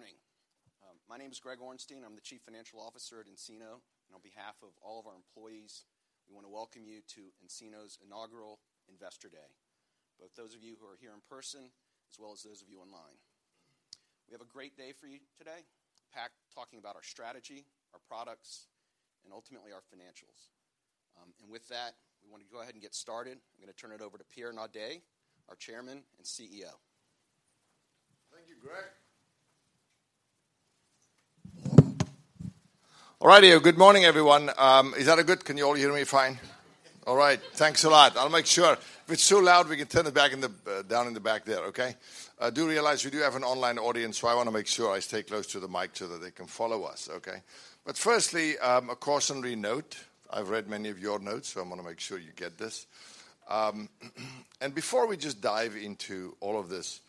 Good morning. My name is Greg Orenstein. I'm the Chief Financial Officer at nCino, and on behalf of all of our employees, we want to welcome you to nCino's inaugural Investor Day, both those of you who are here in person, as well as those of you online. We have a great day for you today, packed, talking about our strategy, our products, and ultimately, our financials. And with that, we want to go ahead and get started. I'm gonna turn it over to Pierre Naudé, our Chairman and CEO. Thank you, Greg. All righty, good morning, everyone. Is that all good? Can you all hear me fine? All right. Thanks a lot. I'll make sure. If it's too loud, we can turn it back in the down in the back there, okay? I do realize we do have an online audience, so I want to make sure I stay close to the mic so that they can follow us, okay? But firstly, a cautionary note. I've read many of your notes, so I want to make sure you get this. Before we just dive into all of this,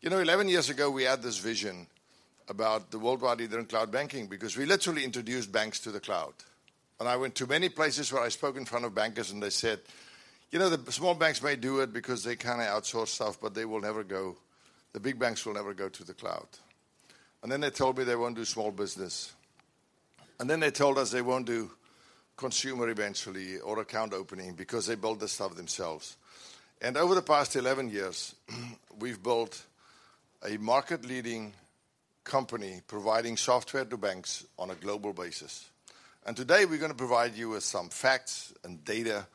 you know, 11 years ago, we had this vision about the worldwide leader in cloud banking because we literally introduced banks to the cloud. I went to many places where I spoke in front of bankers, and they said, "You know, the small banks may do it because they kinda outsource stuff, but they will never go... the big banks will never go to the cloud." Then they told me they won't do small business. Then they told us they won't do consumer eventually or account opening because they build the stuff themselves. Over the past 11 years, we've built a market-leading company providing software to banks on a global basis. Today, we're going to provide you with some facts and data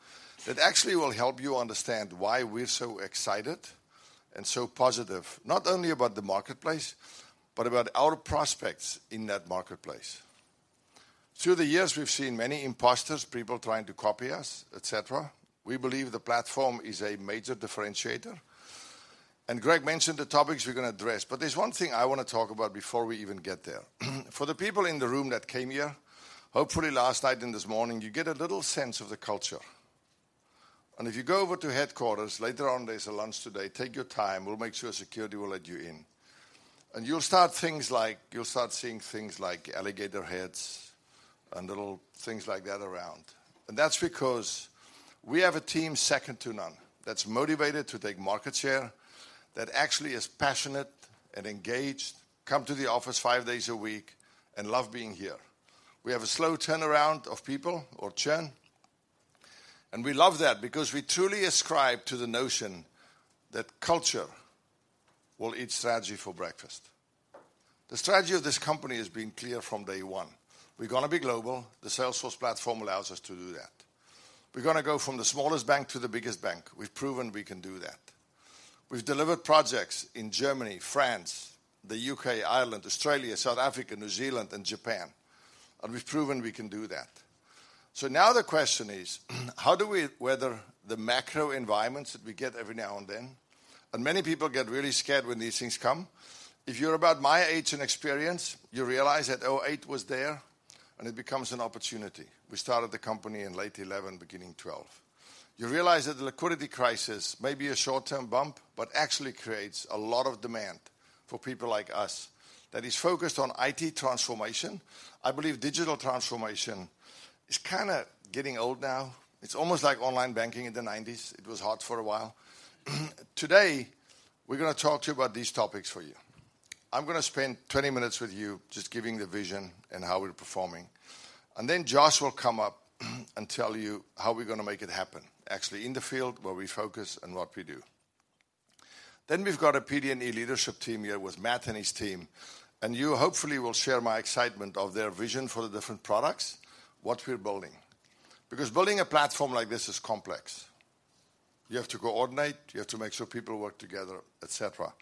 that actually will help you understand why we're so excited and so positive, not only about the marketplace, but about our prospects in that marketplace. Through the years, we've seen many imposters, people trying to copy us, et cetera. We believe the platform is a major differentiator, and Greg mentioned the topics we're going to address. But there's one thing I want to talk about before we even get there. For the people in the room that came here, hopefully last night and this morning, you get a little sense of the culture. And if you go over to headquarters, later on, there's a lunch today, take your time. We'll make sure security will let you in. And you'll start things like, you'll start seeing things like alligator heads and little things like that around. And that's because we have a team second to none, that's motivated to take market share, that actually is passionate and engaged, come to the office five days a week and love being here. We have a slow turnaround of people or churn, and we love that because we truly ascribe to the notion that culture will eat strategy for breakfast. The strategy of this company has been clear from day one: we're gonna be global. The Salesforce platform allows us to do that. We're gonna go from the smallest bank to the biggest bank. We've proven we can do that. We've delivered projects in Germany, France, the UK, Ireland, Australia, South Africa, New Zealand, and Japan, and we've proven we can do that. So now the question is, how do we weather the macro environments that we get every now and then? And many people get really scared when these things come. If you're about my age and experience, you realize that 2008 was there, and it becomes an opportunity. We started the company in late 2011, beginning 2012. You realize that the liquidity crisis may be a short-term bump, but actually creates a lot of demand for people like us that is focused on IT transformation. I believe digital transformation is kinda getting old now. It's almost like online banking in the '90s. It was hot for a while. Today, we're gonna talk to you about these topics for you. I'm gonna spend 20 minutes with you just giving the vision and how we're performing, and then Josh will come up and tell you how we're gonna make it happen, actually in the field, where we focus and what we do. Then we've got a PD and E leadership team here with Matt and his team, and you hopefully will share my excitement of their vision for the different products, what we're building. Because building a platform like this is complex. You have to coordinate, you have to make sure people work together, et cetera.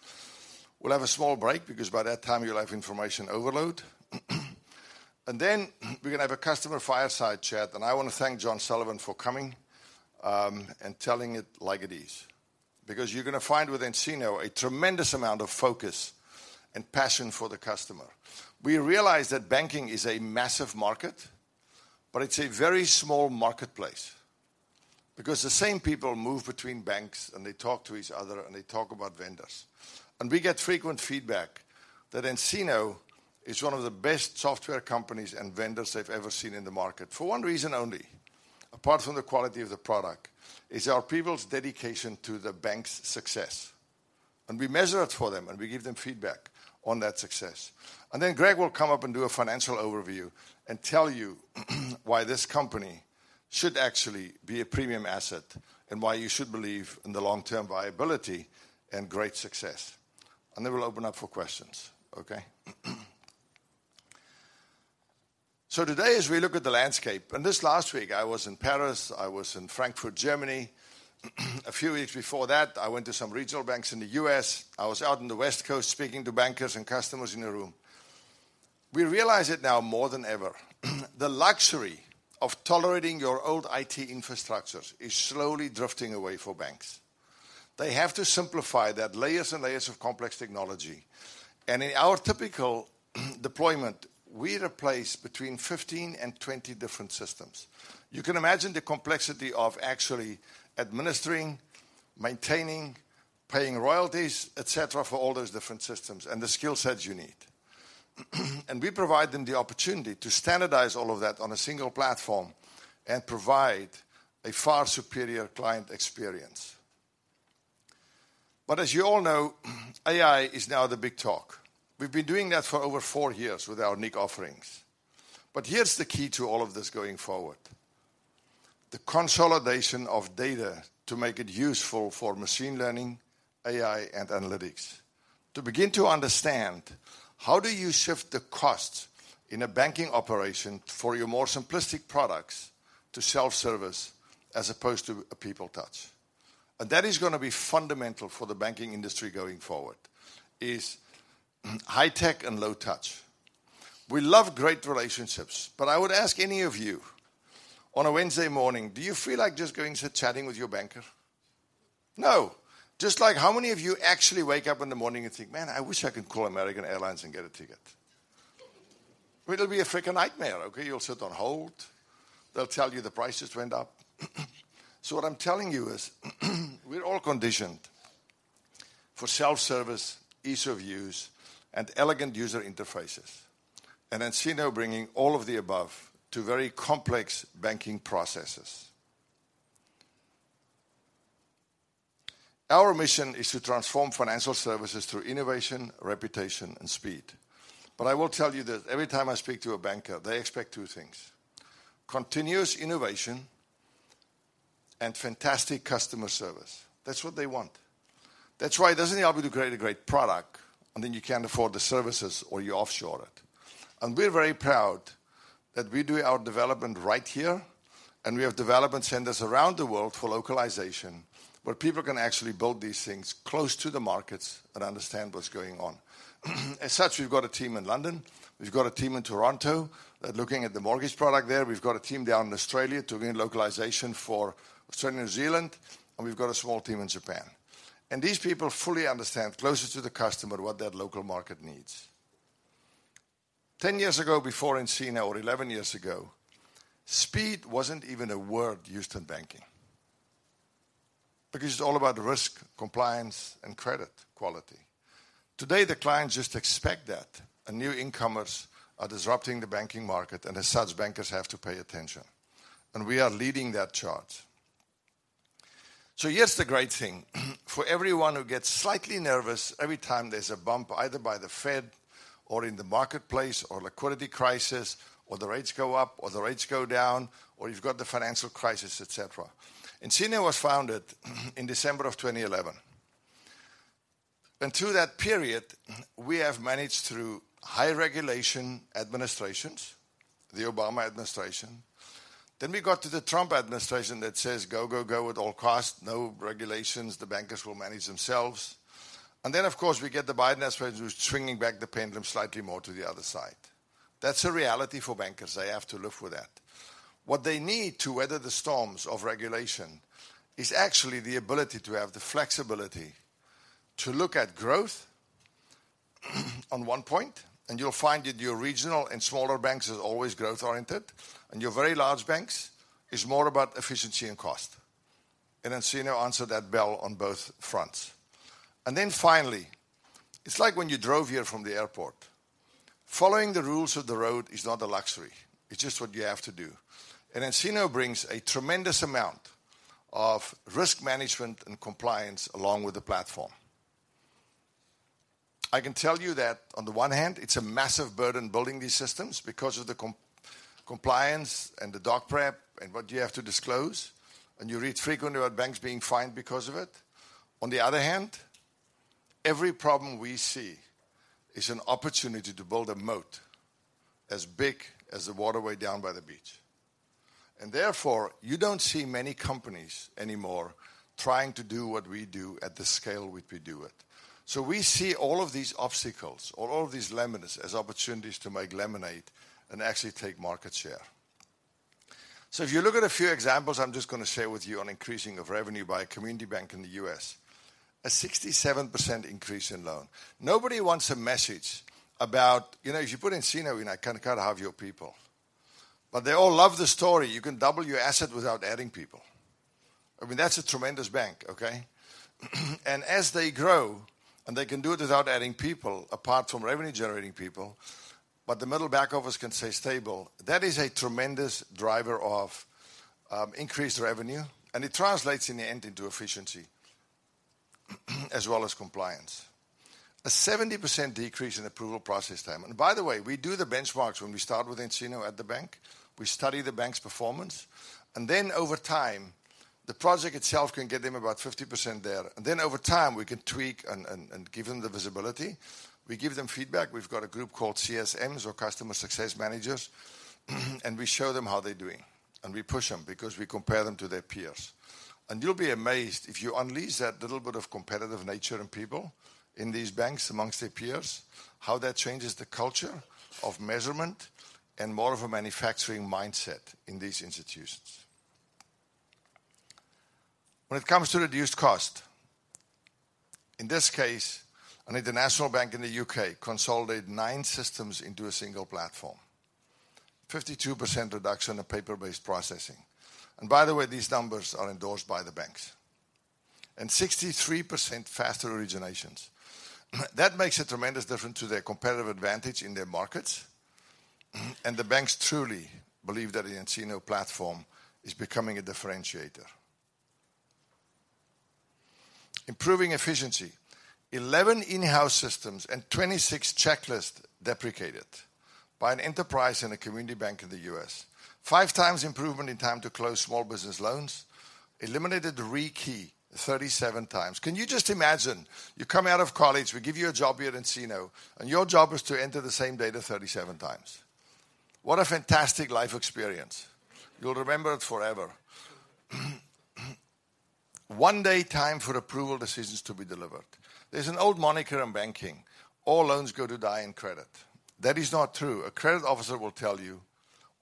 We'll have a small break because by that time, you'll have information overload. And then, we're gonna have a customer fireside chat, and I want to thank John Sullivan for coming, and telling it like it is. Because you're gonna find with nCino a tremendous amount of focus and passion for the customer. We realize that banking is a massive market, but it's a very small marketplace because the same people move between banks, and they talk to each other, and they talk about vendors. And we get frequent feedback that nCino is one of the best software companies and vendors they've ever seen in the market. For one reason only, apart from the quality of the product, is our people's dedication to the bank's success, and we measure it for them, and we give them feedback on that success. And then Greg will come up and do a financial overview and tell you, why this company should actually be a premium asset and why you should believe in the long-term viability and great success. And then we'll open up for questions. Okay? So today, as we look at the landscape, and this last week, I was in Paris, I was in Frankfurt, Germany. A few weeks before that, I went to some regional banks in the U.S. I was out on the West Coast, speaking to bankers and customers in a room. We realize it now more than ever, the luxury of tolerating your old IT infrastructures is slowly drifting away for banks. They have to simplify that layers and layers of complex technology, and in our typical deployment, we replace between 15 and 20 different systems. You can imagine the complexity of actually administering, maintaining, paying royalties, et cetera, for all those different systems and the skill sets you need. We provide them the opportunity to standardize all of that on a single platform and provide a far superior client experience.... As you all know, AI is now the big talk. We've been doing that for over four years with our unique offerings. Here's the key to all of this going forward: the consolidation of data to make it useful for machine learning, AI, and analytics. To begin to understand, how do you shift the cost in a banking operation for your more simplistic products to self-service, as opposed to a people touch? And that is gonna be fundamental for the banking industry going forward, is high tech and low touch. We love great relationships, but I would ask any of you, on a Wednesday morning, do you feel like just going sit chatting with your banker? No. Just like how many of you actually wake up in the morning and think, "Man, I wish I could call American Airlines and get a ticket"? It'll be a freaking nightmare, okay? You'll sit on hold. They'll tell you the prices went up. So what I'm telling you is, we're all conditioned for self-service, ease of use, and elegant user interfaces, and nCino bringing all of the above to very complex banking processes. Our mission is to transform financial services through innovation, reputation, and speed. But I will tell you that every time I speak to a banker, they expect two things: continuous innovation and fantastic customer service. That's what they want. That's why it doesn't help you to create a great product, and then you can't afford the services or you offshore it. And we're very proud that we do our development right here, and we have development centers around the world for localization, where people can actually build these things close to the markets and understand what's going on. As such, we've got a team in London, we've got a team in Toronto that are looking at the mortgage product there. We've got a team down in Australia doing localization for Australia, New Zealand, and we've got a small team in Japan. And these people fully understand, closer to the customer, what that local market needs. 10 years ago, before nCino, or 11 years ago, speed wasn't even a word used in banking because it's all about risk, compliance, and credit quality. Today, the clients just expect that, and new incomers are disrupting the banking market, and as such, bankers have to pay attention, and we are leading that charge. So here's the great thing, for everyone who gets slightly nervous every time there's a bump, either by the Fed or in the marketplace or liquidity crisis, or the rates go up, or the rates go down, or you've got the financial crisis, et cetera. nCino was founded in December 2011, and through that period, we have managed through high regulation administrations, the Obama Administration. Then we got to the Trump Administration that says, "Go, go, go with all cost, no regulations. The bankers will manage themselves." And then, of course, we get the Biden Administration, who's swinging back the pendulum slightly more to the other side. That's a reality for bankers. They have to live with that. What they need to weather the storms of regulation is actually the ability to have the flexibility to look at growth, on one point, and you'll find that your regional and smaller banks is always growth-oriented, and your very large banks is more about efficiency and cost. And nCino answer that bell on both fronts. And then finally, it's like when you drove here from the airport, following the rules of the road is not a luxury, it's just what you have to do. And nCino brings a tremendous amount of risk management and compliance along with the platform. I can tell you that on the one hand, it's a massive burden building these systems because of the compliance and the doc prep and what you have to disclose, and you read frequently about banks being fined because of it. On the other hand, every problem we see is an opportunity to build a moat as big as the waterway down by the beach. Therefore, you don't see many companies anymore trying to do what we do at the scale which we do it. We see all of these obstacles or all of these lemons as opportunities to make lemonade and actually take market share. If you look at a few examples, I'm just gonna share with you on increasing of revenue by a community bank in the U.S., a 67% increase in loan. Nobody wants a message about... You know, if you put nCino in, I kinda have your people, but they all love the story. You can double your asset without adding people. I mean, that's a tremendous bank, okay? As they grow, and they can do it without adding people, apart from revenue-generating people, but the middle back office can stay stable, that is a tremendous driver of increased revenue, and it translates in the end into efficiency, as well as compliance. A 70% decrease in approval process time. By the way, we do the benchmarks when we start with nCino at the bank. We study the bank's performance, and then over time, the project itself can get them about 50% there. Then over time, we can tweak and give them the visibility. We give them feedback. We've got a group called CSMs or customer success managers, and we show them how they're doing, and we push them because we compare them to their peers. You'll be amazed if you unleash that little bit of competitive nature in people, in these banks, amongst their peers, how that changes the culture of measurement and more of a manufacturing mindset in these institutions. When it comes to reduced cost, in this case, an international bank in the UK consolidated 9 systems into a single platform, 52% reduction of paper-based processing. By the way, these numbers are endorsed by the banks. 63% faster originations. That makes a tremendous difference to their competitive advantage in their markets, and the banks truly believe that the nCino platform is becoming a differentiator. Improving efficiency. 11 in-house systems and 26 checklists deprecated by an enterprise and a community bank in the U.S. 5 times improvement in time to close small business loans, eliminated the rekey 37 times. Can you just imagine, you come out of college, we give you a job here at nCino, and your job is to enter the same data 37 times? What a fantastic life experience. You'll remember it forever. 1 day time for approval decisions to be delivered. There's an old moniker in banking: all loans go to die in credit. That is not true. A credit officer will tell you,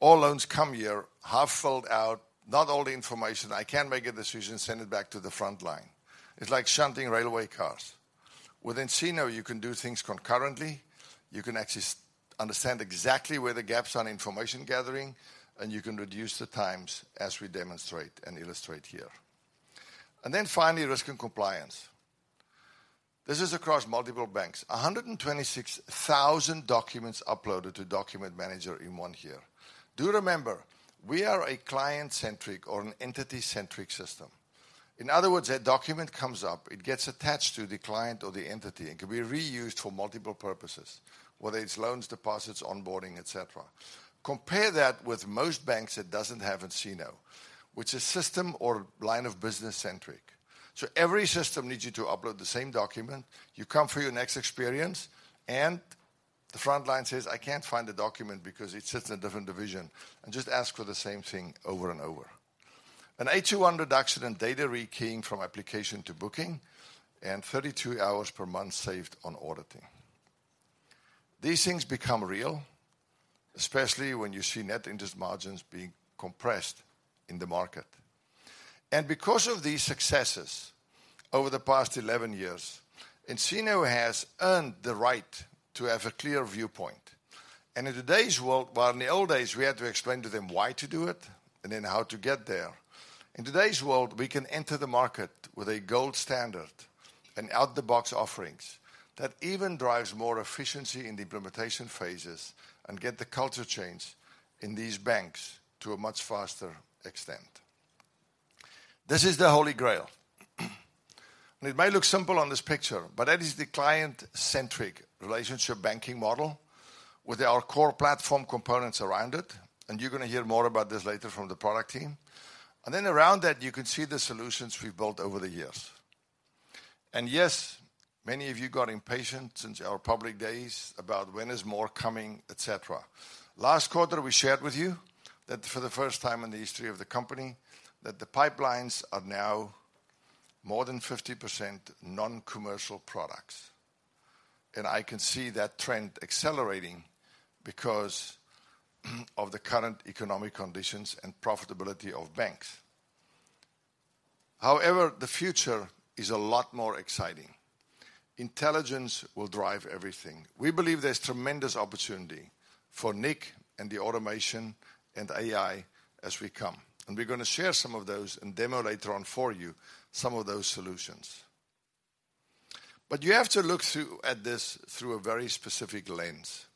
"All loans come here, half filled out, not all the information. I can't make a decision, send it back to the front line." It's like shunting railway cars. With nCino, you can do things concurrently, you can actually understand exactly where the gaps are in information gathering, and you can reduce the times as we demonstrate and illustrate here. Then finally, risk and compliance. This is across multiple banks. 126,000 documents uploaded to Document Manager in one year. Do remember, we are a client-centric or an entity-centric system. In other words, a document comes up, it gets attached to the client or the entity, and can be reused for multiple purposes, whether it's loans, deposits, onboarding, et cetera. Compare that with most banks that doesn't have nCino, which is system or line of business-centric. So every system needs you to upload the same document. You come for your next experience, and the front line says, "I can't find the document because it sits in a different division," and just ask for the same thing over and over. An 800 reduction in data rekeying from application to booking, and 32 hours per month saved on auditing. These things become real, especially when you see net interest margins being compressed in the market. And because of these successes over the past 11 years, nCino has earned the right to have a clear viewpoint. And in today's world... while in the old days, we had to explain to them why to do it and then how to get there, in today's world, we can enter the market with a gold standard and out-of-the-box offerings that even drives more efficiency in the implementation phases, and get the culture change in these banks to a much faster extent. This is the Holy Grail. It may look simple on this picture, but that is the client-centric relationship banking model with our core platform components around it, and you're gonna hear more about this later from the product team. And then around that, you can see the solutions we've built over the years. And yes, many of you got impatient since our public days about when is more coming, et cetera. Last quarter, we shared with you that for the first time in the history of the company, that the pipelines are now more than 50% non-commercial products, and I can see that trend accelerating because of the current economic conditions and profitability of banks. However, the future is a lot more exciting. Intelligence will drive everything. We believe there's tremendous opportunity for nIQ and the automation and AI as we come, and we're gonna share some of those and demo later on for you some of those solutions. But you have to look at this through a very specific lens,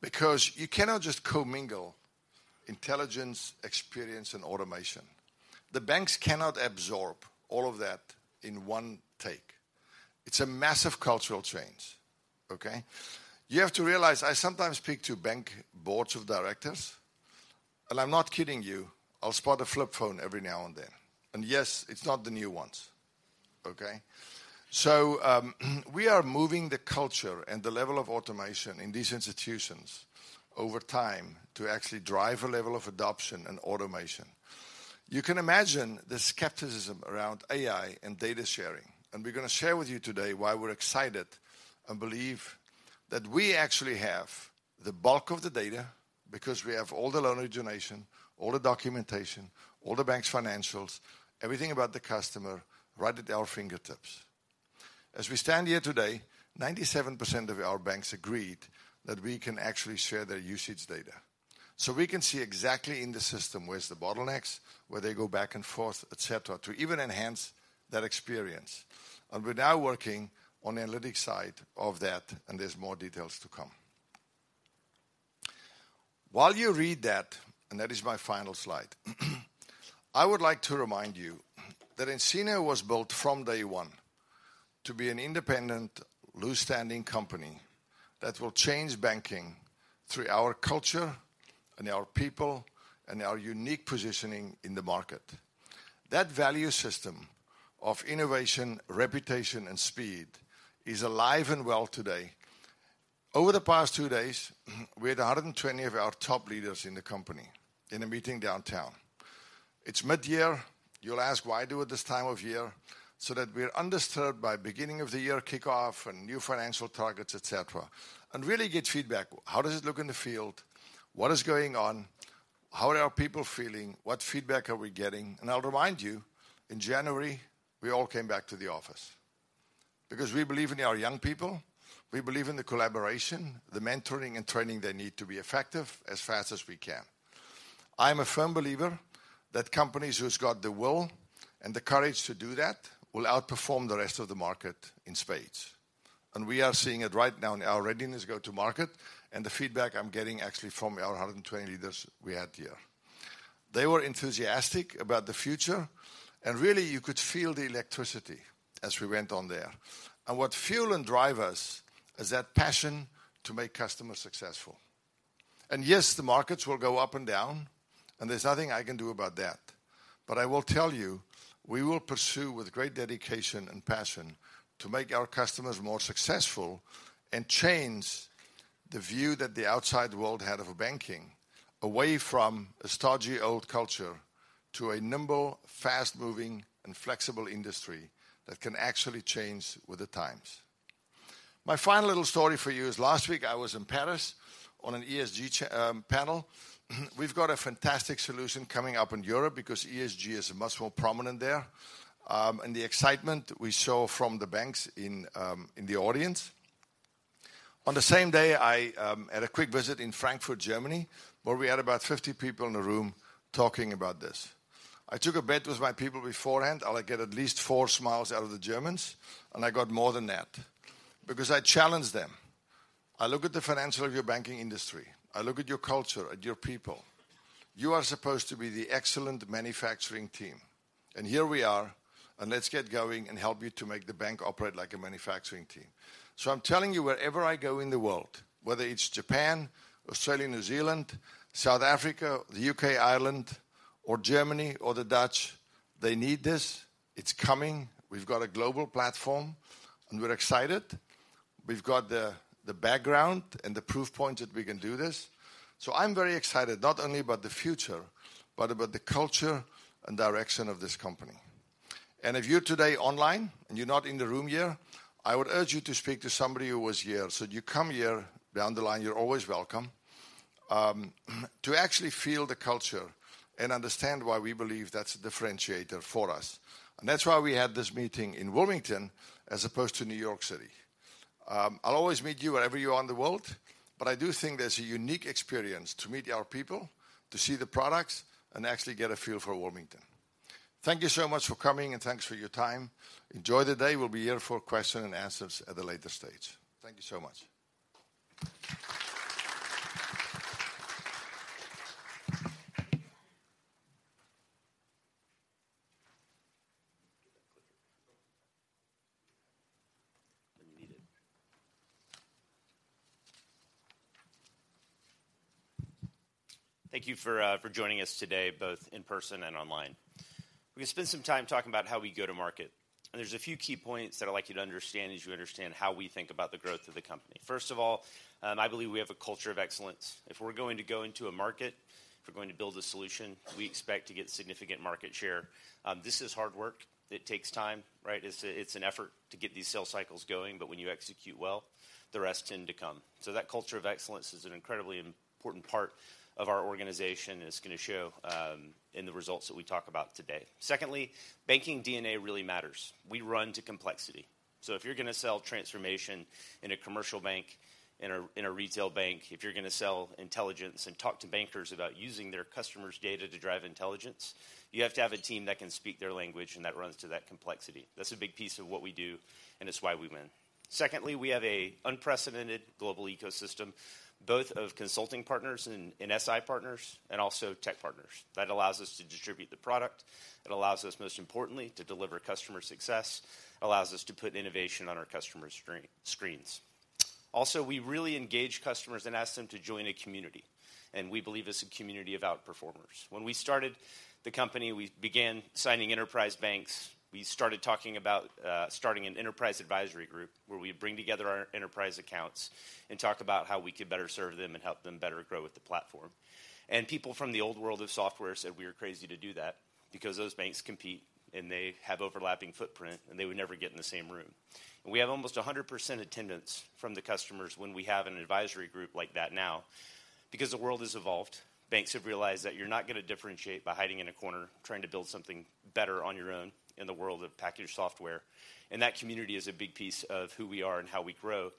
because you cannot just commingle intelligence, experience, and automation. The banks cannot absorb all of that in one take. It's a massive cultural change, okay? You have to realize, I sometimes speak to bank boards of directors, and I'm not kidding you, I'll spot a flip phone every now and then. And yes, it's not the new ones, okay? So, we are moving the culture and the level of automation in these institutions over time to actually drive a level of adoption and automation. You can imagine the skepticism around AI and data sharing, and we're gonna share with you today why we're excited and believe that we actually have the bulk of the data, because we have all the loan origination, all the documentation, all the bank's financials, everything about the customer right at our fingertips. As we stand here today, 97% of our banks agreed that we can actually share their usage data. So we can see exactly in the system where's the bottlenecks, where they go back and forth, et cetera, to even enhance that experience. We're now working on the analytics side of that, and there's more details to come. While you read that, and that is my final slide, I would like to remind you that nCino was built from day one to be an independent, standalone company that will change banking through our culture and our people and our unique positioning in the market. That value system of innovation, reputation, and speed is alive and well today. Over the past 2 days, we had 120 of our top leaders in the company in a meeting downtown. It's midyear. You'll ask, "Why do it this time of year?" So that we're undisturbed by beginning of the year kickoff and new financial targets, et cetera, and really get feedback. How does it look in the field? What is going on? How are our people feeling? What feedback are we getting? I'll remind you, in January, we all came back to the office because we believe in our young people, we believe in the collaboration, the mentoring and training they need to be effective as fast as we can. I'm a firm believer that companies who's got the will and the courage to do that will outperform the rest of the market in spades. We are seeing it right now in our readiness go-to-market, and the feedback I'm getting actually from our 120 leaders we had here. They were enthusiastic about the future, and really, you could feel the electricity as we went on there. What fuel and drive us is that passion to make customers successful. Yes, the markets will go up and down, and there's nothing I can do about that. But I will tell you, we will pursue with great dedication and passion to make our customers more successful and change the view that the outside world had of banking, away from a stodgy, old culture to a nimble, fast-moving, and flexible industry that can actually change with the times. My final little story for you is last week I was in Paris on an ESG panel. We've got a fantastic solution coming up in Europe because ESG is much more prominent there, and the excitement we saw from the banks in the audience. On the same day, I had a quick visit in Frankfurt, Germany, where we had about 50 people in the room talking about this. I took a bet with my people beforehand I would get at least 4 smiles out of the Germans, and I got more than that because I challenged them. "I look at the financial of your banking industry. I look at your culture and your people. You are supposed to be the excellent manufacturing team, and here we are, and let's get going and help you to make the bank operate like a manufacturing team." So I'm telling you, wherever I go in the world, whether it's Japan, Australia, New Zealand, South Africa, the UK, Ireland, or Germany or the Dutch, they need this. It's coming. We've got a global platform, and we're excited. We've got the background and the proof point that we can do this. So I'm very excited, not only about the future, but about the culture and direction of this company. If you're online today, and you're not in the room here, I would urge you to speak to somebody who was here. So you come here, down the line, you're always welcome to actually feel the culture and understand why we believe that's a differentiator for us. And that's why we had this meeting in Wilmington as opposed to New York City. I'll always meet you wherever you are in the world, but I do think there's a unique experience to meet our people, to see the products, and actually get a feel for Wilmington. Thank you so much for coming, and thanks for your time. Enjoy the day. We'll be here for question and answers at a later stage. Thank you so much. Thank you for joining us today, both in person and online. We spent some time talking about how we go to market, and there's a few key points that I'd like you to understand as you understand how we think about the growth of the company. First of all, I believe we have a culture of excellence. If we're going to go into a market, if we're going to build a solution, we expect to get significant market share. This is hard work. It takes time, right? It's an effort to get these sales cycles going, but when you execute well, the rest tend to come. So that culture of excellence is an incredibly important part of our organization, and it's gonna show in the results that we talk about today. Secondly, banking DNA really matters. We run to complexity. So if you're gonna sell transformation in a commercial bank, in a retail bank, if you're gonna sell intelligence and talk to bankers about using their customers' data to drive intelligence, you have to have a team that can speak their language and that runs to that complexity. That's a big piece of what we do, and it's why we win. Secondly, we have an unprecedented global ecosystem, both of consulting partners and SI partners, and also tech partners. That allows us to distribute the product. It allows us, most importantly, to deliver customer success. Allows us to put innovation on our customers' screens. Also, we really engage customers and ask them to join a community, and we believe it's a community of outperformers. When we started the company, we began signing enterprise banks. We started talking about starting an enterprise advisory group, where we bring together our enterprise accounts and talk about how we could better serve them and help them better grow with the platform. And people from the old world of software said we were crazy to do that because those banks compete, and they have overlapping footprint, and they would never get in the same room. And we have almost 100% attendance from the customers when we have an advisory group like that now, because the world has evolved. Banks have realized that you're not gonna differentiate by hiding in a corner, trying to build something better on your own in the world of packaged software, and that community is a big piece of who we are and how we grow.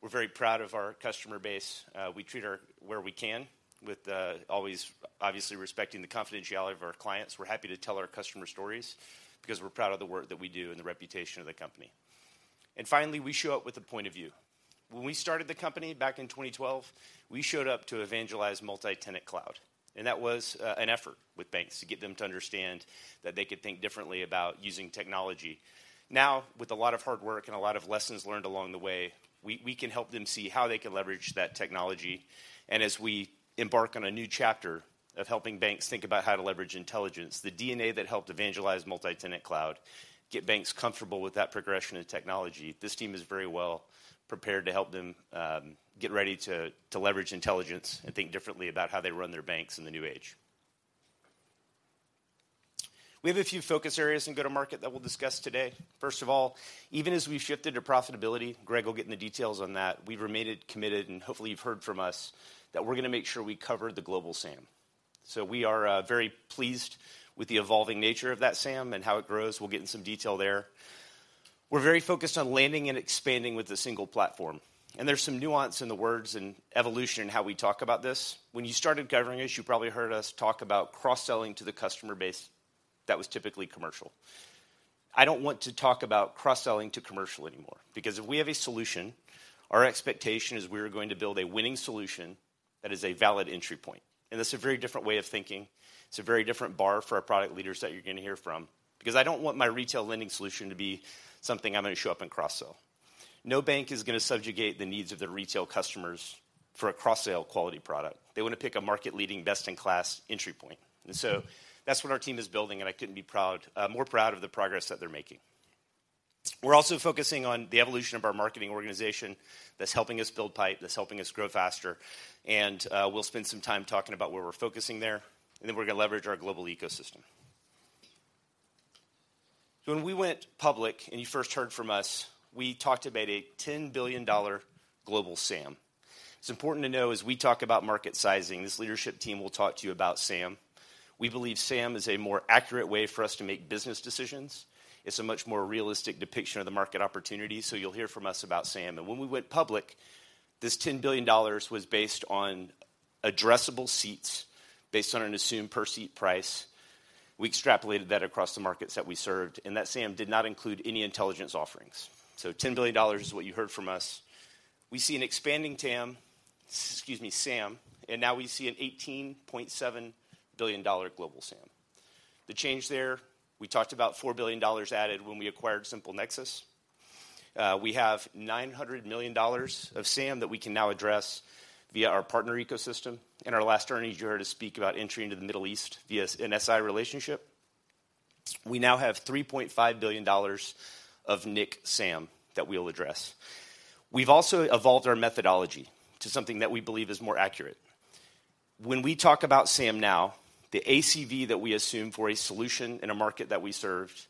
We're very proud of our customer base. We treat our... where we can, with, always obviously respecting the confidentiality of our clients. We're happy to tell our customer stories because we're proud of the work that we do and the reputation of the company. And finally, we show up with a point of view. When we started the company back in 2012, we showed up to evangelize multi-tenant cloud, and that was, an effort with banks to get them to understand that they could think differently about using technology. Now, with a lot of hard work and a lot of lessons learned along the way, we can help them see how they can leverage that technology. And as we embark on a new chapter of helping banks think about how to leverage intelligence, the DNA that helped evangelize multi-tenant cloud, get banks comfortable with that progression of technology, this team is very well prepared to help them get ready to leverage intelligence and think differently about how they run their banks in the new age. We have a few focus areas in go-to-market that we'll discuss today. First of all, even as we've shifted to profitability, Greg will get into details on that, we've remained committed, and hopefully, you've heard from us, that we're gonna make sure we cover the global SAM. So we are very pleased with the evolving nature of that SAM and how it grows. We'll get in some detail there.... We're very focused on landing and expanding with a single platform, and there's some nuance in the words and evolution in how we talk about this. When you started covering us, you probably heard us talk about cross-selling to the customer base that was typically commercial. I don't want to talk about cross-selling to commercial anymore, because if we have a solution, our expectation is we are going to build a winning solution that is a valid entry point. And that's a very different way of thinking. It's a very different bar for our product leaders that you're going to hear from. Because I don't want my retail lending solution to be something I'm going to show up and cross-sell. No bank is going to subjugate the needs of their retail customers for a cross-sale quality product. They want to pick a market-leading, best-in-class entry point. And so that's what our team is building, and I couldn't be more proud of the progress that they're making. We're also focusing on the evolution of our marketing organization that's helping us build pipe, that's helping us grow faster. And we'll spend some time talking about where we're focusing there, and then we're going to leverage our global ecosystem. So when we went public and you first heard from us, we talked about a $10 billion global SAM. It's important to know as we talk about market sizing, this leadership team will talk to you about SAM. We believe SAM is a more accurate way for us to make business decisions. It's a much more realistic depiction of the market opportunity, so you'll hear from us about SAM. When we went public, this $10 billion was based on addressable seats, based on an assumed per-seat price. We extrapolated that across the markets that we served, and that SAM did not include any intelligence offerings. So $10 billion is what you heard from us. We see an expanding TAM, excuse me, SAM, and now we see an $18.7 billion global SAM. The change there, we talked about $4 billion added when we acquired SimpleNexus. We have $900 million of SAM that we can now address via our partner ecosystem. In our last earnings, you heard us speak about entry into the Middle East via an SI relationship. We now have $3.5 billion of nIQ SAM that we'll address. We've also evolved our methodology to something that we believe is more accurate. When we talk about SAM now, the ACV that we assume for a solution in a market that we served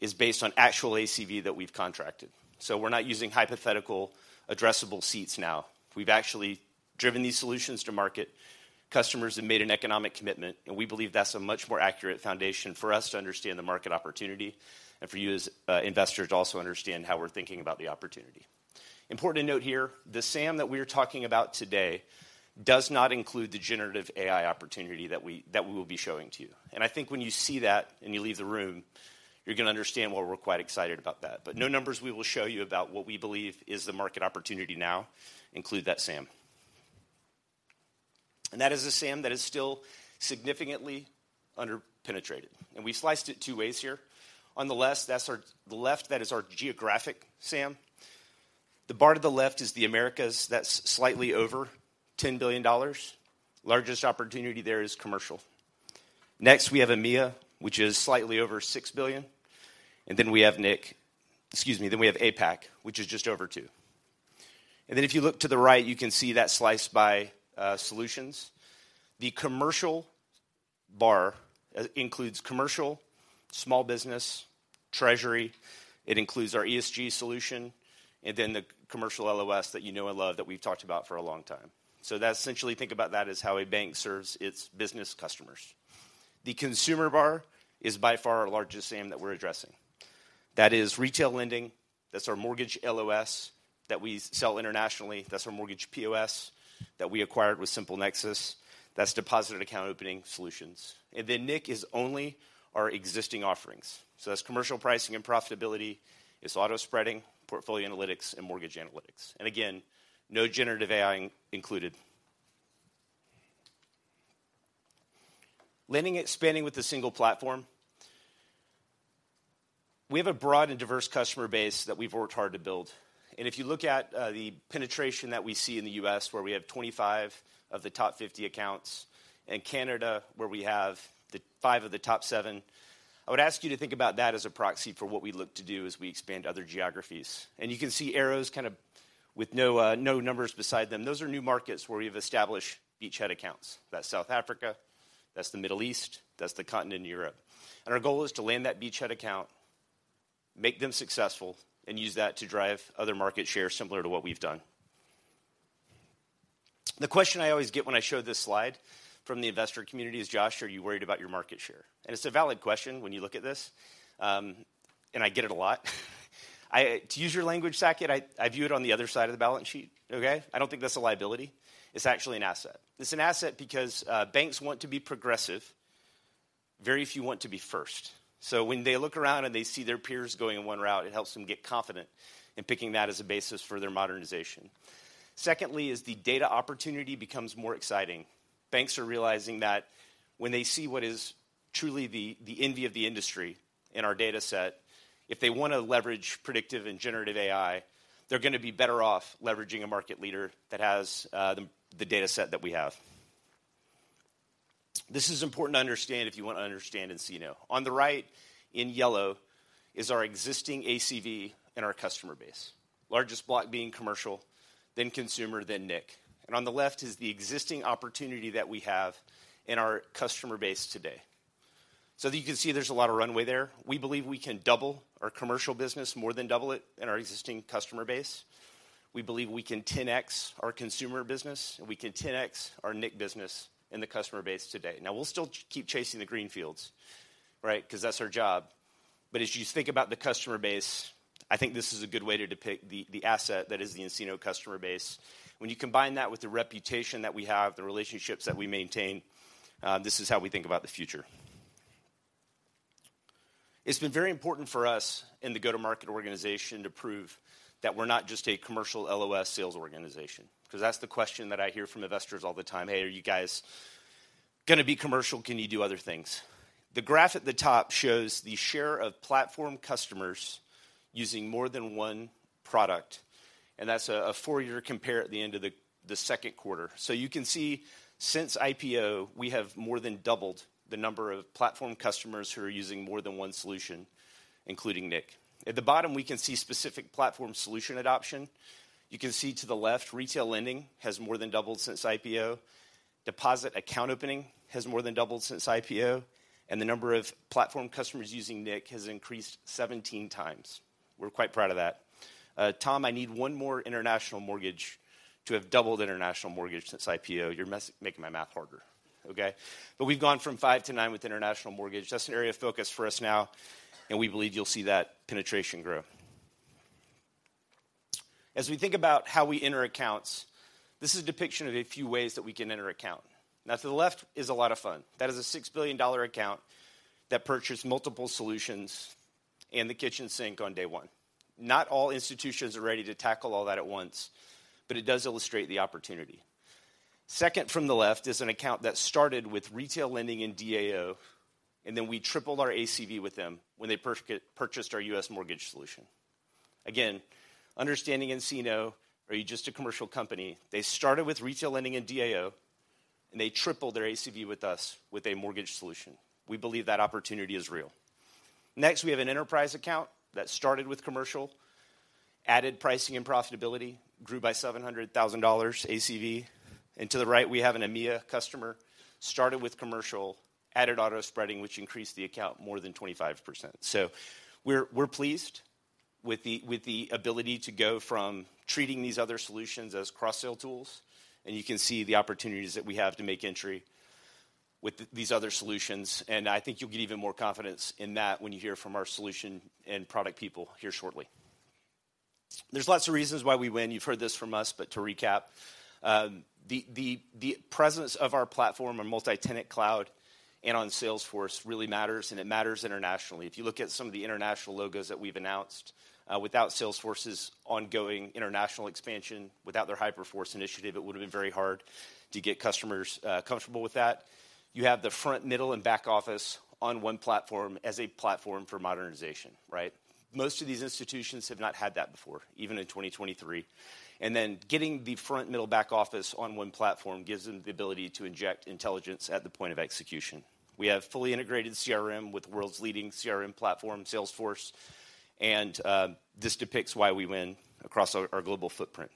is based on actual ACV that we've contracted. So we're not using hypothetical addressable seats now. We've actually driven these solutions to market. Customers have made an economic commitment, and we believe that's a much more accurate foundation for us to understand the market opportunity and for you as investors to also understand how we're thinking about the opportunity. Important to note here, the SAM that we are talking about today does not include the generative AI opportunity that we will be showing to you. And I think when you see that and you leave the room, you're going to understand why we're quite excited about that. But no numbers we will show you about what we believe is the market opportunity now include that SAM. And that is a SAM that is still significantly under penetrated, and we sliced it two ways here. On the left, that is our geographic SAM. The bar to the left is the Americas. That's slightly over $10 billion. Largest opportunity there is commercial. Next, we have EMEA, which is slightly over $6 billion, and then we have nIQ. Excuse me, then we have APAC, which is just over $2 billion. And then if you look to the right, you can see that sliced by solutions. The commercial bar includes commercial, small business, treasury, it includes our ESG solution, and then the commercial LOS that you know and love, that we've talked about for a long time. So that's essentially, think about that as how a bank serves its business customers. The consumer bar is by far our largest SAM that we're addressing. That is Retail Lending. That's our mortgage LOS that we sell internationally. That's our mortgage POS that we acquired with SimpleNexus. That's Deposit Account Opening solutions. And then nIQ is only our existing offerings. So that's Commercial Pricing and Profitability, it's Auto Spreading, Portfolio Analytics, and Mortgage Analytics. And again, no Generative AI included. Lending expanding with a single platform. We have a broad and diverse customer base that we've worked hard to build, and if you look at, the penetration that we see in the US, where we have 25 of the top 50 accounts, and Canada, where we have the 5 of the top 7, I would ask you to think about that as a proxy for what we look to do as we expand to other geographies. And you can see arrows kind of with no, no numbers beside them. Those are new markets where we've established beachhead accounts. That's South Africa, that's the Middle East, that's the continent in Europe. And our goal is to land that beachhead account, make them successful, and use that to drive other market share similar to what we've done. The question I always get when I show this slide from the investor community is, "Josh, are you worried about your market share?" And it's a valid question when you look at this, and I get it a lot. I... To use your language, Saket, I, I view it on the other side of the balance sheet, okay? I don't think that's a liability. It's actually an asset. It's an asset because, banks want to be progressive. Very few want to be first. So when they look around and they see their peers going in one route, it helps them get confident in picking that as a basis for their modernization. Secondly, is the data opportunity becomes more exciting. Banks are realizing that when they see what is truly the envy of the industry in our dataset, if they want to leverage predictive and generative AI, they're going to be better off leveraging a market leader that has the dataset that we have. This is important to understand if you want to understand and see now. On the right, in yellow, is our existing ACV and our customer base. Largest block being commercial, then consumer, then nIQ. And on the left is the existing opportunity that we have in our customer base today. So you can see there's a lot of runway there. We believe we can double our commercial business, more than double it in our existing customer base. We believe we can 10x our consumer business, and we can 10x our nIQ business and the customer base today. Now, we'll still keep chasing the greenfields, right? 'Cause that's our job. But as you think about the customer base, I think this is a good way to depict the asset that is the nCino customer base. When you combine that with the reputation that we have, the relationships that we maintain, this is how we think about the future. It's been very important for us in the go-to-market organization to prove that we're not just a commercial LOS sales organization, 'cause that's the question that I hear from investors all the time. "Hey, are you guys gonna be commercial? Can you do other things?" The graph at the top shows the share of platform customers using more than one product, and that's a four-year compare at the end of the second quarter. So you can see, since IPO, we have more than doubled the number of platform customers who are using more than one solution, including nIQ. At the bottom, we can see specific platform solution adoption. You can see to the left, Retail Lending has more than doubled since IPO. Deposit Account Opening has more than doubled since IPO, and the number of platform customers using nIQ has increased 17 times. We're quite proud of that. Tom, I need one more International Mortgage to have doubled International Mortgage since IPO. You're making my math harder, okay? But we've gone from 5 to 9 with International Mortgage. That's an area of focus for us now, and we believe you'll see that penetration grow. As we think about how we enter accounts, this is a depiction of a few ways that we can enter an account. Now, to the left is a lot of fun. That is a $6 billion account that purchased multiple solutions and the kitchen sink on day one. Not all institutions are ready to tackle all that at once, but it does illustrate the opportunity. Second from the left is an account that started with retail lending and DAO, and then we tripled our ACV with them when they purchased our U.S. mortgage solution. Again, understanding nCino, are you just a commercial company? They started with retail lending and DAO, and they tripled their ACV with us with a mortgage solution. We believe that opportunity is real. Next, we have an enterprise account that started with commercial, added pricing and profitability, grew by $700,000 ACV. And to the right, we have an EMEA customer, started with commercial, added Auto Spreading, which increased the account more than 25%. So we're pleased with the ability to go from treating these other solutions as cross-sale tools, and you can see the opportunities that we have to make entry with these other solutions, and I think you'll get even more confidence in that when you hear from our solution and product people here shortly. There's lots of reasons why we win. You've heard this from us, but to recap, the presence of our platform on multi-tenant cloud and on Salesforce really matters, and it matters internationally. If you look at some of the international logos that we've announced, without Salesforce's ongoing international expansion, without their Hyperforce initiative, it would have been very hard to get customers comfortable with that. You have the front, middle, and back office on one platform as a platform for modernization, right? Most of these institutions have not had that before, even in 2023. And then getting the front, middle, back office on one platform gives them the ability to inject intelligence at the point of execution. We have fully integrated CRM with the world's leading CRM platform, Salesforce, and this depicts why we win across our global footprint.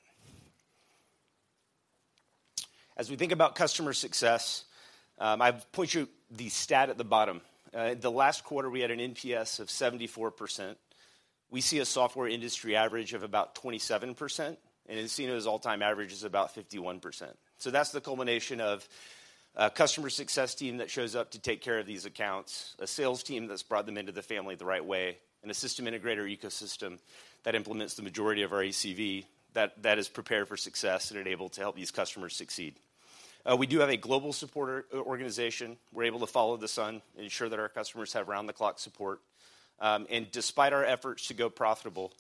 As we think about customer success, I point you to the stat at the bottom. The last quarter, we had an NPS of 74%. We see a software industry average of about 27%, and nCino's all-time average is about 51%. So that's the culmination of a customer success team that shows up to take care of these accounts, a sales team that's brought them into the family the right way, and a system integrator ecosystem that implements the majority of our ACV, that is prepared for success and are able to help these customers succeed. We do have a global supporter organization. We're able to follow the sun and ensure that our customers have round-the-clock support. And despite our efforts to go profitable,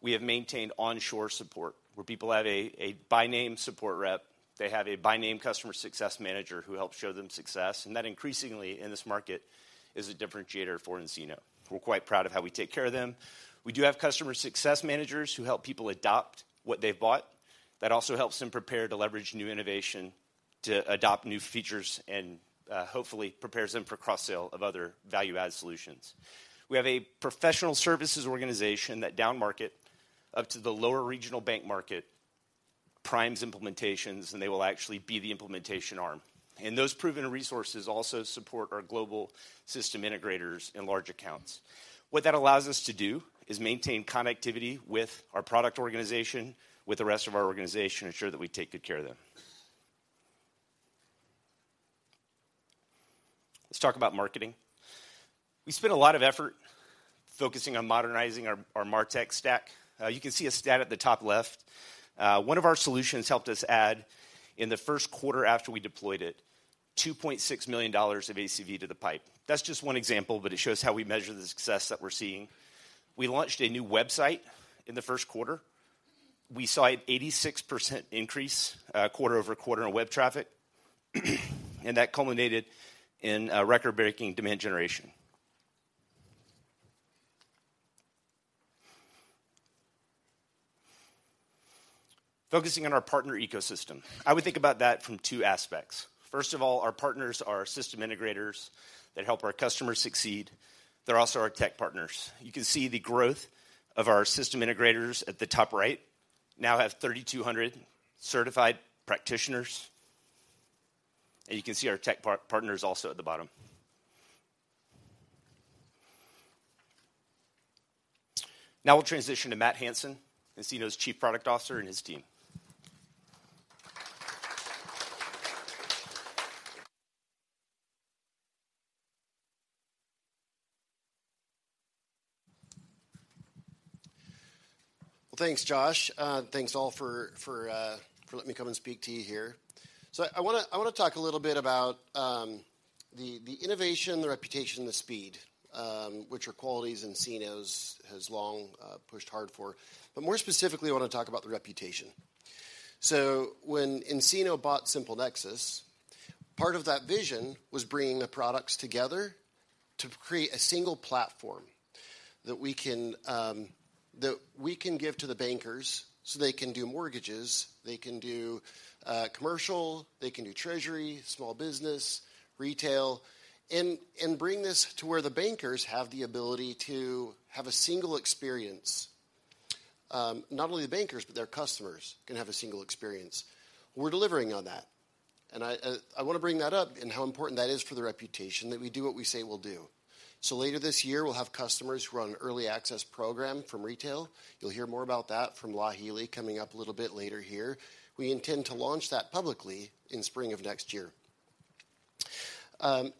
we have maintained onshore support, where people have a by-name support rep, they have a by-name customer success manager who helps show them success, and that increasingly in this market is a differentiator for nCino. We're quite proud of how we take care of them. We do have customer success managers who help people adopt what they've bought. That also helps them prepare to leverage new innovation, to adopt new features, and, hopefully prepares them for cross-sale of other value-added solutions. We have a professional services organization that down-market up to the lower regional bank market, primes implementations, and they will actually be the implementation arm. Those proven resources also support our global system integrators and large accounts. What that allows us to do is maintain connectivity with our product organization, with the rest of our organization, ensure that we take good care of them. Let's talk about marketing. We spent a lot of effort focusing on modernizing our, our MarTech stack. You can see a stat at the top left. One of our solutions helped us add, in the first quarter after we deployed it, $2.6 million of ACV to the pipe. That's just one example, but it shows how we measure the success that we're seeing. We launched a new website in the first quarter. We saw an 86% increase, quarter-over-quarter on web traffic, and that culminated in a record-breaking demand generation. Focusing on our partner ecosystem, I would think about that from two aspects. First of all, our partners are our system integrators that help our customers succeed. They're also our tech partners. You can see the growth of our system integrators at the top right, now have 3,200 certified practitioners, and you can see our tech partners also at the bottom.... Now we'll transition to Matt Hansen, nCino's Chief Product Officer, and his team. Well, thanks, Josh. Thanks, all, for letting me come and speak to you here. So I wanna talk a little bit about the innovation, the reputation, and the speed, which are qualities nCino has long pushed hard for. But more specifically, I wanna talk about the reputation. So when nCino bought SimpleNexus, part of that vision was bringing the products together to create a single platform that we can give to the bankers so they can do mortgages, they can do commercial, they can do treasury, small business, retail, and bring this to where the bankers have the ability to have a single experience. Not only the bankers, but their customers can have a single experience. We're delivering on that, and I wanna bring that up and how important that is for the reputation, that we do what we say we'll do. So later this year, we'll have customers who are on early access program from retail. You'll hear more about that from Law Helie coming up a little bit later here. We intend to launch that publicly in spring of next year. And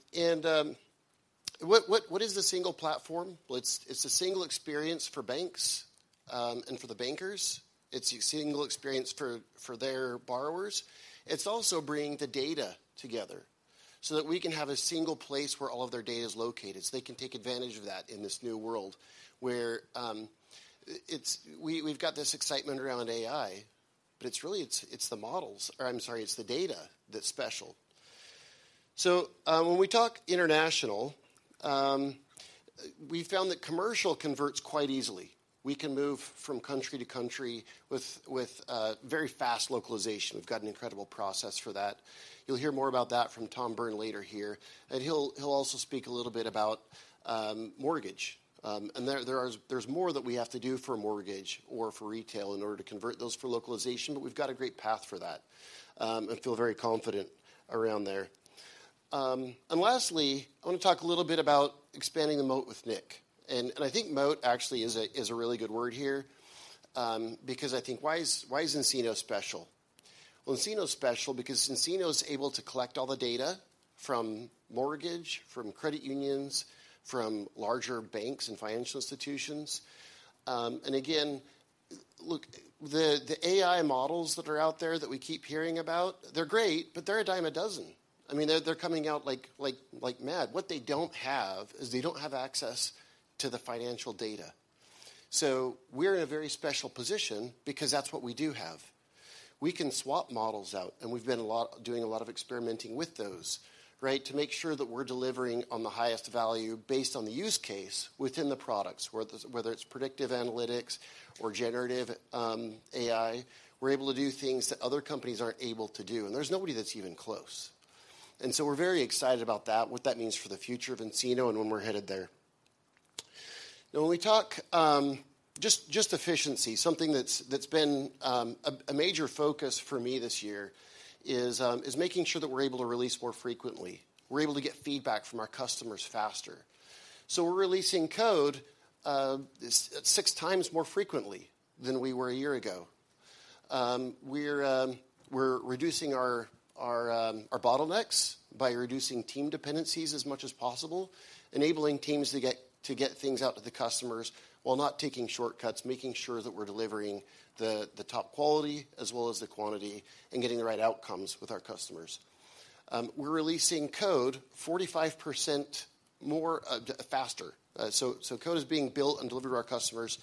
what is the single platform? Well, it's a single experience for banks and for the bankers. It's a single experience for their borrowers. It's also bringing the data together so that we can have a single place where all of their data is located, so they can take advantage of that in this new world, where it's we've got this excitement around AI, but it's really it's the models... or I'm sorry, it's the data that's special. So, when we talk international, we found that commercial converts quite easily. We can move from country to country with very fast localization. We've got an incredible process for that. You'll hear more about that from Tom Byrne later here, and he'll also speak a little bit about mortgage. And there is more that we have to do for a mortgage or for retail in order to convert those for localization, but we've got a great path for that, and feel very confident around there. And lastly, I want to talk a little bit about expanding the moat with Nick. And I think moat actually is a really good word here, because I think why is nCino special? Well, nCino is special because nCino is able to collect all the data from mortgage, from credit unions, from larger banks and financial institutions. And again, look, the AI models that are out there that we keep hearing about, they're great, but they're a dime a dozen. I mean, they're coming out like mad. What they don't have is they don't have access to the financial data. So we're in a very special position because that's what we do have. We can swap models out, and we've been doing a lot of experimenting with those, right? To make sure that we're delivering on the highest value based on the use case within the products, whether it's predictive analytics or generative AI, we're able to do things that other companies aren't able to do, and there's nobody that's even close. We're very excited about that, what that means for the future of nCino and when we're headed there. Now, when we talk just efficiency, something that's been a major focus for me this year is making sure that we're able to release more frequently. We're able to get feedback from our customers faster. So we're releasing code 6 times more frequently than we were a year ago. We're reducing our bottlenecks by reducing team dependencies as much as possible, enabling teams to get things out to the customers while not taking shortcuts, making sure that we're delivering the top quality as well as the quantity, and getting the right outcomes with our customers. We're releasing code 45% more faster. So code is being built and delivered to our customers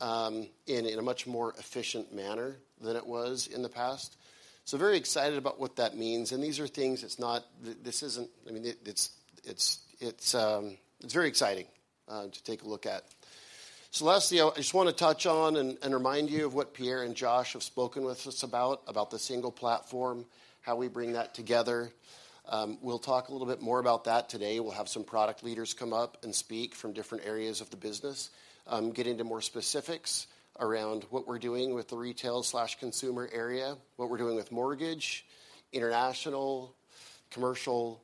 in a much more efficient manner than it was in the past. So very excited about what that means, and these are things it's not—this isn't, I mean, it's very exciting to take a look at. So lastly, I just wanna touch on and remind you of what Pierre and Josh have spoken with us about, about the single platform, how we bring that together. We'll talk a little bit more about that today. We'll have some product leaders come up and speak from different areas of the business, get into more specifics around what we're doing with the retail/consumer area, what we're doing with mortgage, international, commercial.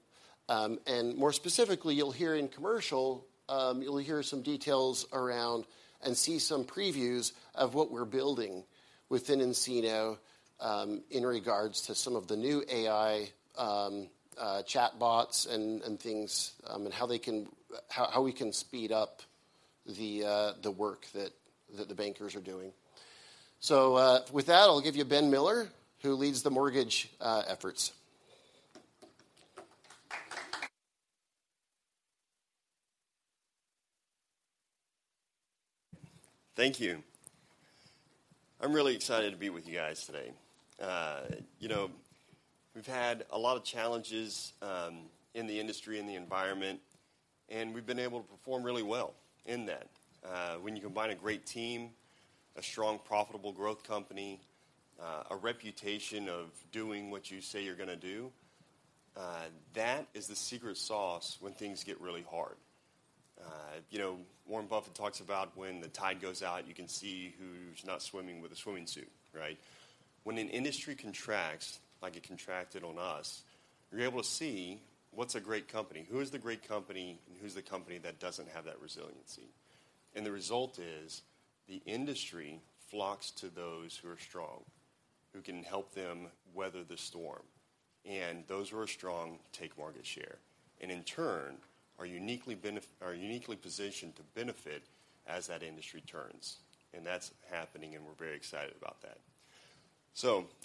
And more specifically, you'll hear in commercial, you'll hear some details around and see some previews of what we're building within nCino, in regards to some of the new AI, chatbots and things, and how they can, how we can speed up the work that the bankers are doing. So, with that, I'll give you Ben Miller, who leads the mortgage efforts. Thank you. I'm really excited to be with you guys today. You know, we've had a lot of challenges in the industry, in the environment, and we've been able to perform really well in that. When you combine a great team, a strong, profitable growth company, a reputation of doing what you say you're gonna do, that is the secret sauce when things get really hard. You know, Warren Buffett talks about when the tide goes out, you can see who's not swimming with a swimming suit, right? When an industry contracts, you're able to see what's a great company. Who is the great company, and who's the company that doesn't have that resiliency? And the result is, the industry flocks to those who are strong, who can help them weather the storm. Those who are strong take market share, and in turn, are uniquely positioned to benefit as that industry turns. That's happening, and we're very excited about that.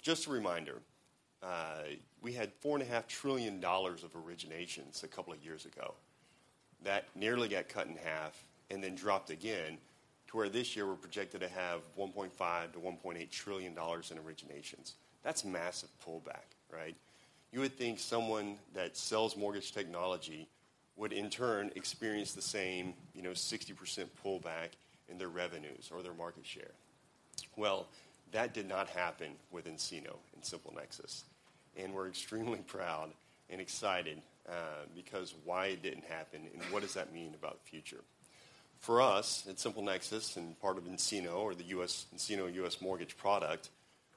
Just a reminder, we had $4.5 trillion of originations a couple of years ago. That nearly got cut in half and then dropped again to where this year we're projected to have $1.5-$1.8 trillion in originations. That's massive pullback, right? You would think someone that sells mortgage technology would, in turn, experience the same, you know, 60% pullback in their revenues or their market share. Well, that did not happen with nCino and SimpleNexus, and we're extremely proud and excited, because why it didn't happen and what does that mean about the future? For us, at SimpleNexus and part of nCino or the US nCino U.S. mortgage product,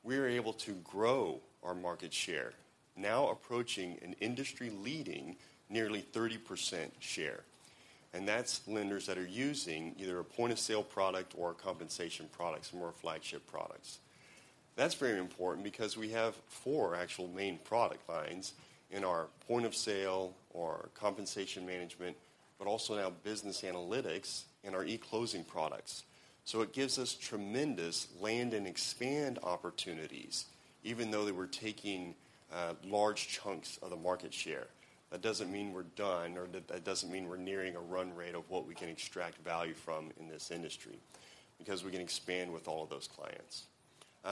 we are able to grow our market share, now approaching an industry-leading, nearly 30% share. And that's lenders that are using either a point-of-sale product or a compensation product, some are flagship products. That's very important because we have four actual main product lines in our point-of-sale or compensation management, but also now business analytics and our e-closing products. So it gives us tremendous land-and-expand opportunities, even though that we're taking large chunks of the market share. That doesn't mean we're done, or that that doesn't mean we're nearing a run rate of what we can extract value from in this industry, because we can expand with all of those clients.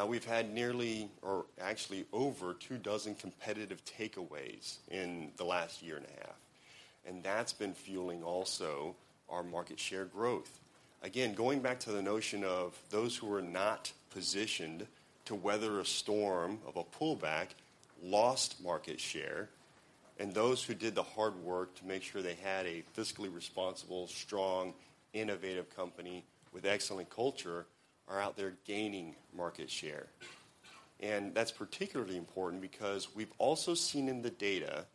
We've had nearly or actually over 2 dozen competitive takeaways in the last year and a half, and that's been fueling also our market share growth. Again, going back to the notion of those who are not positioned to weather a storm of a pullback, lost market share, and those who did the hard work to make sure they had a fiscally responsible, strong, innovative company with excellent culture, are out there gaining market share. And that's particularly important because we've also seen in the data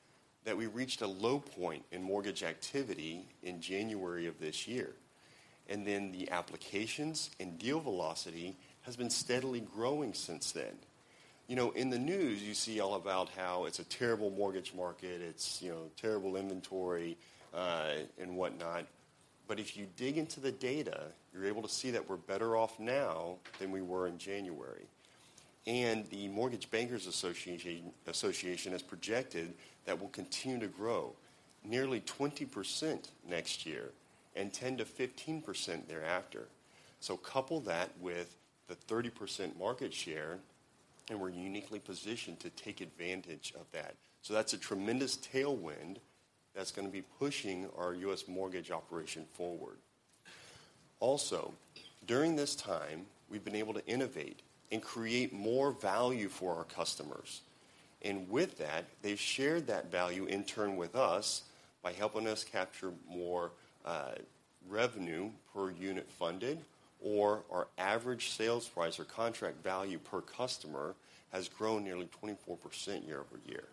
that we reached a low point in mortgage activity in January of this year, and then the applications and deal velocity has been steadily growing since then. You know, in the news, you see all about how it's a terrible mortgage market, it's, you know, terrible inventory, and whatnot. But if you dig into the data, you're able to see that we're better off now than we were in January. And the Mortgage Bankers Association has projected that we'll continue to grow nearly 20% next year and 10%-15% thereafter. So couple that with the 30% market share, and we're uniquely positioned to take advantage of that. So that's a tremendous tailwind that's gonna be pushing our U.S. mortgage operation forward. Also, during this time, we've been able to innovate and create more value for our customers, and with that, they've shared that value in turn with us by helping us capture more, revenue per unit funded, or our average sales price or contract value per customer has grown nearly 24% year-over-year.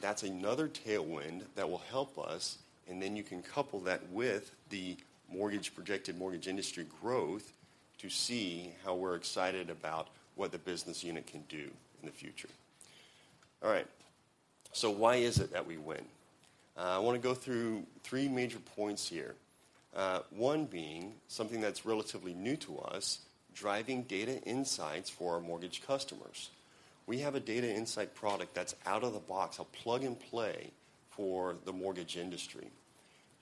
That's another tailwind that will help us, and then you can couple that with the mortgage-- projected mortgage industry growth to see how we're excited about what the business unit can do in the future. All right. Why is it that we win? I wanna go through three major points here. One being something that's relatively new to us, driving data insights for our mortgage customers. We have a data insight product that's out of the box, a plug-and-play for the mortgage industry.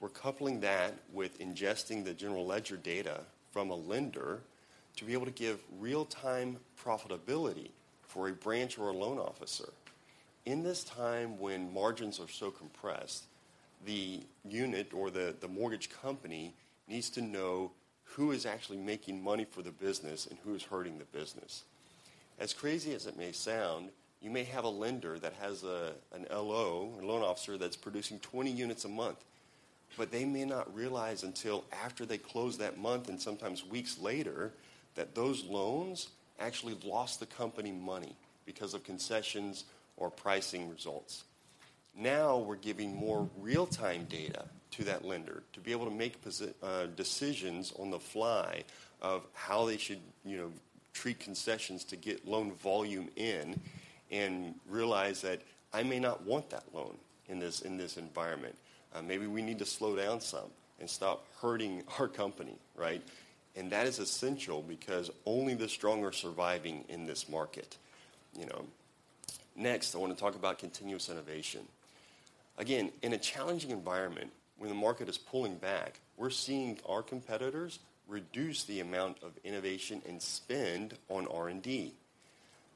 We're coupling that with ingesting the general ledger data from a lender to be able to give real-time profitability for a branch or a loan officer. In this time when margins are so compressed, the unit or the mortgage company needs to know who is actually making money for the business and who is hurting the business. As crazy as it may sound, you may have a lender that has a, an LO, a loan officer, that's producing 20 units a month, but they may not realize until after they close that month and sometimes weeks later, that those loans actually lost the company money because of concessions or pricing results. Now, we're giving more real-time data to that lender to be able to make positive decisions on the fly of how they should, you know, treat concessions to get loan volume in and realize that I may not want that loan in this, in this environment. Maybe we need to slow down some and stop hurting our company, right? And that is essential because only the strong are surviving in this market, you know. Next, I wanna talk about continuous innovation. Again, in a challenging environment, when the market is pulling back, we're seeing our competitors reduce the amount of innovation and spend on R&D.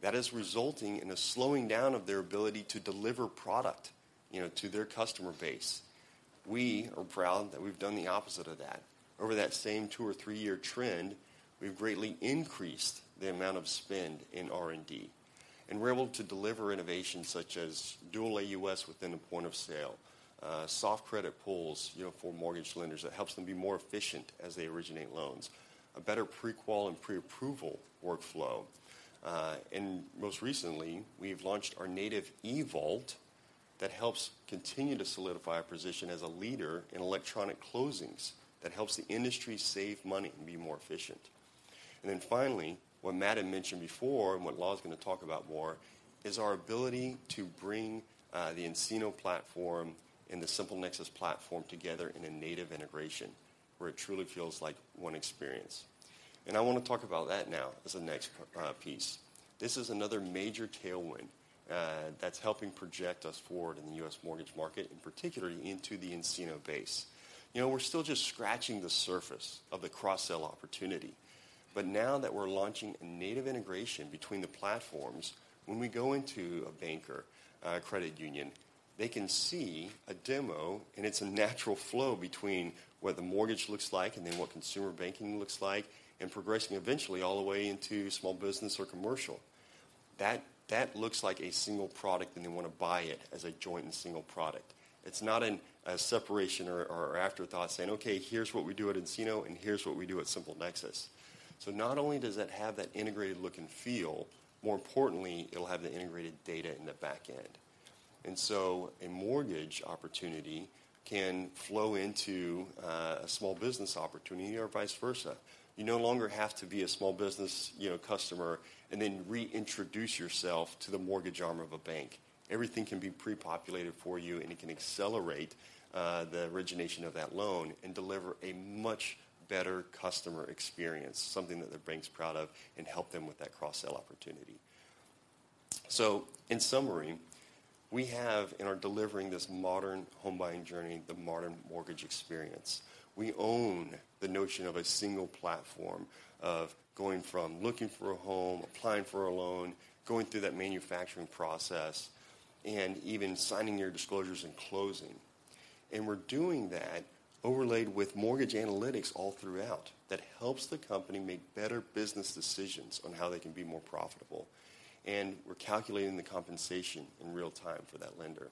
That is resulting in a slowing down of their ability to deliver product, you know, to their customer base. We are proud that we've done the opposite of that. Over that same 2- or 3-year trend, we've greatly increased the amount of spend in R&D, and we're able to deliver innovations such as dual AUS within the point of sale, soft credit pulls, you know, for mortgage lenders, that helps them be more efficient as they originate loans, a better pre-qual and pre-approval workflow... and most recently, we've launched our native eVault that helps continue to solidify our position as a leader in electronic closings, that helps the industry save money and be more efficient. And then finally, what Matt had mentioned before, and what Law is gonna talk about more, is our ability to bring the nCino platform and the SimpleNexus platform together in a native integration, where it truly feels like one experience. And I wanna talk about that now as the next co- piece. This is another major tailwind that's helping project us forward in the U.S. mortgage market, and particularly into the nCino base. You know, we're still just scratching the surface of the cross-sell opportunity, but now that we're launching a native integration between the platforms, when we go into a bank or credit union, they can see a demo, and it's a natural flow between what the mortgage looks like and then what consumer banking looks like, and progressing eventually all the way into small business or commercial. That looks like a single product, and they wanna buy it as a joint and single product. It's not a separation or an afterthought saying, "Okay, here's what we do at nCino, and here's what we do at SimpleNexus." So not only does it have that integrated look and feel, more importantly, it'll have the integrated data in the back end. And so a mortgage opportunity can flow into a small business opportunity or vice versa. You no longer have to be a small business, you know, customer and then reintroduce yourself to the mortgage arm of a bank. Everything can be pre-populated for you, and it can accelerate the origination of that loan and deliver a much better customer experience, something that the bank's proud of, and help them with that cross-sell opportunity. So in summary, we have, in our delivering this modern home buying journey, the modern mortgage experience, we own the notion of a single platform of going from looking for a home, applying for a loan, going through that manufacturing process, and even signing your disclosures and closing. And we're doing that overlaid with mortgage analytics all throughout, that helps the company make better business decisions on how they can be more profitable. And we're calculating the compensation in real time for that lender.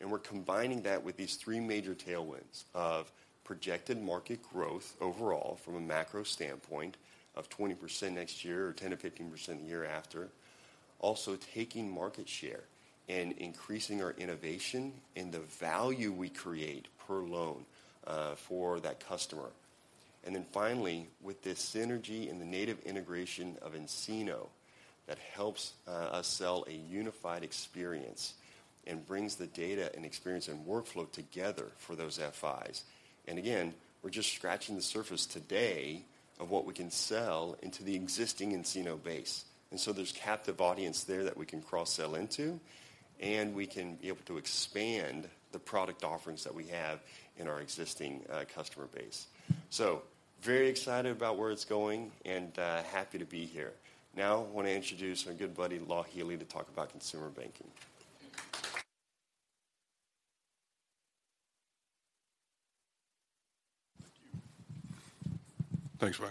And we're combining that with these three major tailwinds of projected market growth overall, from a macro standpoint, of 20% next year or 10%-15% the year after. Also, taking market share and increasing our innovation and the value we create per loan, for that customer. And then finally, with this synergy and the native integration of nCino, that helps us sell a unified experience and brings the data and experience and workflow together for those FIs. And again, we're just scratching the surface today of what we can sell into the existing nCino base, and so there's captive audience there that we can cross-sell into, and we can be able to expand the product offerings that we have in our existing customer base. So very excited about where it's going and happy to be here. Now, I wanna introduce our good buddy, Law Helie, to talk about consumer banking. Thank you. Thanks, Ben.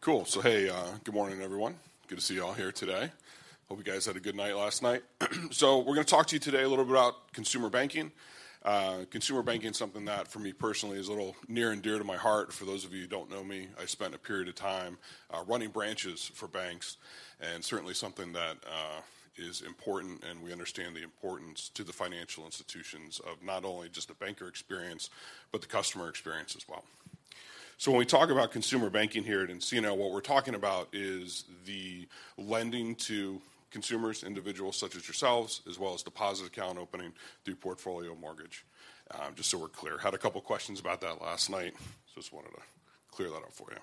Cool. So, hey, good morning, everyone. Good to see you all here today. Hope you guys had a good night last night. So we're gonna talk to you today a little bit about consumer banking. Consumer banking is something that, for me, personally, is a little near and dear to my heart. For those of you who don't know me, I spent a period of time running branches for banks, and certainly something that is important, and we understand the importance to the financial institutions of not only just the banker experience, but the customer experience as well. So when we talk about consumer banking here at nCino, what we're talking about is the lending to consumers, individuals such as yourselves, as well as deposit account opening through portfolio mortgage, just so we're clear. Had a couple questions about that last night, just wanted to clear that up for you.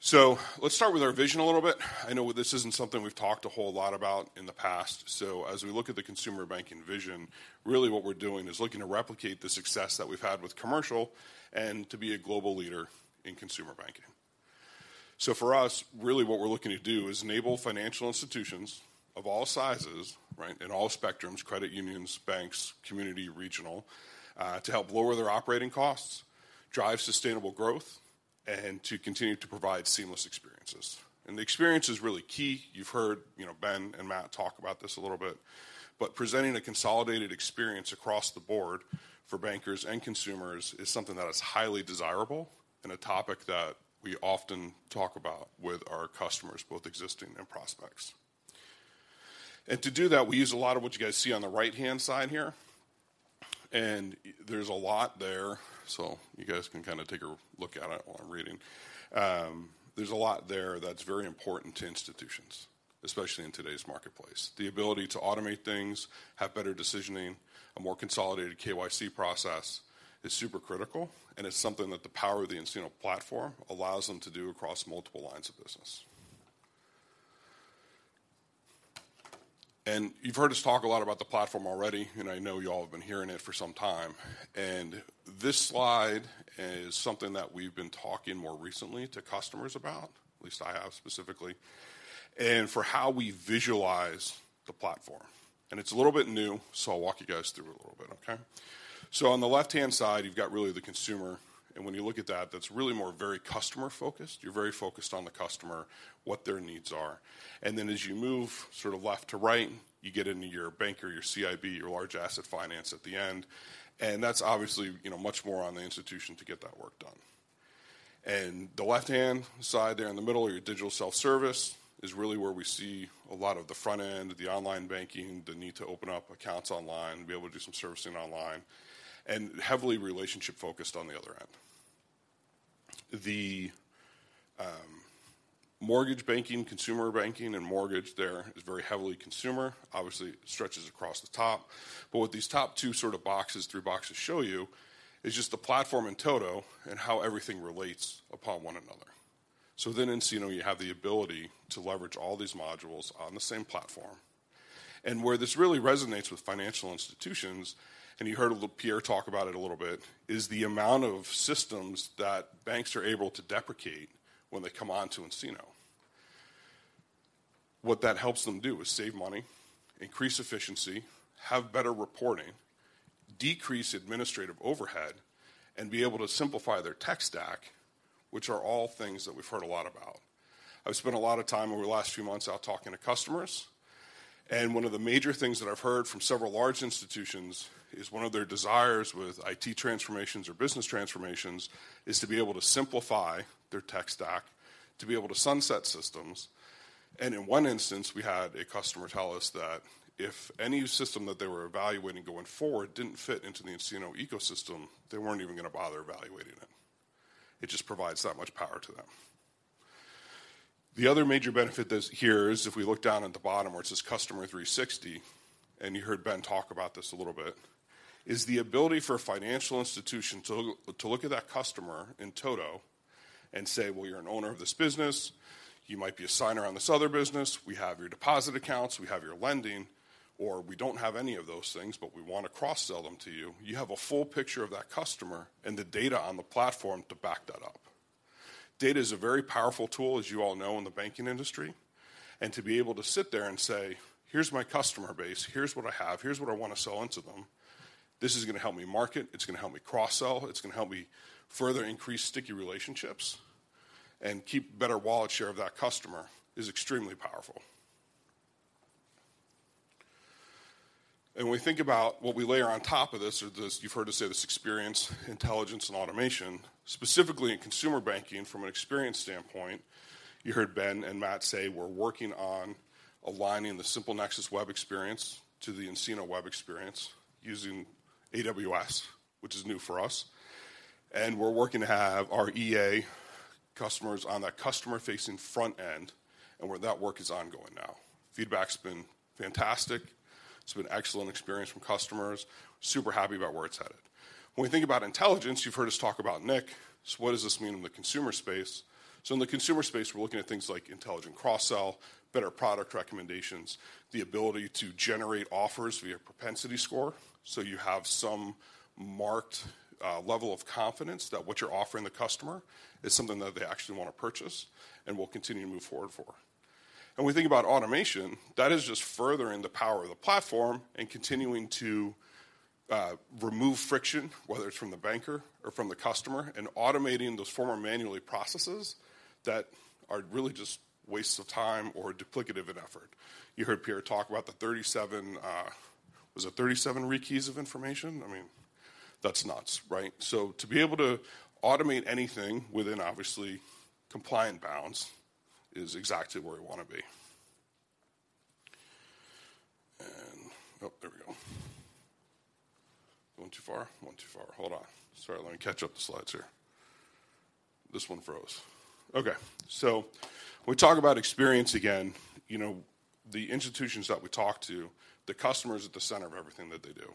So let's start with our vision a little bit. I know this isn't something we've talked a whole lot about in the past, so as we look at the consumer banking vision, really what we're doing is looking to replicate the success that we've had with commercial and to be a global leader in consumer banking. So for us, really what we're looking to do is enable financial institutions of all sizes, right, and all spectrums, credit unions, banks, community, regional, to help lower their operating costs, drive sustainable growth, and to continue to provide seamless experiences. The experience is really key. You've heard, you know, Ben and Matt talk about this a little bit, but presenting a consolidated experience across the board for bankers and consumers is something that is highly desirable and a topic that we often talk about with our customers, both existing and prospects. To do that, we use a lot of what you guys see on the right-hand side here, and there's a lot there, so you guys can kind of take a look at it while I'm reading. There's a lot there that's very important to institutions, especially in today's marketplace. The ability to automate things, have better decisioning, a more consolidated KYC process is super critical, and it's something that the power of the nCino platform allows them to do across multiple lines of business. You've heard us talk a lot about the platform already, and I know you all have been hearing it for some time, and this slide is something that we've been talking more recently to customers about, at least I have specifically, and for how we visualize the platform. It's a little bit new, so I'll walk you guys through it a little bit, okay? So on the left-hand side, you've got really the consumer, and when you look at that, that's really more very customer-focused. You're very focused on the customer, what their needs are, and then as you move sort of left to right, you get into your banker, your CIB, your large asset finance at the end, and that's obviously, you know, much more on the institution to get that work done.... And the left-hand side there in the middle, your digital self-service, is really where we see a lot of the front end, the online banking, the need to open up accounts online, and be able to do some servicing online, and heavily relationship-focused on the other end. The mortgage banking, consumer banking, and mortgage there is very heavily consumer. Obviously, it stretches across the top. But what these top two sort of boxes, three boxes show you is just the platform in toto and how everything relates upon one another. So then nCino, you have the ability to leverage all these modules on the same platform. And where this really resonates with financial institutions, and you heard Pierre talk about it a little bit, is the amount of systems that banks are able to deprecate when they come onto nCino. What that helps them do is save money, increase efficiency, have better reporting, decrease administrative overhead, and be able to simplify their tech stack, which are all things that we've heard a lot about. I've spent a lot of time over the last few months out talking to customers, and one of the major things that I've heard from several large institutions is one of their desires with IT transformations or business transformations, is to be able to simplify their tech stack, to be able to sunset systems. In one instance, we had a customer tell us that if any system that they were evaluating going forward didn't fit into the nCino ecosystem, they weren't even gonna bother evaluating it. It just provides that much power to them. The other major benefit that's here is, if we look down at the bottom where it says Customer 360, and you heard Ben talk about this a little bit, is the ability for a financial institution to look at that customer in toto and say: "Well, you're an owner of this business. You might be a signer on this other business. We have your deposit accounts, we have your lending, or we don't have any of those things, but we want to cross-sell them to you." You have a full picture of that customer and the data on the platform to back that up. Data is a very powerful tool, as you all know, in the banking industry, and to be able to sit there and say, "Here's my customer base, here's what I have, here's what I want to sell onto them. This is gonna help me market. It's gonna help me cross-sell. It's gonna help me further increase sticky relationships and keep better wallet share of that customer," is extremely powerful. And when we think about what we layer on top of this or this, you've heard us say this experience, intelligence, and automation, specifically in consumer banking from an experience standpoint, you heard Ben and Matt say we're working on aligning the SimpleNexus web experience to the nCino web experience using AWS, which is new for us, and we're working to have our EA customers on that customer-facing front end, and where that work is ongoing now. Feedback's been fantastic. It's been an excellent experience from customers. Super happy about where it's headed. When we think about intelligence, you've heard us talk about nIQ. So what does this mean in the consumer space? So in the consumer space, we're looking at things like intelligent cross-sell, better product recommendations, the ability to generate offers via propensity score. So you have some marked level of confidence that what you're offering the customer is something that they actually want to purchase and will continue to move forward for. When we think about automation, that is just furthering the power of the platform and continuing to remove friction, whether it's from the banker or from the customer, and automating those formerly manual processes that are really just wastes of time or duplicative in effort. You heard Pierre talk about the 37, was it 37 rekeys of information? I mean, that's nuts, right? So to be able to automate anything within obviously compliant bounds is exactly where we want to be. And... Oh, there we go. Going too far? Going too far. Hold on. Sorry, let me catch up the slides here. This one froze. Okay, so when we talk about experience again, you know, the institutions that we talk to, the customer is at the center of everything that they do.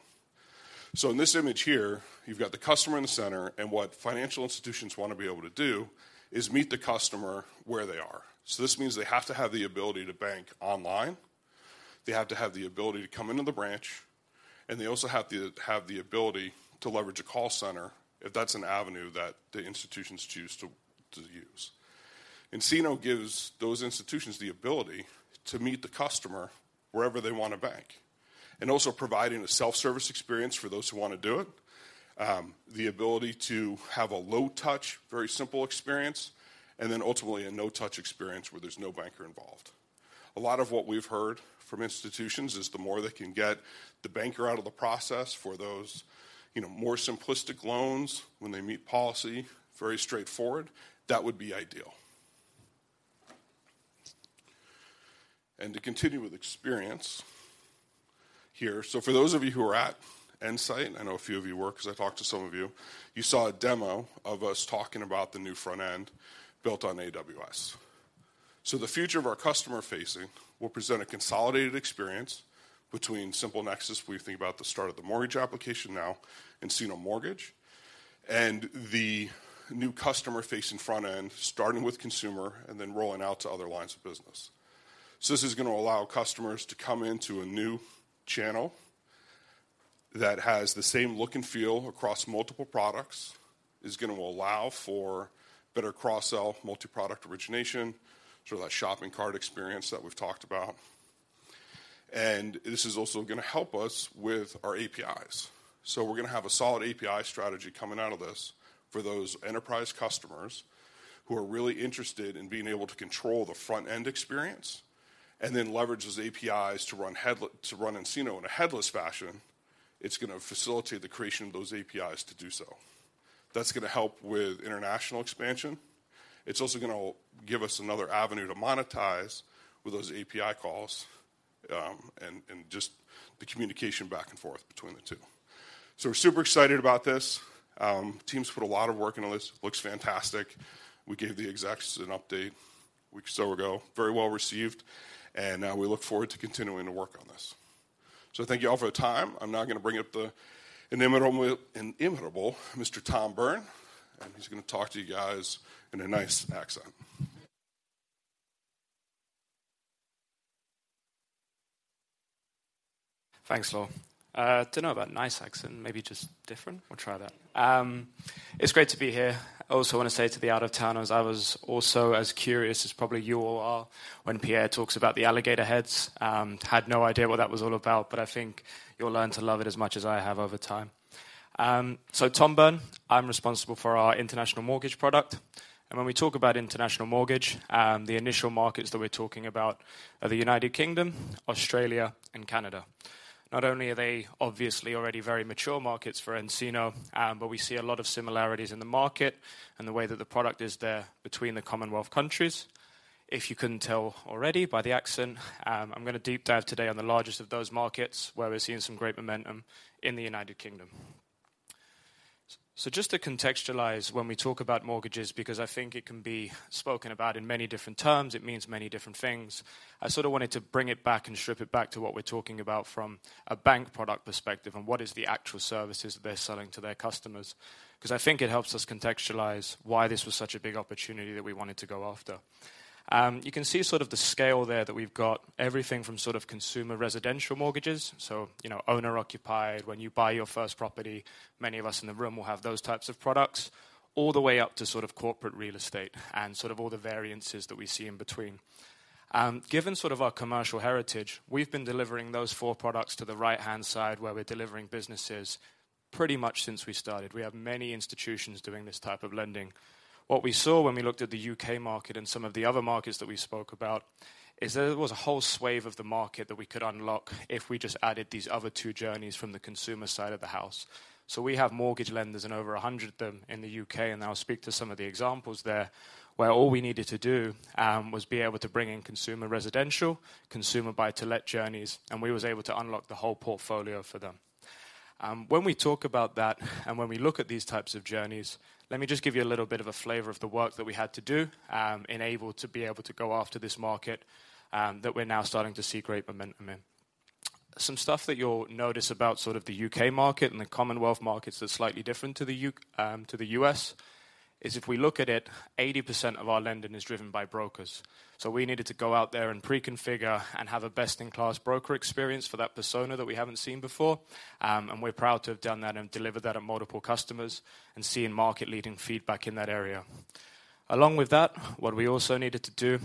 So in this image here, you've got the customer in the center, and what financial institutions want to be able to do is meet the customer where they are. So this means they have to have the ability to bank online, they have to have the ability to come into the branch, and they also have to have the ability to leverage a call center if that's an avenue that the institutions choose to use. nCino gives those institutions the ability to meet the customer wherever they want to bank, and also providing a self-service experience for those who want to do it, the ability to have a low touch, very simple experience, and then ultimately a no-touch experience where there's no banker involved. A lot of what we've heard from institutions is the more they can get the banker out of the process for those, you know, more simplistic loans, when they meet policy, very straightforward, that would be ideal. And to continue with experience here, so for those of you who were at nSight, I know a few of you were because I talked to some of you, you saw a demo of us talking about the new front end built on AWS. So the future of our customer-facing will present a consolidated experience between SimpleNexus, we think about the start of the mortgage application now, nCino Mortgage, and the new customer-facing front end, starting with consumer and then rolling out to other lines of business. So this is gonna allow customers to come into a new channel that has the same look and feel across multiple products. It's gonna allow for better cross-sell, multi-product origination, sort of that shopping cart experience that we've talked about. And this is also gonna help us with our APIs. So we're gonna have a solid API strategy coming out of this for those enterprise customers who are really interested in being able to control the front-end experience, and then leverage those APIs to run nCino in a headless fashion. It's gonna facilitate the creation of those APIs to do so. That's gonna help with international expansion. It's also gonna give us another avenue to monetize with those API calls, and just the communication back and forth between the two. So we're super excited about this. Teams put a lot of work into this. Looks fantastic. We gave the execs an update a week or so ago. Very well received, and we look forward to continuing to work on this. So thank you all for the time. I'm now gonna bring up the inimitable, inimitable Mr. Tom Byrne, and he's gonna talk to you guys in a nice accent. Thanks, Law. Don't know about nice accent, maybe just different. We'll try that. It's great to be here. I also wanna say to the out-of-towners, I was also as curious as probably you all are when Pierre talks about the alligator heads. Had no idea what that was all about, but I think you'll learn to love it as much as I have over time. So Tom Byrne, I'm responsible for our international mortgage product, and when we talk about international mortgage, the initial markets that we're talking about are the United Kingdom, Australia, and Canada. Not only are they obviously already very mature markets for nCino, but we see a lot of similarities in the market and the way that the product is there between the Commonwealth countries. If you couldn't tell already by the accent, I'm gonna deep dive today on the largest of those markets, where we're seeing some great momentum in the United Kingdom. Just to contextualize when we talk about mortgages, because I think it can be spoken about in many different terms, it means many different things. I sort of wanted to bring it back and strip it back to what we're talking about from a bank product perspective and what is the actual services they're selling to their customers. 'Cause I think it helps us contextualize why this was such a big opportunity that we wanted to go after. You can see sort of the scale there, that we've got everything from sort of consumer residential mortgages, so, you know, owner-occupied, when you buy your first property, many of us in the room will have those types of products, all the way up to sort of corporate real estate and sort of all the variances that we see in between. Given sort of our commercial heritage, we've been delivering those four products to the right-hand side, where we're delivering businesses pretty much since we started. We have many institutions doing this type of lending. What we saw when we looked at the UK market and some of the other markets that we spoke about is that there was a whole swath of the market that we could unlock if we just added these other two journeys from the consumer side of the house. So we have mortgage lenders and over 100 of them in the UK, and I'll speak to some of the examples there, where all we needed to do was be able to bring in consumer residential, consumer buy-to-let journeys, and we was able to unlock the whole portfolio for them. When we talk about that and when we look at these types of journeys, let me just give you a little bit of a flavor of the work that we had to do, enabled to be able to go after this market that we're now starting to see great momentum in. Some stuff that you'll notice about sort of the UK market and the Commonwealth markets that's slightly different to the US is if we look at it, 80% of our lending is driven by brokers. So we needed to go out there and pre-configure and have a best-in-class broker experience for that persona that we haven't seen before. And we're proud to have done that and delivered that at multiple customers and seen market-leading feedback in that area. Along with that, what we also needed to do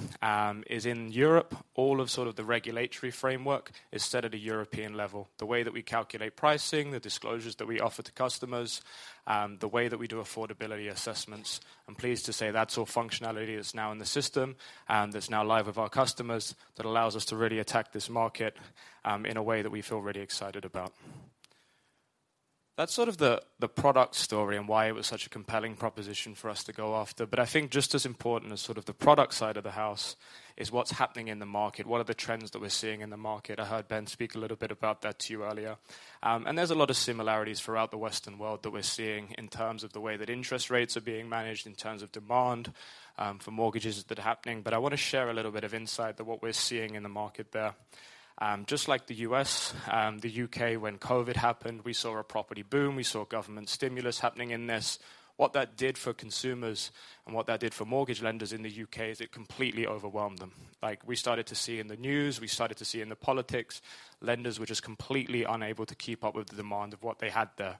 is in Europe, all of sort of the regulatory framework is set at a European level. The way that we calculate pricing, the disclosures that we offer to customers, the way that we do affordability assessments. I'm pleased to say that sort of functionality is now in the system and is now live with our customers. That allows us to really attack this market in a way that we feel really excited about. That's sort of the product story and why it was such a compelling proposition for us to go after. But I think just as important as sort of the product side of the house is what's happening in the market. What are the trends that we're seeing in the market? I heard Ben speak a little bit about that to you earlier. And there's a lot of similarities throughout the Western world that we're seeing in terms of the way that interest rates are being managed, in terms of demand, for mortgages that are happening. But I want to share a little bit of insight to what we're seeing in the market there. Just like the U.S., the U.K., when COVID happened, we saw a property boom, we saw government stimulus happening in this. What that did for consumers and what that did for mortgage lenders in the U.K., is it completely overwhelmed them. Like we started to see in the news, we started to see in the politics, lenders were just completely unable to keep up with the demand of what they had there.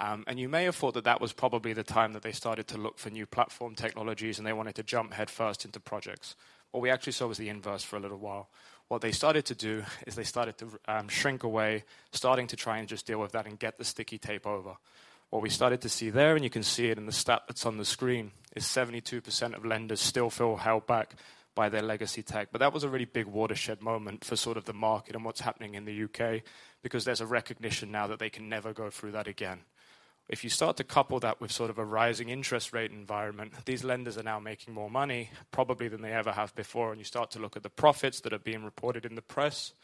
And you may have thought that that was probably the time that they started to look for new platform technologies, and they wanted to jump headfirst into projects. What we actually saw was the inverse for a little while. What they started to do is they started to shrink away, starting to try and just deal with that and get the sticky tape over. What we started to see there, and you can see it in the stat that's on the screen, is 72% of lenders still feel held back by their legacy tech. But that was a really big watershed moment for sort of the market and what's happening in the U.K., because there's a recognition now that they can never go through that again. If you start to couple that with sort of a rising interest rate environment, these lenders are now making more money, probably than they ever have before, and you start to look at the profits that are being reported in the press,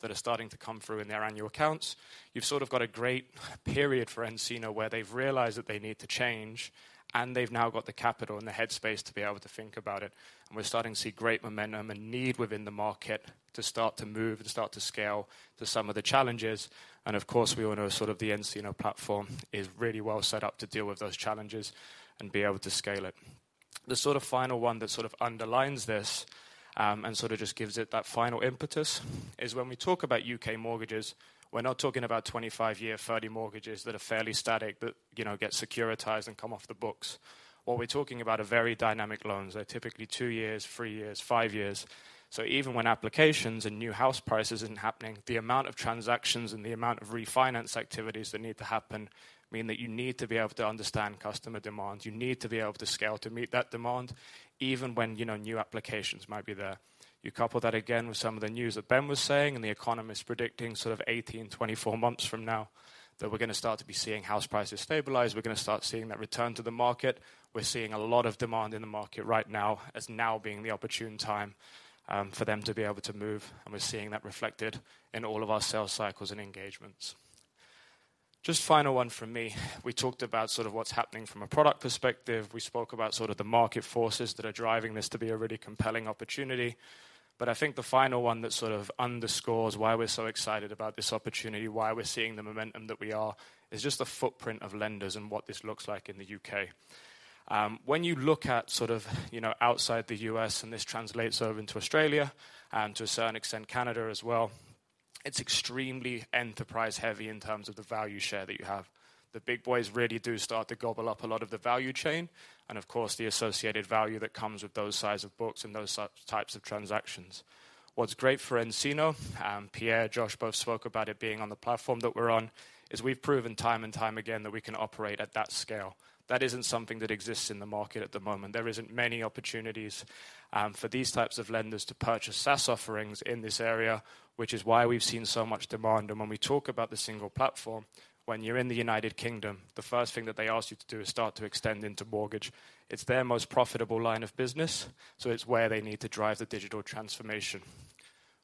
that are starting to come through in their annual accounts. You've sort of got a great period for nCino, where they've realized that they need to change, and they've now got the capital and the headspace to be able to think about it. And we're starting to see great momentum and need within the market to start to move and start to scale to some of the challenges. And of course, we all know sort of the nCino platform is really well set up to deal with those challenges and be able to scale it. The sort of final one that sort of underlines this, and sort of just gives it that final impetus is when we talk about UK mortgages, we're not talking about 25-year, 30 mortgages that are fairly static, but, you know, get securitized and come off the books. What we're talking about are very dynamic loans. They're typically 2 years, 3 years, 5 years. So even when applications and new house prices isn't happening, the amount of transactions and the amount of refinance activities that need to happen mean that you need to be able to understand customer demands. You need to be able to scale to meet that demand, even when, you know, new applications might be there. You couple that again with some of the news that Ben was saying, and the economists predicting sort of 18-24 months from now, that we're gonna start to be seeing house prices stabilize. We're gonna start seeing that return to the market. We're seeing a lot of demand in the market right now, as now being the opportune time for them to be able to move, and we're seeing that reflected in all of our sales cycles and engagements. Just final one from me. We talked about sort of what's happening from a product perspective. We spoke about sort of the market forces that are driving this to be a really compelling opportunity. But I think the final one that sort of underscores why we're so excited about this opportunity, why we're seeing the momentum that we are, is just the footprint of lenders and what this looks like in the UK. When you look at sort of, you know, outside the U.S., and this translates over into Australia and to a certain extent, Canada as well, it's extremely enterprise-heavy in terms of the value share that you have. The big boys really do start to gobble up a lot of the value chain, and of course, the associated value that comes with those size of books and those types of transactions. What's great for nCino, and Pierre, Josh both spoke about it being on the platform that we're on, is we've proven time and time again that we can operate at that scale. That isn't something that exists in the market at the moment. There isn't many opportunities for these types of lenders to purchase SaaS offerings in this area, which is why we've seen so much demand. When we talk about the single platform, when you're in the United Kingdom, the first thing that they ask you to do is start to extend into mortgage. It's their most profitable line of business, so it's where they need to drive the digital transformation.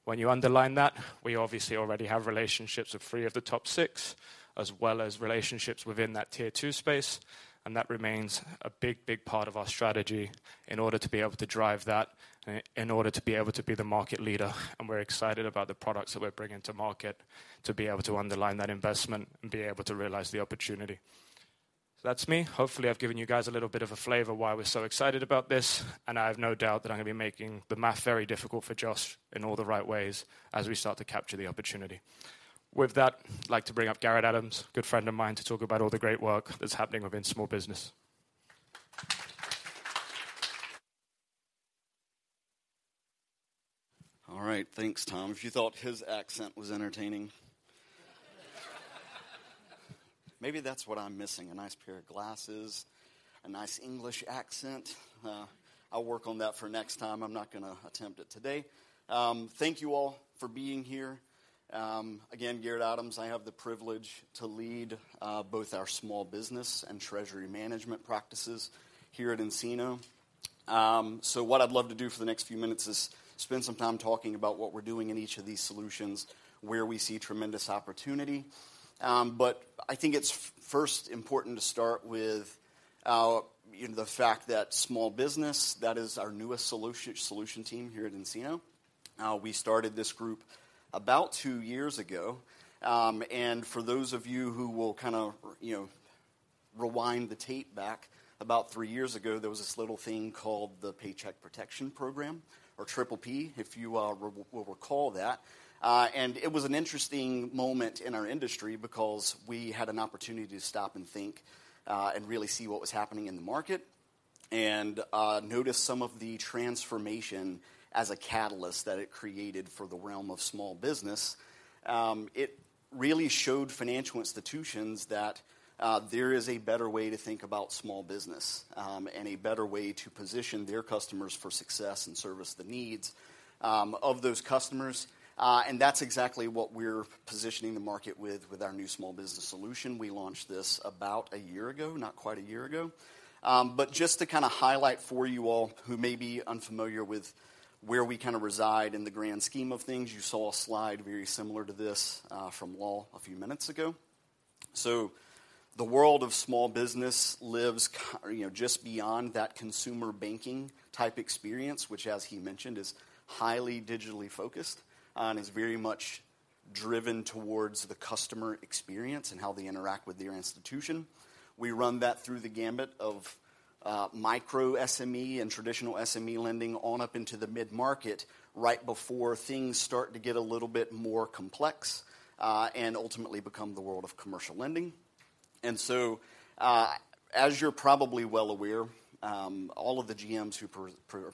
When you underline that, we obviously already have relationships with 3 of the top 6, as well as relationships within that tier two space, and that remains a big, big part of our strategy in order to be able to drive that, in order to be able to be the market leader. We're excited about the products that we're bringing to market to be able to underline that investment and be able to realize the opportunity. So that's me. Hopefully, I've given you guys a little bit of a flavor why we're so excited about this, and I have no doubt that I'm going to be making the math very difficult for Josh in all the right ways as we start to capture the opportunity. With that, I'd like to bring up Garrett Adams, a good friend of mine, to talk about all the great work that's happening within small business. All right, thanks, Tom. If you thought his accent was entertaining, maybe that's what I'm missing, a nice pair of glasses, a nice English accent. I'll work on that for next time. I'm not gonna attempt it today. Thank you all for being here. Again, Garrett Adams, I have the privilege to lead both our small business and treasury management practices here at nCino. So what I'd love to do for the next few minutes is spend some time talking about what we're doing in each of these solutions, where we see tremendous opportunity. But I think it's first important to start with, you know, the fact that small business, that is our newest solution team here at nCino. We started this group about two years ago. And for those of you who will kind of, you know, rewind the tape back, about 3 years ago, there was this little thing called the Paycheck Protection Program, or PPP, if you will recall that. And it was an interesting moment in our industry because we had an opportunity to stop and think, and really see what was happening in the market and, notice some of the transformation as a catalyst that it created for the realm of small business. It really showed financial institutions that, there is a better way to think about small business, and a better way to position their customers for success and service the needs, of those customers. And that's exactly what we're positioning the market with, with our new small business solution. We launched this about a year ago, not quite a year ago. But just to kind of highlight for you all who may be unfamiliar with where we kind of reside in the grand scheme of things, you saw a slide very similar to this, from Lal a few minutes ago. So the world of small business lives you know, just beyond that consumer banking type experience, which, as he mentioned, is highly digitally focused and is very much driven towards the customer experience and how they interact with your institution. We run that through the gamut of, micro SME and traditional SME lending on up into the mid-market right before things start to get a little bit more complex, and ultimately become the world of commercial lending. So, as you're probably well aware, all of the GMs who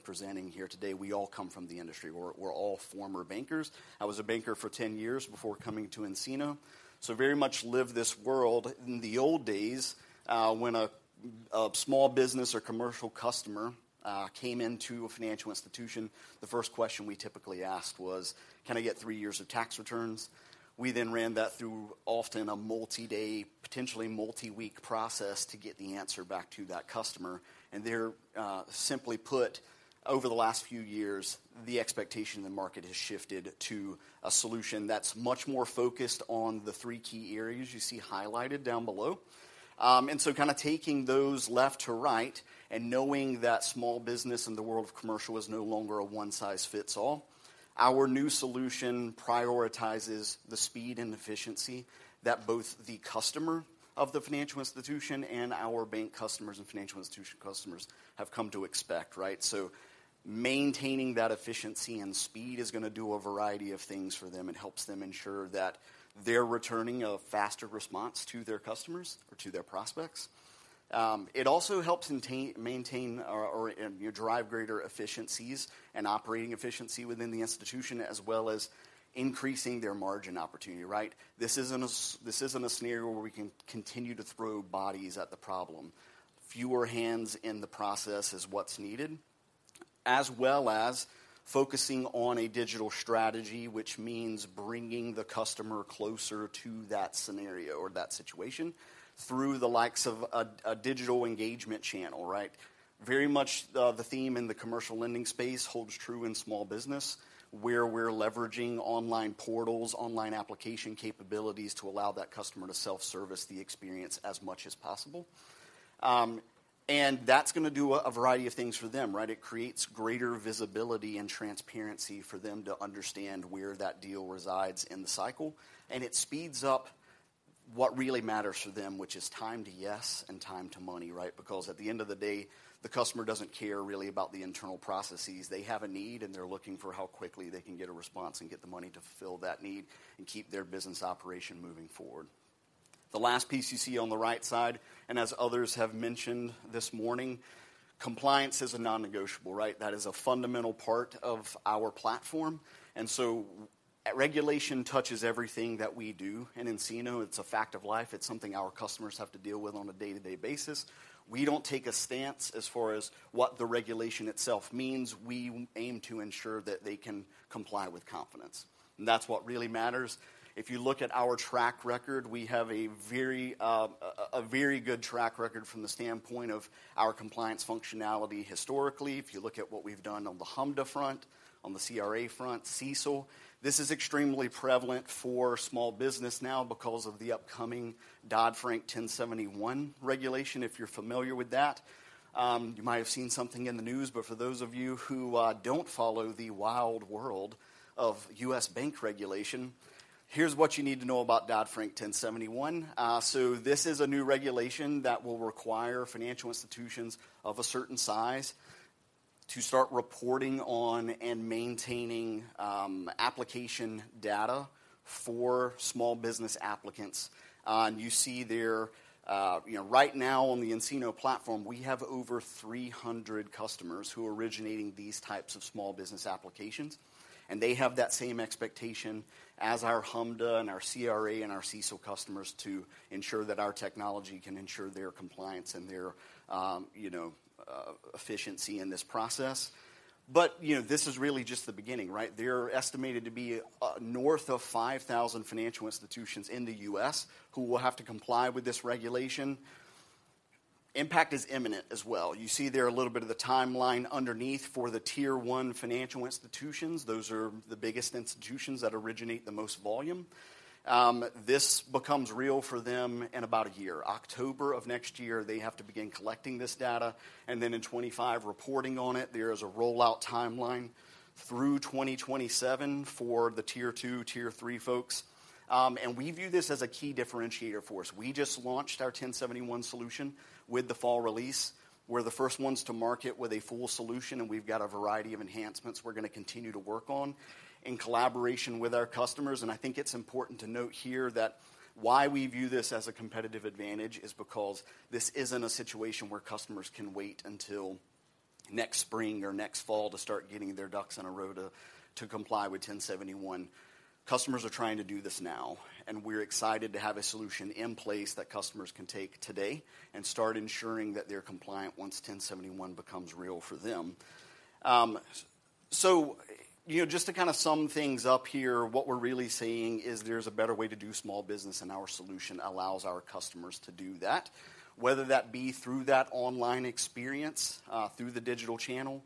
presenting here today, we all come from the industry. We're all former bankers. I was a banker for 10 years before coming to nCino, so very much lived this world. In the old days, when a small business or commercial customer came into a financial institution, the first question we typically asked was: "Can I get 3 years of tax returns?" We then ran that through often a multi-day, potentially multi-week process to get the answer back to that customer. And there, simply put, over the last few years, the expectation in the market has shifted to a solution that's much more focused on the three key areas you see highlighted down below. and so kind of taking those left to right and knowing that small business in the world of commercial is no longer a one-size-fits-all, our new solution prioritizes the speed and efficiency that both the customer of the financial institution and our bank customers and financial institution customers have come to expect, right? So maintaining that efficiency and speed is gonna do a variety of things for them. It helps them ensure that they're returning a faster response to their customers or to their prospects. It also helps maintain or you drive greater efficiencies and operating efficiency within the institution, as well as increasing their margin opportunity, right? This isn't a scenario where we can continue to throw bodies at the problem. Fewer hands in the process is what's needed, as well as focusing on a digital strategy, which means bringing the customer closer to that scenario or that situation through the likes of a digital engagement channel, right? Very much, the theme in the commercial lending space holds true in small business, where we're leveraging online portals, online application capabilities, to allow that customer to self-service the experience as much as possible. And that's gonna do a variety of things for them, right? It creates greater visibility and transparency for them to understand where that deal resides in the cycle, and it speeds up what really matters to them, which is time to yes and time to money, right? Because at the end of the day, the customer doesn't care really about the internal processes. They have a need, and they're looking for how quickly they can get a response and get the money to fill that need and keep their business operation moving forward. The last piece you see on the right side, and as others have mentioned this morning, compliance is a non-negotiable, right? That is a fundamental part of our platform, and so regulation touches everything that we do. In nCino, it's a fact of life. It's something our customers have to deal with on a day-to-day basis. We don't take a stance as far as what the regulation itself means. We aim to ensure that they can comply with confidence, and that's what really matters. If you look at our track record, we have a very good track record from the standpoint of our compliance functionality historically. If you look at what we've done on the HMDA front, on the CRA front, CECL, this is extremely prevalent for small business now because of the upcoming Dodd-Frank 1071 regulation. If you're familiar with that, you might have seen something in the news, but for those of you who don't follow the wild world of U.S. bank regulation, here's what you need to know about Dodd-Frank 1071. This is a new regulation that will require financial institutions of a certain size to start reporting on and maintaining application data for small business applicants. You see there, you know, right now on the nCino platform, we have over 300 customers who are originating these types of small business applications, and they have that same expectation as our HMDA, and our CRA, and our CECL customers to ensure that our technology can ensure their compliance and their, you know, efficiency in this process. You know, this is really just the beginning, right? There are estimated to be north of 5,000 financial institutions in the U.S. who will have to comply with this regulation. Impact is imminent as well. You see there a little bit of the timeline underneath for the Tier one financial institutions. Those are the biggest institutions that originate the most volume. This becomes real for them in about a year. October of next year, they have to begin collecting this data, and then in 2025, reporting on it. There is a rollout timeline through 2027 for the Tier two, Tier three folks. And we view this as a key differentiator for us. We just launched our 1071 solution with the fall release. We're the first ones to market with a full solution, and we've got a variety of enhancements we're gonna continue to work on in collaboration with our customers. And I think it's important to note here that why we view this as a competitive advantage is because this isn't a situation where customers can wait until next spring or next fall to start getting their ducks in a row to, to comply with 1071. Customers are trying to do this now, and we're excited to have a solution in place that customers can take today and start ensuring that they're compliant once 1071 becomes real for them. So, you know, just to kinda sum things up here, what we're really saying is there's a better way to do small business, and our solution allows our customers to do that, whether that be through that online experience, through the digital channel,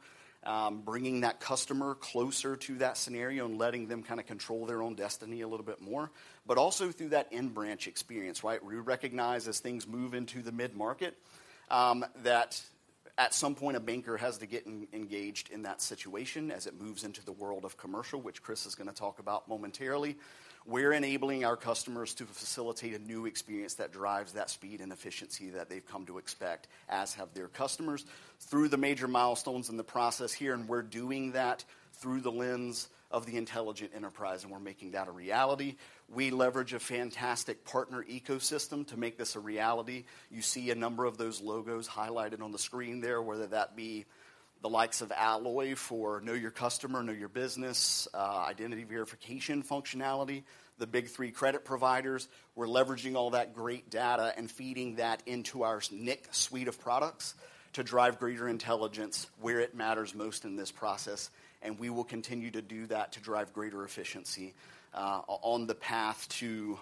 bringing that customer closer to that scenario and letting them kinda control their own destiny a little bit more, but also through that in-branch experience, right? We recognize as things move into the mid-market, that at some point, a banker has to get engaged in that situation as it moves into the world of commercial, which Chris is gonna talk about momentarily. We're enabling our customers to facilitate a new experience that drives that speed and efficiency that they've come to expect, as have their customers, through the major milestones in the process here, and we're doing that through the lens of the intelligent enterprise, and we're making that a reality. We leverage a fantastic partner ecosystem to make this a reality. You see a number of those logos highlighted on the screen there, whether that be the likes of Alloy for know your customer, know your business, identity verification functionality, the big three credit providers. We're leveraging all that great data and feeding that into our nCino Intelligence suite of products to drive greater intelligence where it matters most in this process, and we will continue to do that to drive greater efficiency, on the path to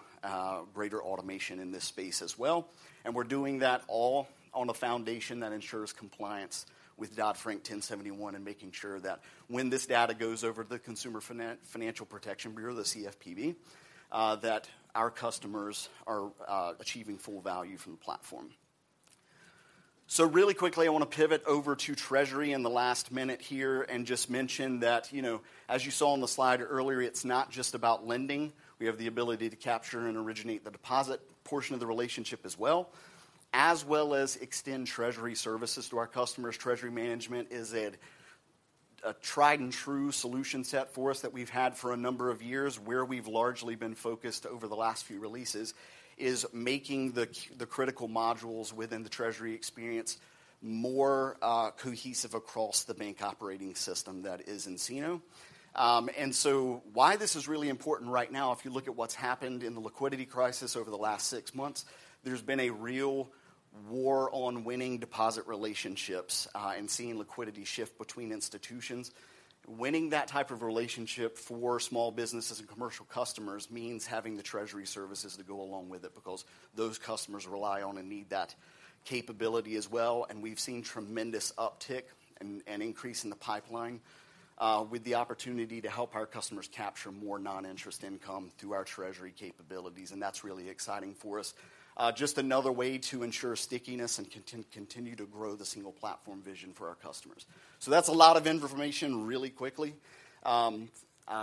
greater automation in this space as well. We're doing that all on a foundation that ensures compliance with Dodd-Frank 1071, and making sure that when this data goes over to the Consumer Financial Protection Bureau, the CFPB, that our customers are achieving full value from the platform. So really quickly, I wanna pivot over to treasury in the last minute here and just mention that, you know, as you saw on the slide earlier, it's not just about lending. We have the ability to capture and originate the deposit portion of the relationship as well, as well as extend treasury services to our customers. Treasury management is a tried-and-true solution set for us that we've had for a number of years. Where we've largely been focused over the last few releases is making the critical modules within the treasury experience more cohesive across the Bank Operating System that is nCino. And so why this is really important right now, if you look at what's happened in the liquidity crisis over the last six months, there's been a real war on winning deposit relationships and seeing liquidity shift between institutions. Winning that type of relationship for small businesses and commercial customers means having the treasury services to go along with it, because those customers rely on and need that capability as well. And we've seen tremendous uptick and increase in the pipeline with the opportunity to help our customers capture more non-interest income through our treasury capabilities, and that's really exciting for us. Just another way to ensure stickiness and continue to grow the single platform vision for our customers. So that's a lot of information really quickly. I'm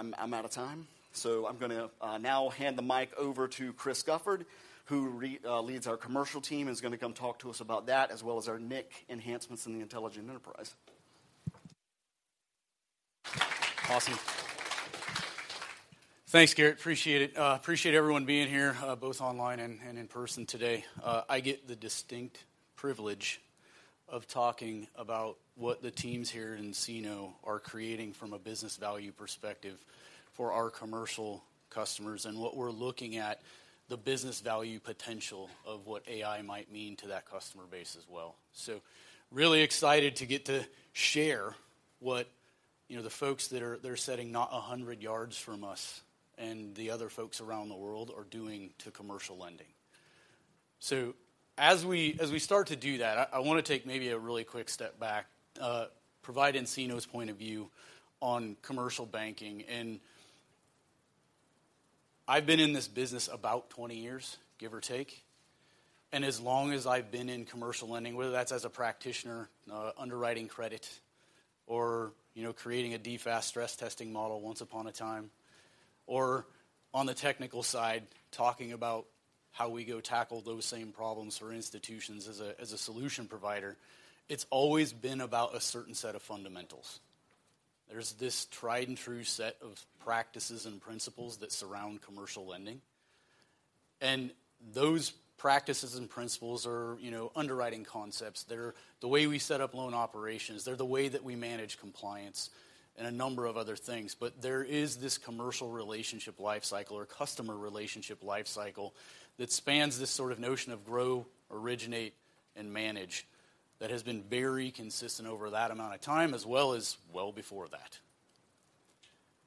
out of time, so I'm gonna now hand the mic over to Chris Gufford, who leads our commercial team, and is gonna come talk to us about that, as well as our nIQ enhancements in the intelligent enterprise. Awesome. Thanks, Garrett, appreciate it. Appreciate everyone being here, both online and in person today. I get the distinct privilege of talking about what the teams here in nCino are creating from a business value perspective for our commercial customers, and what we're looking at the business value potential of what AI might mean to that customer base as well. So really excited to get to share what, you know, the folks that are sitting not 100 yards from us, and the other folks around the world are doing to commercial lending. So as we start to do that, I wanna take maybe a really quick step back, provide nCino's point of view on commercial banking. I've been in this business about 20 years, give or take. As long as I've been in commercial lending, whether that's as a practitioner, underwriting credit or, you know, creating a DFAST stress testing model once upon a time, or on the technical side, talking about how we go tackle those same problems for institutions as a solution provider, it's always been about a certain set of fundamentals. There's this tried-and-true set of practices and principles that surround commercial lending, and those practices and principles are, you know, underwriting concepts. They're the way we set up loan operations, they're the way that we manage compliance and a number of other things. But there is this commercial relationship lifecycle, or customer relationship lifecycle, that spans this sort of notion of grow, originate, and manage, that has been very consistent over that amount of time, as well as well before that.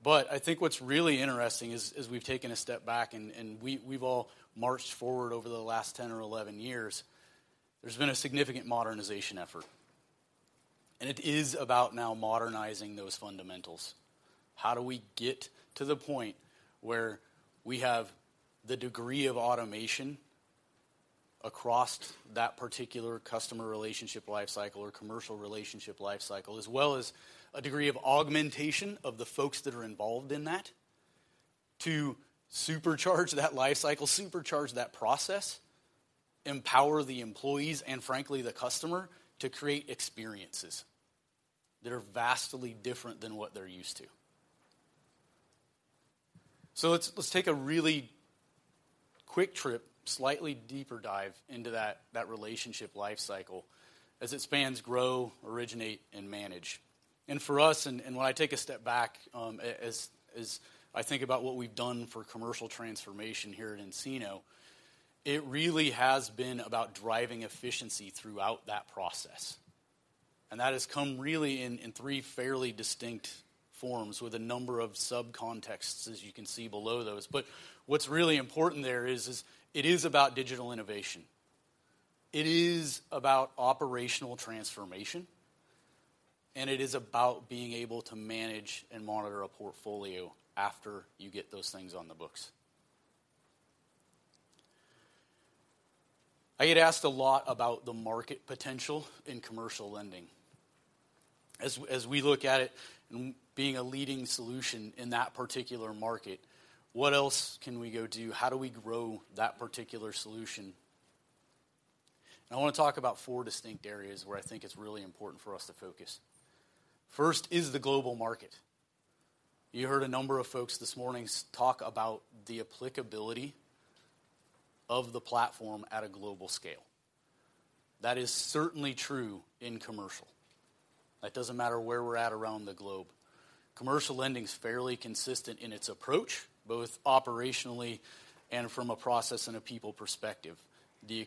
But I think what's really interesting is, as we've taken a step back and we've all marched forward over the last 10 or 11 years, there's been a significant modernization effort, and it is about now modernizing those fundamentals. How do we get to the point where we have the degree of automation across that particular customer relationship lifecycle or commercial relationship lifecycle, as well as a degree of augmentation of the folks that are involved in that, to supercharge that lifecycle, supercharge that process, empower the employees, and frankly, the customer, to create experiences that are vastly different than what they're used to? So let's take a really quick trip, slightly deeper dive into that relationship lifecycle as it spans grow, originate, and manage. For us, when I take a step back, as I think about what we've done for commercial transformation here at nCino, it really has been about driving efficiency throughout that process. That has come really in three fairly distinct forms, with a number of subcontexts, as you can see below those. But what's really important there is it is about digital innovation, it is about operational transformation, and it is about being able to manage and monitor a portfolio after you get those things on the books. I get asked a lot about the market potential in commercial lending. As we look at it, being a leading solution in that particular market, what else can we go do? How do we grow that particular solution? I wanna talk about four distinct areas where I think it's really important for us to focus. First is the global market. You heard a number of folks this morning talk about the applicability of the platform at a global scale. That is certainly true in commercial. It doesn't matter where we're at around the globe, commercial lending is fairly consistent in its approach, both operationally and from a process and a people perspective. The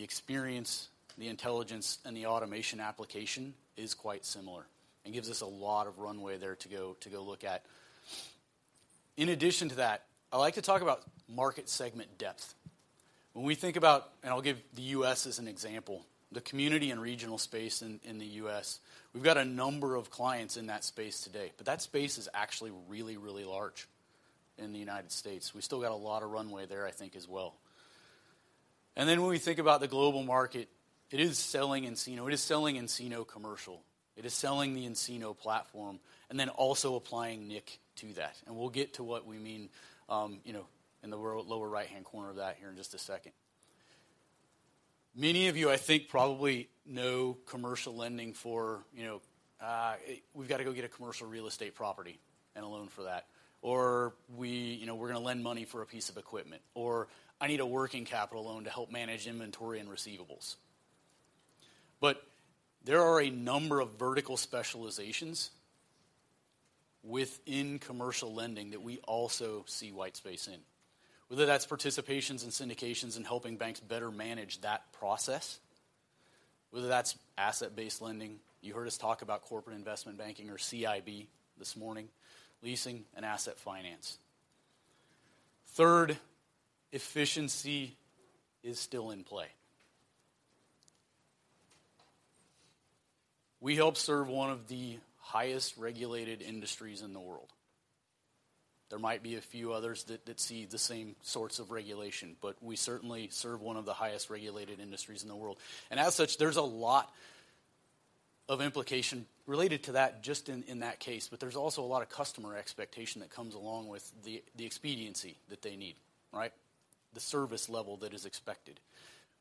experience, the intelligence, and the automation application is quite similar and gives us a lot of runway there to go, to go look at. In addition to that, I'd like to talk about market segment depth. When we think about... And I'll give the U.S. as an example. The community and regional space in the U.S., we've got a number of clients in that space today, but that space is actually really, really large in the United States. We've still got a lot of runway there, I think, as well. And then when we think about the global market, it is selling nCino, it is selling nCino Commercial, it is selling the nCino platform, and then also applying nIQ to that. And we'll get to what we mean, you know, in the world, lower right-hand corner of that here in just a second. Many of you, I think, probably know commercial lending for, you know, we've gotta go get a commercial real estate property and a loan for that, or we, you know, we're gonna lend money for a piece of equipment, or I need a working capital loan to help manage inventory and receivables. But there are a number of vertical specializations within commercial lending that we also see white space in. Whether that's participations and syndications and helping banks better manage that process, whether that's asset-based lending. You heard us talk about corporate investment banking, or CIB, this morning, leasing, and asset finance. Third, efficiency is still in play. We help serve one of the highest regulated industries in the world. There might be a few others that see the same sorts of regulation, but we certainly serve one of the highest regulated industries in the world. As such, there's a lot of implication related to that just in that case, but there's also a lot of customer expectation that comes along with the expediency that they need, right? The service level that is expected.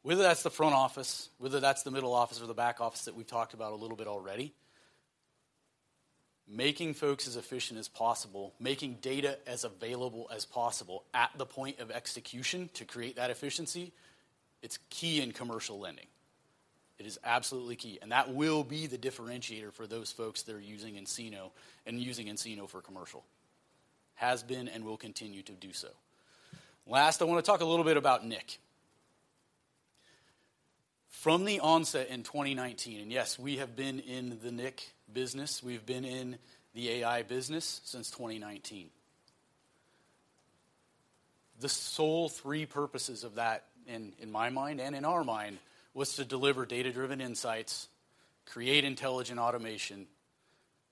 Whether that's the front office, whether that's the middle office or the back office that we talked about a little bit already, making folks as efficient as possible, making data as available as possible at the point of execution to create that efficiency, it's key in commercial lending. It is absolutely key, and that will be the differentiator for those folks that are using nCino and using nCino for commercial. Has been and will continue to do so. Last, I wanna talk a little bit about nIQ. From the onset in 2019, and yes, we have been in the nIQ business, we've been in the AI business since 2019. The sole three purposes of that, in, in my mind, and in our mind, was to deliver data-driven insights, create intelligent automation,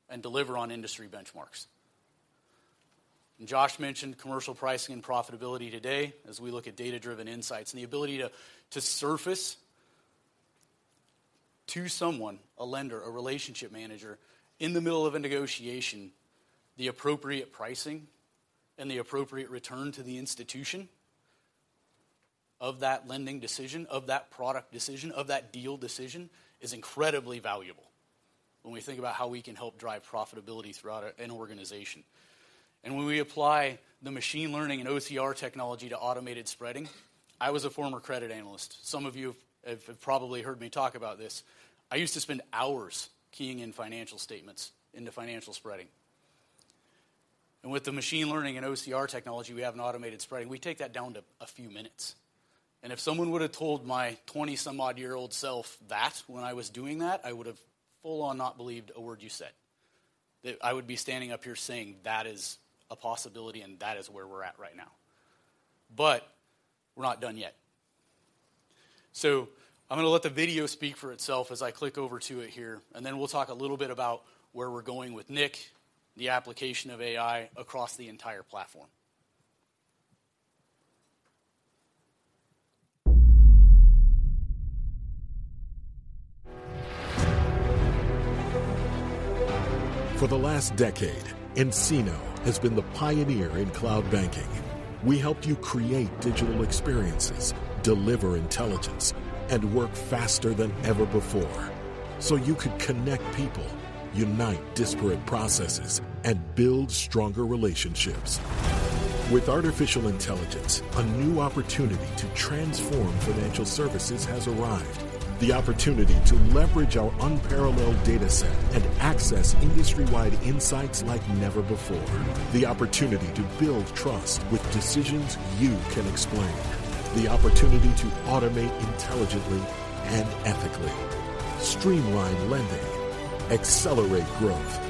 and deliver on industry benchmarks. And Josh mentioned commercial pricing and profitability today as we look at data-driven insights and the ability to, to surface to someone, a lender, a relationship manager, in the middle of a negotiation, the appropriate pricing and the appropriate return to the institution of that lending decision, of that product decision, of that deal decision, is incredibly valuable when we think about how we can help drive profitability throughout an organization. And when we apply the machine learning and OCR technology to automated spreading... I was a former credit analyst. Some of you have probably heard me talk about this. I used to spend hours keying in financial statements into financial spreading. With the machine learning and OCR technology, we have an automated spreading. We take that down to a few minutes. If someone would have told my 20-some-odd-year-old self that when I was doing that, I would have full on not believed a word you said. That I would be standing up here saying that is a possibility, and that is where we're at right now. We're not done yet. I'm gonna let the video speak for itself as I click over to it here, and then we'll talk a little bit about where we're going with nCino, the application of AI across the entire platform. For the last decade, nCino has been the pioneer in cloud banking. We helped you create digital experiences, deliver intelligence, and work faster than ever before, so you could connect people, unite disparate processes, and build stronger relationships. With artificial intelligence, a new opportunity to transform financial services has arrived. The opportunity to leverage our unparalleled data set and access industry-wide insights like never before. The opportunity to build trust with decisions you can explain. The opportunity to automate intelligently and ethically, streamline lending, accelerate growth,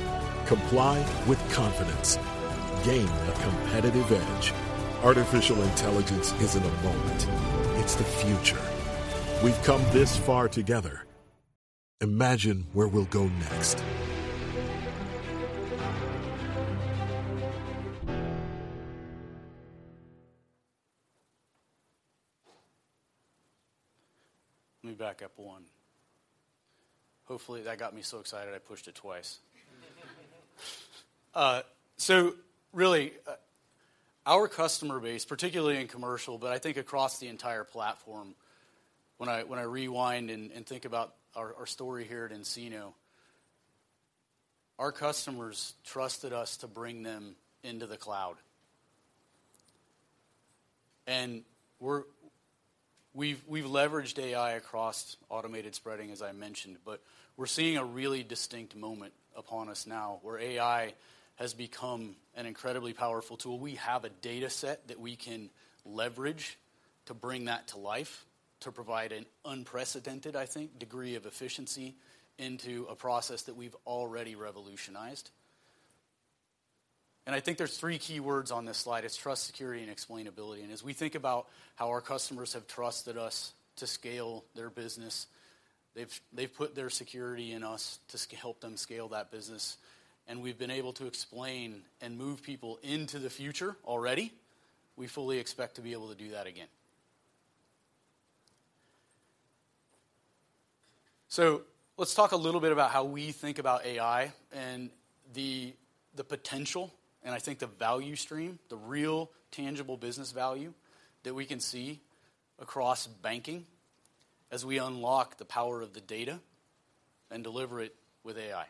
comply with confidence, gain a competitive edge. Artificial intelligence isn't a moment, it's the future. We've come this far together. Imagine where we'll go next. Let me back up one. Hopefully, that got me so excited, I pushed it twice. So really, our customer base, particularly in commercial, but I think across the entire platform, when I rewind and think about our story here at nCino, our customers trusted us to bring them into the cloud. And we've leveraged AI across automated spreading, as I mentioned, but we're seeing a really distinct moment upon us now, where AI has become an incredibly powerful tool. We have a data set that we can leverage to bring that to life, to provide an unprecedented, I think, degree of efficiency into a process that we've already revolutionized. And I think there's three key words on this slide. It's trust, security, and explainability. As we think about how our customers have trusted us to scale their business, they've put their security in us to help them scale that business, and we've been able to explain and move people into the future already. We fully expect to be able to do that again. So let's talk a little bit about how we think about AI and the potential, and I think the value stream, the real tangible business value that we can see across banking as we unlock the power of the data and deliver it with AI.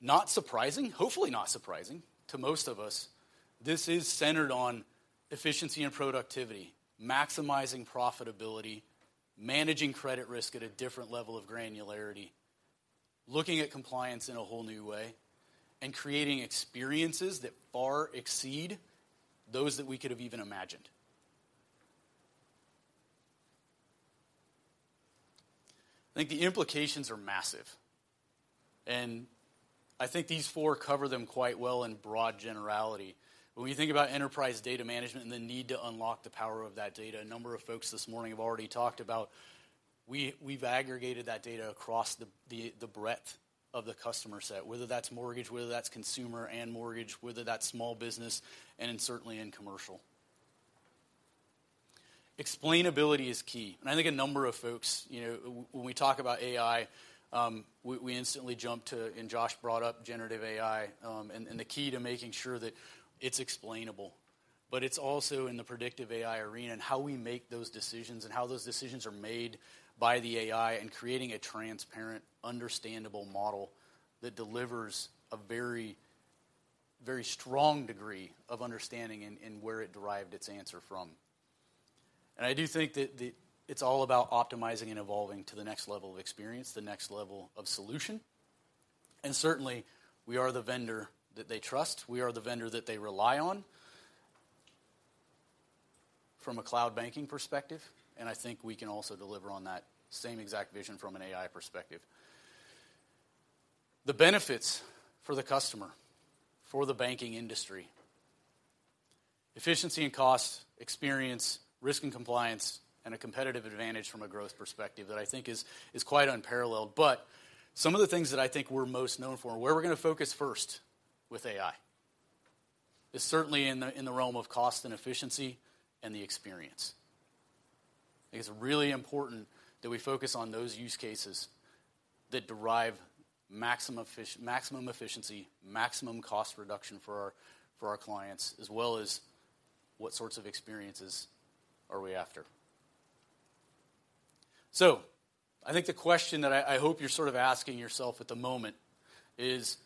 Not surprising, hopefully not surprising to most of us, this is centered on efficiency and productivity, maximizing profitability, managing credit risk at a different level of granularity, looking at compliance in a whole new way, and creating experiences that far exceed those that we could have even imagined. I think the implications are massive, and I think these four cover them quite well in broad generality. When you think about enterprise data management and the need to unlock the power of that data, a number of folks this morning have already talked about we've aggregated that data across the breadth of the customer set, whether that's mortgage, whether that's consumer and mortgage, whether that's small business, and certainly in commercial. Explainability is key, and I think a number of folks, you know, when we talk about AI, we instantly jump to... and Josh brought up generative AI, and the key to making sure that it's explainable. But it's also in the predictive AI arena and how we make those decisions and how those decisions are made by the AI and creating a transparent, understandable model that delivers a very, very strong degree of understanding, and where it derived its answer from. And I do think that it's all about optimizing and evolving to the next level of experience, the next level of solution, and certainly we are the vendor that they trust. We are the vendor that they rely on from a cloud banking perspective, and I think we can also deliver on that same exact vision from an AI perspective. The benefits for the customer, for the banking industry, efficiency and cost, experience, risk and compliance, and a competitive advantage from a growth perspective that I think is quite unparalleled. But some of the things that I think we're most known for and where we're gonna focus first with AI is certainly in the, in the realm of cost and efficiency and the experience. I think it's really important that we focus on those use cases that derive maximum efficiency, maximum cost reduction for our, for our clients, as well as what sorts of experiences are we after. So I think the question that I, I hope you're sort of asking yourself at the moment is: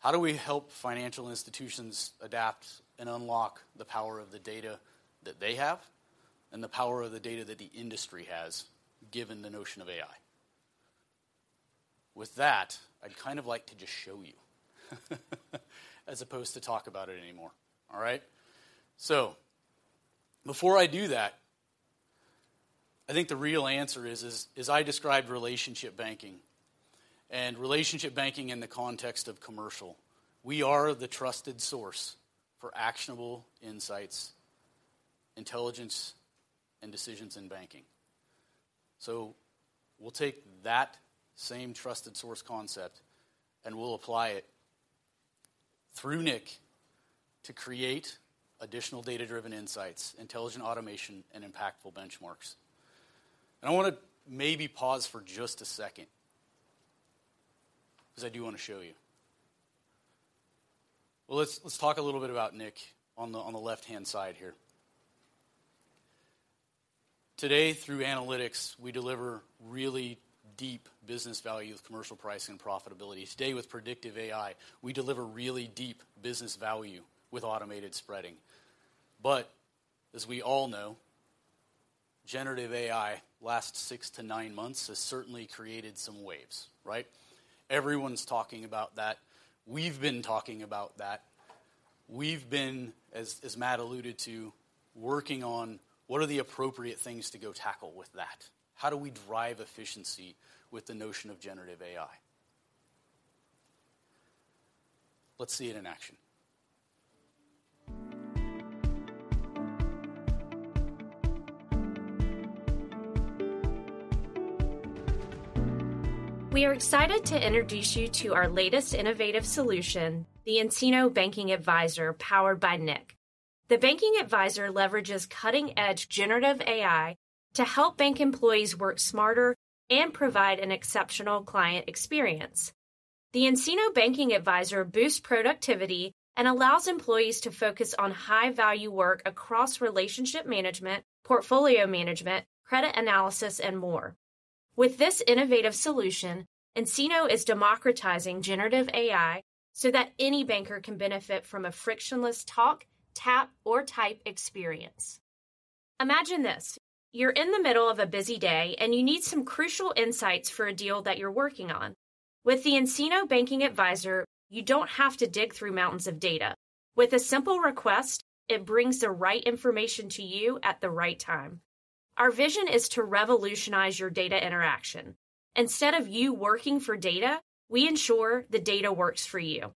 how do we help financial institutions adapt and unlock the power of the data that they have and the power of the data that the industry has, given the notion of AI? With that, I'd kind of like to just show you as opposed to talk about it anymore. All right? So before I do that, I think the real answer is I described relationship banking and relationship banking in the context of commercial. We are the trusted source for actionable insights, intelligence, and decisions in banking. So we'll take that same trusted source concept, and we'll apply it through nIQ to create additional data-driven insights, intelligent automation, and impactful benchmarks. And I wanna maybe pause for just a second because I do wanna show you. Well, let's talk a little bit about nIQ on the left-hand side here. Today, through analytics, we deliver really deep business value with Commercial Pricing and Profitability. Today, with predictive AI, we deliver really deep business value with automated spreading. But as we all know, generative AI, last 6-9 months, has certainly created some waves, right? Everyone's talking about that. We've been talking about that. We've been, as Matt alluded to, working on what are the appropriate things to go tackle with that. How do we drive efficiency with the notion of generative AI? Let's see it in action. We are excited to introduce you to our latest innovative solution, the nCino Banking Advisor, powered by nIQ. The Banking Advisor leverages cutting-edge generative AI to help bank employees work smarter and provide an exceptional client experience. The nCino Banking Advisor boosts productivity and allows employees to focus on high-value work across relationship management, portfolio management, credit analysis, and more. With this innovative solution, nCino is democratizing generative AI so that any banker can benefit from a frictionless talk, tap, or type experience. Imagine this: You're in the middle of a busy day, and you need some crucial insights for a deal that you're working on. With the nCino Banking Advisor, you don't have to dig through mountains of data. With a simple request, it brings the right information to you at the right time. Our vision is to revolutionize your data interaction. Instead of you working for data, we ensure the data works for you.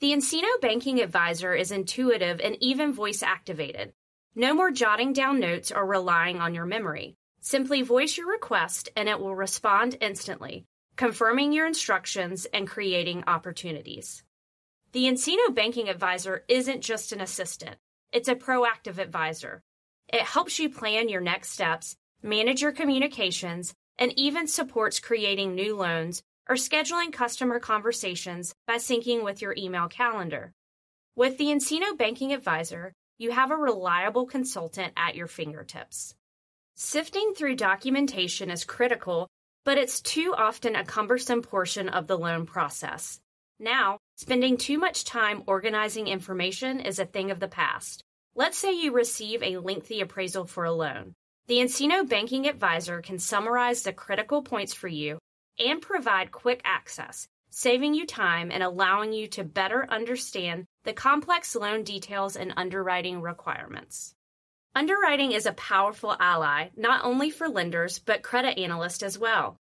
The nCino Banking Advisor is intuitive and even voice-activated. No more jotting down notes or relying on your memory. Simply voice your request, and it will respond instantly, confirming your instructions and creating opportunities. The nCino Banking Advisor isn't just an assistant. It's a proactive advisor. It helps you plan your next steps, manage your communications, and even supports creating new loans or scheduling customer conversations by syncing with your email calendar. With the nCino Banking Advisor, you have a reliable consultant at your fingertips. Sifting through documentation is critical, but it's too often a cumbersome portion of the loan process... Now, spending too much time organizing information is a thing of the past. Let's say you receive a lengthy appraisal for a loan. The nCino Banking Advisor can summarize the critical points for you and provide quick access, saving you time and allowing you to better understand the complex loan details and underwriting requirements. Underwriting is a powerful ally, not only for lenders, but credit analysts as well.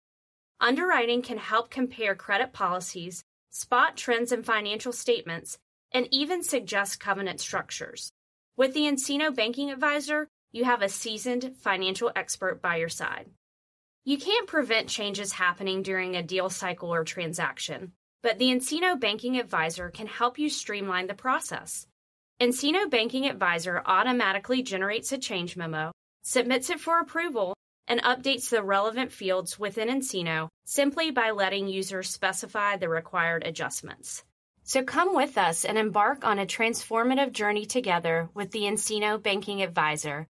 Underwriting can help compare credit policies, spot trends in financial statements, and even suggest covenant structures. With the nCino Banking Advisor, you have a seasoned financial expert by your side. You can't prevent changes happening during a deal cycle or transaction, but the nCino Banking Advisor can help you streamline the process. nCino Banking Advisor automatically generates a change memo, submits it for approval, and updates the relevant fields within nCino simply by letting users specify the required adjustments. So come with us and embark on a transformative journey together with the nCino Banking Advisor.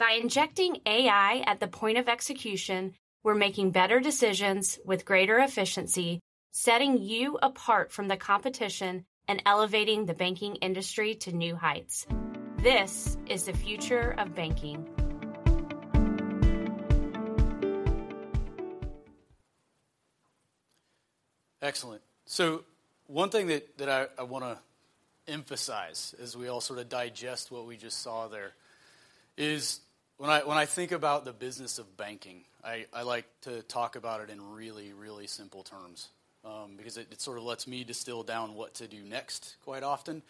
By injecting AI at the point of execution, we're making better decisions with greater efficiency, setting you apart from the competition and elevating the banking industry to new heights. This is the future of banking. Excellent. So one thing that I wanna emphasize as we all sort of digest what we just saw there is when I think about the business of banking, I like to talk about it in really, really simple terms, because it sort of lets me distill down what to do next quite often,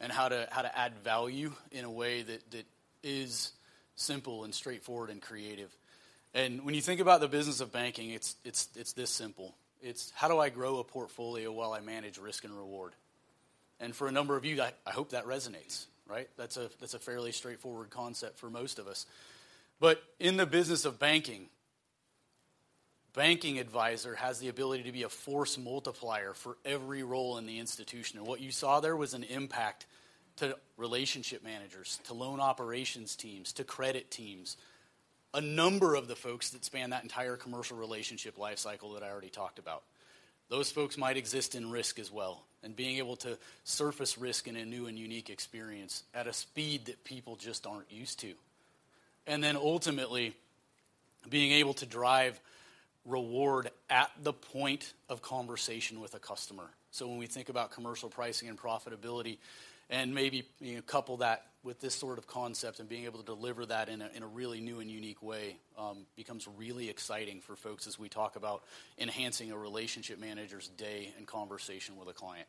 and how to add value in a way that is simple and straightforward and creative. And when you think about the business of banking, it's this simple: It's how do I grow a portfolio while I manage risk and reward? And for a number of you, I hope that resonates, right? That's a fairly straightforward concept for most of us. But in the business of banking, Banking Advisor has the ability to be a force multiplier for every role in the institution. What you saw there was an impact to relationship managers, to loan operations teams, to credit teams, a number of the folks that span that entire commercial relationship life cycle that I already talked about. Those folks might exist in risk as well, and being able to surface risk in a new and unique experience at a speed that people just aren't used to. And then ultimately, being able to drive reward at the point of conversation with a customer. So when we think about Commercial Pricing and Profitability, and maybe you couple that with this sort of concept, and being able to deliver that in a really new and unique way, becomes really exciting for folks as we talk about enhancing a relationship manager's day and conversation with a client.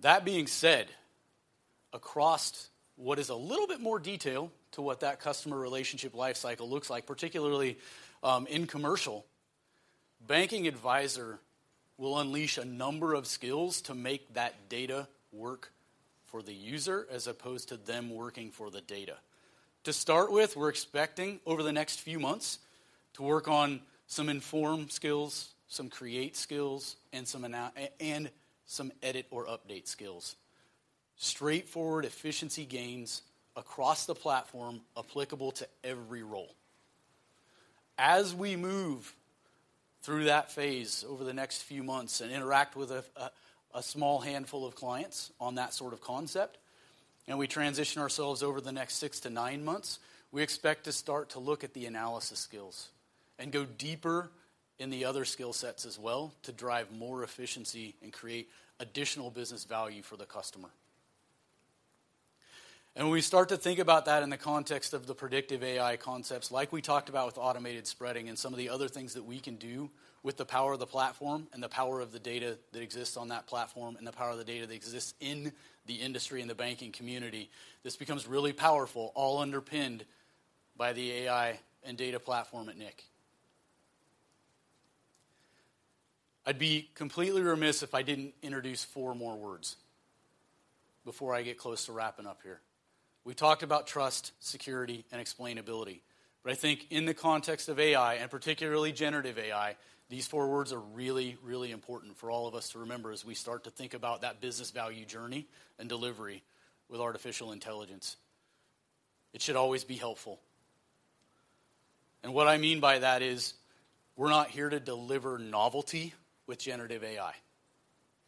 That being said, across what is a little bit more detail to what that customer relationship life cycle looks like, particularly, in commercial, Banking Advisor will unleash a number of skills to make that data work for the user, as opposed to them working for the data. To start with, we're expecting over the next few months to work on some informed skills, some create skills, and some and some edit or update skills. Straightforward efficiency gains across the platform, applicable to every role. As we move through that phase over the next few months and interact with a small handful of clients on that sort of concept, and we transition ourselves over the next 6-9 months, we expect to start to look at the analysis skills and go deeper in the other skill sets as well, to drive more efficiency and create additional business value for the customer. When we start to think about that in the context of the predictive AI concepts, like we talked about with automated spreading and some of the other things that we can do with the power of the platform and the power of the data that exists on that platform, and the power of the data that exists in the industry and the banking community, this becomes really powerful, all underpinned by the AI and data platform at nCino. I'd be completely remiss if I didn't introduce four more words before I get close to wrapping up here. We talked about trust, security, and explainability, but I think in the context of AI, and particularly generative AI, these four words are really, really important for all of us to remember as we start to think about that business value journey and delivery with artificial intelligence. It should always be helpful. What I mean by that is, we're not here to deliver novelty with generative AI.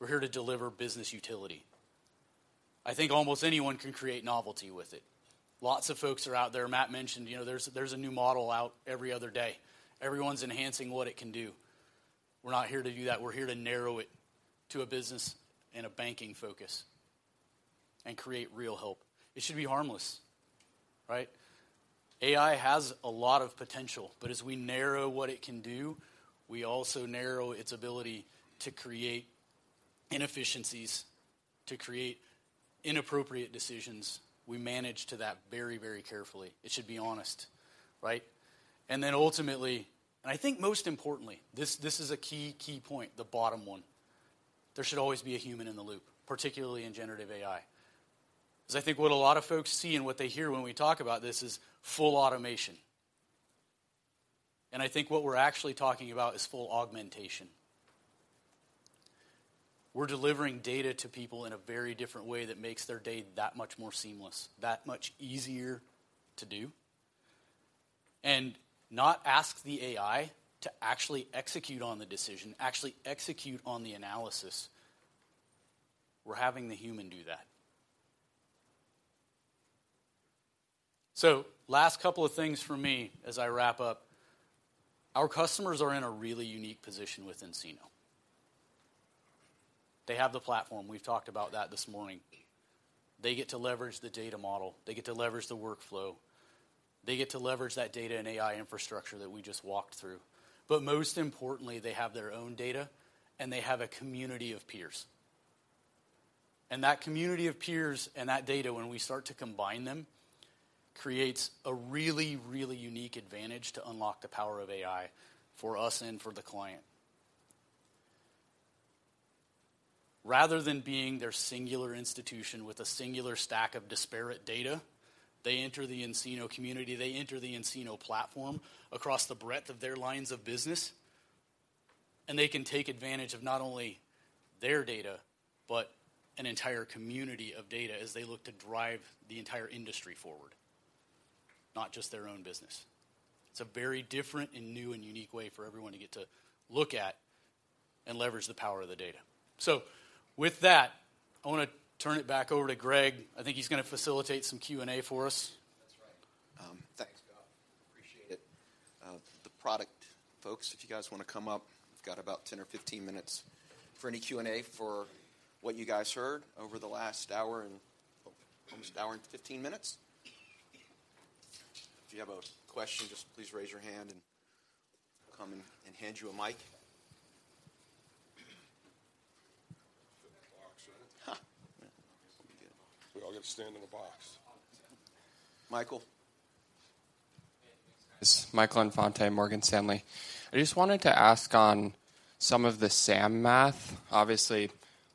We're here to deliver business utility. I think almost anyone can create novelty with it. Lots of folks are out there. Matt mentioned, you know, there's a new model out every other day. Everyone's enhancing what it can do. We're not here to do that. We're here to narrow it to a business and a banking focus and create real help. It should be harmless, right? AI has a lot of potential, but as we narrow what it can do, we also narrow its ability to create inefficiencies, to create inappropriate decisions. We manage to that very, very carefully. It should be honest, right? And then ultimately, and I think most importantly, this, this is a key, key point, the bottom one: There should always be a human in the loop, particularly in generative AI. Because I think what a lot of folks see and what they hear when we talk about this is full automation, and I think what we're actually talking about is full augmentation. We're delivering data to people in a very different way that makes their day that much more seamless, that much easier to do.... And not ask the AI to actually execute on the decision, actually execute on the analysis, we're having the human do that. So last couple of things from me as I wrap up. Our customers are in a really unique position with nCino. They have the platform. We've talked about that this morning. They get to leverage the data model. They get to leverage the workflow. They get to leverage that data and AI infrastructure that we just walked through. But most importantly, they have their own data, and they have a community of peers. And that community of peers and that data, when we start to combine them, creates a really, really unique advantage to unlock the power of AI for us and for the client. Rather than being their singular institution with a singular stack of disparate data, they enter the nCino community, they enter the nCino platform across the breadth of their lines of business, and they can take advantage of not only their data, but an entire community of data as they look to drive the entire industry forward, not just their own business. It's a very different and new and unique way for everyone to get to look at and leverage the power of the data. With that, I want to turn it back over to Greg. I think he's going to facilitate some Q&A for us. That's right. Thanks, Bob. Appreciate it. The product folks, if you guys want to come up, we've got about 10 or 15 minutes for any Q&A for what you guys heard over the last hour and almost an hour and 15 minutes. If you have a question, just please raise your hand, and I'll come and hand you a mic. Box, right? Ha! Yeah. We all get to stand in a box. Michael? It's Michael Infante, Morgan Stanley. I just wanted to ask on some of the SAM math. Obviously, a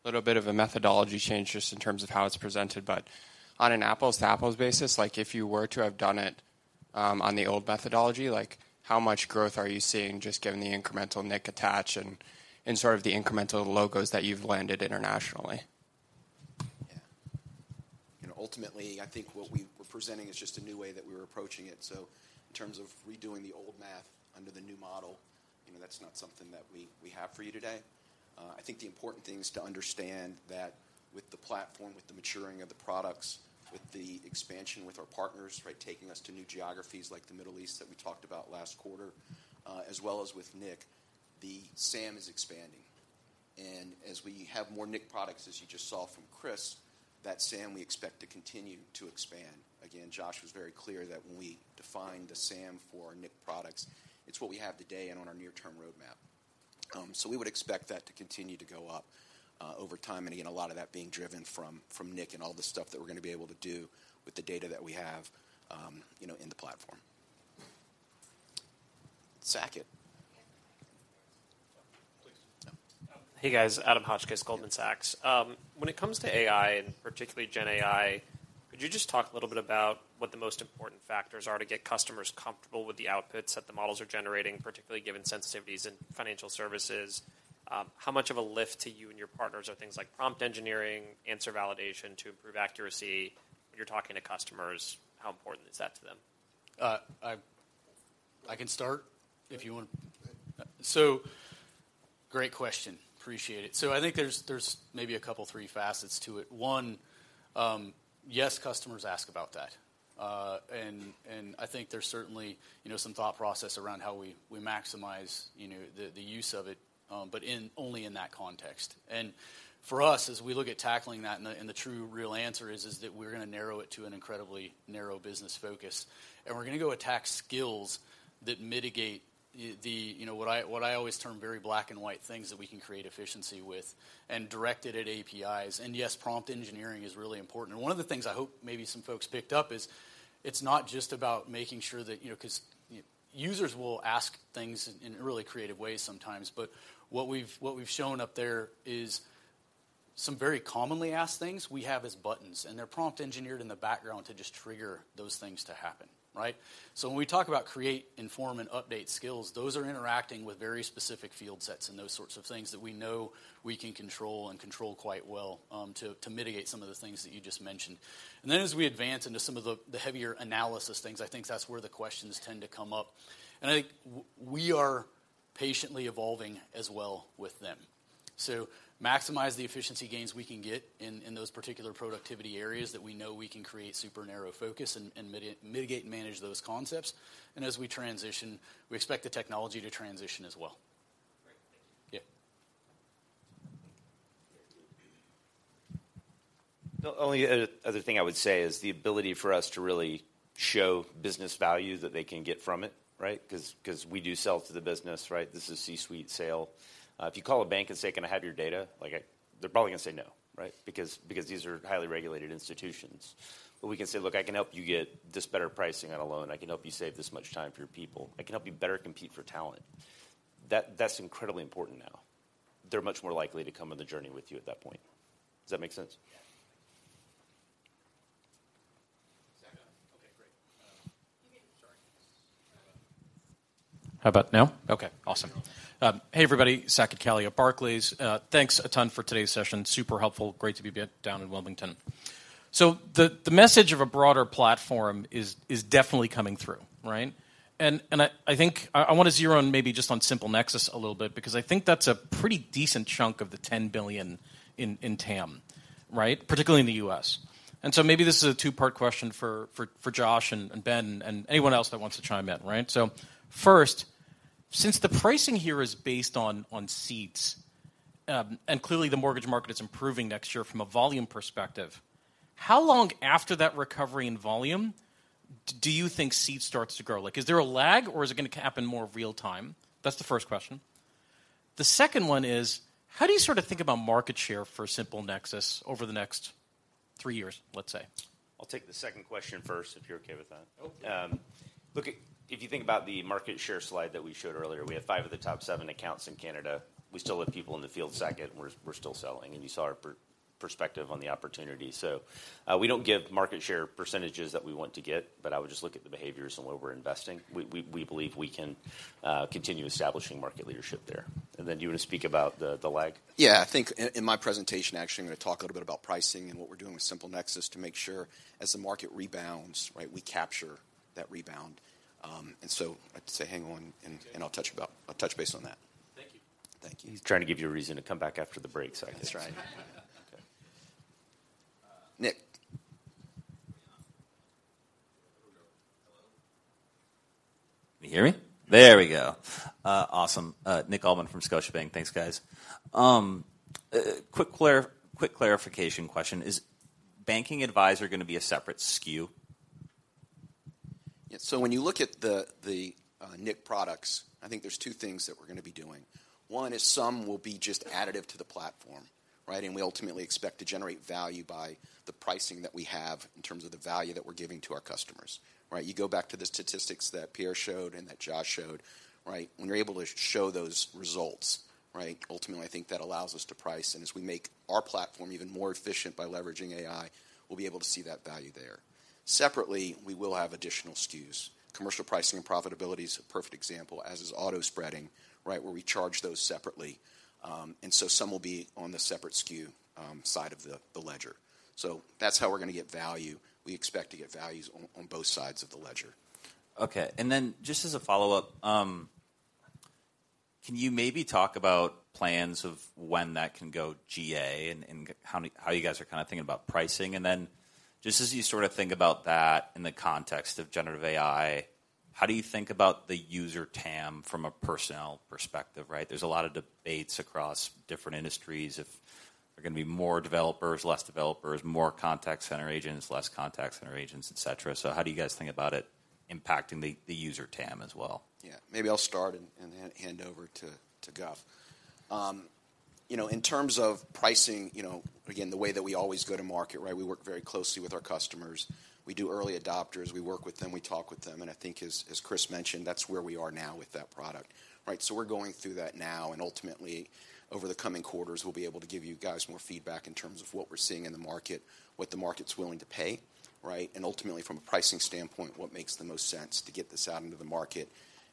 little bit of a methodology change just in terms of how it's presented, but on an apples-to-apples basis, like, if you were to have done it, on the old methodology, like, how much growth are you seeing just given the incremental Nic attach and, and sort of the incremental logos that you've landed internationally? Yeah. You know, ultimately, I think what we were presenting is just a new way that we're approaching it. So in terms of redoing the old math under the new model, you know, that's not something that we have for you today. I think the important thing is to understand that with the platform, with the maturing of the products, with the expansion with our partners, right, taking us to new geographies like the Middle East that we talked about last quarter, as well as with nIQ, the SAM is expanding. And as we have more nIQ products, as you just saw from Chris, that SAM, we expect to continue to expand. Again, Josh was very clear that when we define the SAM for our nIQ products, it's what we have today and on our near-term roadmap. So we would expect that to continue to go up over time, and again, a lot of that being driven from nIQ and all the stuff that we're going to be able to do with the data that we have, you know, in the platform. Saket? Hey, guys, Adam Hotchkiss, Goldman Sachs. When it comes to AI, and particularly gen AI, could you just talk a little bit about what the most important factors are to get customers comfortable with the outputs that the models are generating, particularly given sensitivities in financial services? How much of a lift to you and your partners are things like prompt engineering, answer validation to improve accuracy? When you're talking to customers, how important is that to them? I can start if you want- Go ahead. So great question. Appreciate it. So I think there's maybe a couple, three facets to it. One, yes, customers ask about that. And I think there's certainly, you know, some thought process around how we maximize, you know, the use of it, but only in that context. And for us, as we look at tackling that, the true real answer is that we're going to narrow it to an incredibly narrow business focus, and we're going to go attack skills that mitigate the, you know, what I always term very black-and-white things that we can create efficiency with and direct it at APIs. And yes, prompt engineering is really important. And one of the things I hope maybe some folks picked up is, it's not just about making sure that, you know, 'cause users will ask things in really creative ways sometimes, but what we've shown up there is some very commonly asked things we have as buttons, and they're prompt engineered in the background to just trigger those things to happen, right? So when we talk about create, inform, and update skills, those are interacting with very specific field sets and those sorts of things that we know we can control and control quite well, to mitigate some of the things that you just mentioned. And then as we advance into some of the heavier analysis things, I think that's where the questions tend to come up. And I think we are patiently evolving as well with them. So, maximize the efficiency gains we can get in those particular productivity areas that we know we can create super narrow focus and mitigate and manage those concepts. As we transition, we expect the technology to transition as well. Great. Thank you. Yeah. The only other thing I would say is the ability for us to really show business value that they can get from it, right? 'Cause we do sell to the business, right? This is C-suite sale. If you call a bank and say, "Can I have your data?" Like, they're probably going to say no, right? Because these are highly regulated institutions. But we can say, "Look, I can help you get this better pricing on a loan. I can help you save this much time for your people. I can help you better compete for talent." That's incredibly important now. They're much more likely to come on the journey with you at that point. Does that make sense? Yeah. Okay, great. Sorry.... How about now? Okay, awesome. Hey, everybody, Saket Kalia at Barclays. Thanks a ton for today's session. Super helpful. Great to be down in Wilmington. So the message of a broader platform is definitely coming through, right? And I think I want to zero in maybe just on SimpleNexus a little bit, because I think that's a pretty decent chunk of the $10 billion in TAM, right? Particularly in the U.S. And so maybe this is a two-part question for Josh and Ben, and anyone else that wants to chime in, right? So first, since the pricing here is based on seats, and clearly the mortgage market is improving next year from a volume perspective, how long after that recovery in volume do you think seat starts to grow? Like, is there a lag, or is it going to happen more real time? That's the first question. The second one is: how do you sort of think about market share for SimpleNexus over the next three years, let's say? I'll take the second question first, if you're okay with that. Okay. Look, if you think about the market share slide that we showed earlier, we have five of the top seven accounts in Canada. We still have people in the field, Saket, and we're still selling, and you saw our perspective on the opportunity. So, we don't give market share percentages that we want to get, but I would just look at the behaviors and where we're investing. We believe we can continue establishing market leadership there. And then do you want to speak about the lag? Yeah, I think in my presentation, actually, I'm going to talk a little bit about pricing and what we're doing with SimpleNexus to make sure as the market rebounds, right, we capture that rebound. And so I'd say hang on, and I'll touch base on that. Thank you. Thank you. He's trying to give you a reason to come back after the break, so I guess. That's right. Okay. Nick. Hello? Can you hear me? There we go. Awesome. Nick Altman from Scotiabank. Thanks, guys. Quick clarification question, is Banking Advisor going to be a separate SKU? Yeah. So when you look at the nCino products, I think there's two things that we're going to be doing. One is some will be just additive to the platform, right? And we ultimately expect to generate value by the pricing that we have in terms of the value that we're giving to our customers, right? You go back to the statistics that Pierre showed and that Josh showed, right? When you're able to show those results, right, ultimately, I think that allows us to price. And as we make our platform even more efficient by leveraging AI, we'll be able to see that value there. Separately, we will have additional SKUs. Commercial Pricing and Profitability is a perfect example, as is Auto Spreading, right? Where we charge those separately. And so some will be on the separate SKU side of the ledger. That's how we're going to get value. We expect to get values on both sides of the ledger. Okay. And then just as a follow-up, can you maybe talk about plans of when that can go GA and how you guys are kind of thinking about pricing? And then just as you sort of think about that in the context of generative AI, how do you think about the user TAM from a personnel perspective, right? There's a lot of debates across different industries if there are going to be more developers, less developers, more contact center agents, less contact center agents, et cetera. So how do you guys think about it impacting the user TAM as well? Yeah. Maybe I'll start and hand over to Guv. You know, in terms of pricing, you know, again, the way that we always go to market, right? We work very closely with our customers. We do early adopters. We work with them, we talk with them, and I think as Chris mentioned, that's where we are now with that product, right? So we're going through that now, and ultimately, over the coming quarters, we'll be able to give you guys more feedback in terms of what we're seeing in the market, what the market's willing to pay, right? And ultimately, from a pricing standpoint, what makes the most sense to get this out into the market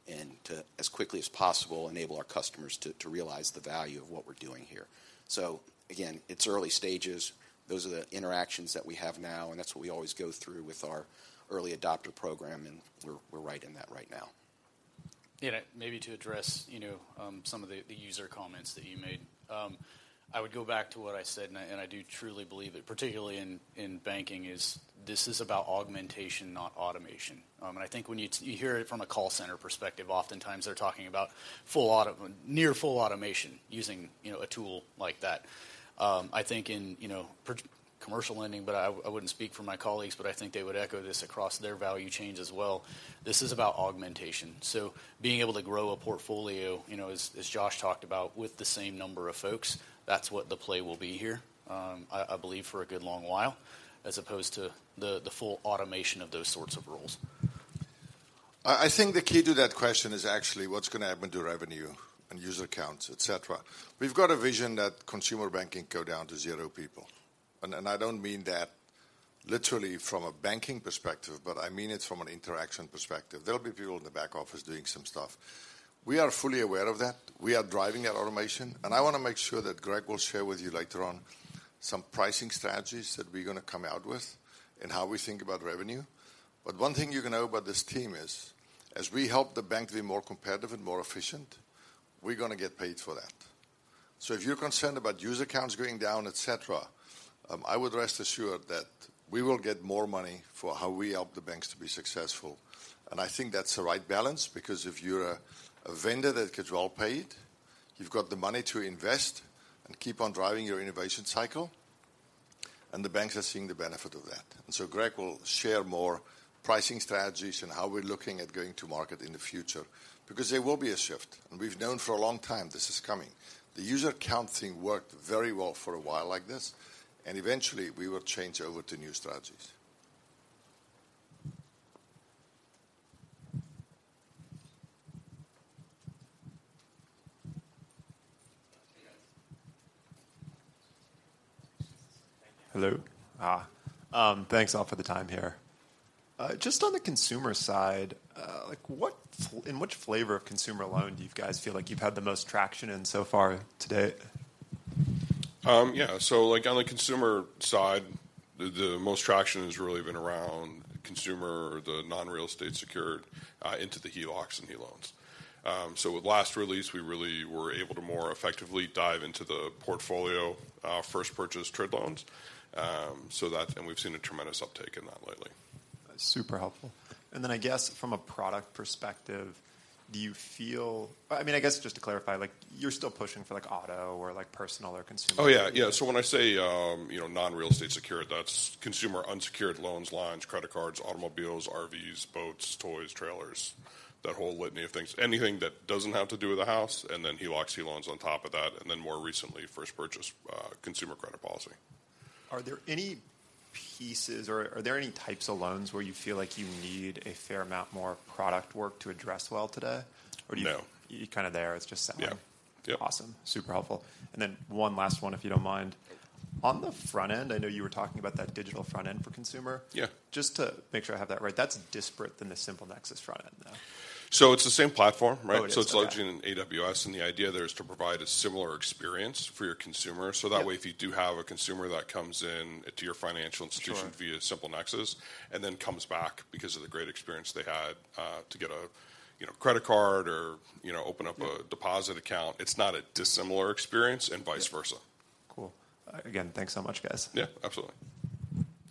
and to, as quickly as possible, enable our customers to realize the value of what we're doing here. So again, it's early stages. Those are the interactions that we have now, and that's what we always go through with our early adopter program, and we're right in that right now. Yeah, maybe to address, you know, some of the user comments that you made. I would go back to what I said, and I do truly believe it, particularly in banking. This is about augmentation, not automation. And I think when you hear it from a call center perspective, oftentimes they're talking about full automation, near full automation, using, you know, a tool like that. I think in, you know, commercial lending, but I wouldn't speak for my colleagues, but I think they would echo this across their value chains as well. This is about augmentation. So being able to grow a portfolio, you know, as Josh talked about, with the same number of folks, that's what the play will be here, I believe, for a good long while, as opposed to the full automation of those sorts of roles. I think the key to that question is actually what's going to happen to revenue and user accounts, et cetera. We've got a vision that consumer banking go down to zero people, and, and I don't mean that literally from a banking perspective, but I mean it from an interaction perspective. There'll be people in the back office doing some stuff. We are fully aware of that. We are driving that automation, and I want to make sure that Greg will share with you later on some pricing strategies that we're going to come out with and how we think about revenue. But one thing you can know about this team is, as we help the bank be more competitive and more efficient, we're going to get paid for that. So if you're concerned about user accounts going down, et cetera, I would rest assured that we will get more money for how we help the banks to be successful. And I think that's the right balance, because if you're a vendor that gets well paid, you've got the money to invest and keep on driving your innovation cycle, and the banks are seeing the benefit of that. And so Greg will share more pricing strategies and how we're looking at going to market in the future, because there will be a shift, and we've known for a long time this is coming. The user count thing worked very well for a while like this, and eventually, we will change over to new strategies. ... Hello. Thanks all for the time here. Just on the consumer side, like, what in which flavor of consumer loan do you guys feel like you've had the most traction in so far today? Yeah, so, like, on the consumer side, the, the most traction has really been around consumer or the non-real estate secured, into the HELOCs and HELoans. So with last release, we really were able to more effectively dive into the portfolio, first purchase trade loans. So that... And we've seen a tremendous uptake in that lately. Super helpful. And then I guess from a product perspective, do you feel? I mean, I guess just to clarify, like, you're still pushing for, like, auto or, like, personal or consumer? Oh, yeah. Yeah. So when I say, you know, non-real estate secured, that's consumer unsecured loans, lines, credit cards, automobiles, RVs, boats, toys, trailers, that whole litany of things. Anything that doesn't have to do with a house, and then HELOCs, HELoans on top of that, and then more recently, first purchase, consumer credit policy. Are there any pieces or are there any types of loans where you feel like you need a fair amount more product work to address well today? Or do you- No. You're kind of there. It's just selling. Yeah. Yep. Awesome. Super helpful. And then one last one, if you don't mind. On the front end, I know you were talking about that digital front end for consumer. Yeah. Just to make sure I have that right, that's disparate than the SimpleNexus front end, though? It's the same platform, right? Oh, it is. It's lodging in AWS, and the idea there is to provide a similar experience for your consumer. Yeah. That way, if you do have a consumer that comes in to your financial institution- Sure... via SimpleNexus and then comes back because of the great experience they had, to get a, you know, credit card or, you know, open up a- Yeah... deposit account, it's not a dissimilar experience, and vice versa. Cool. Again, thanks so much, guys. Yeah, absolutely.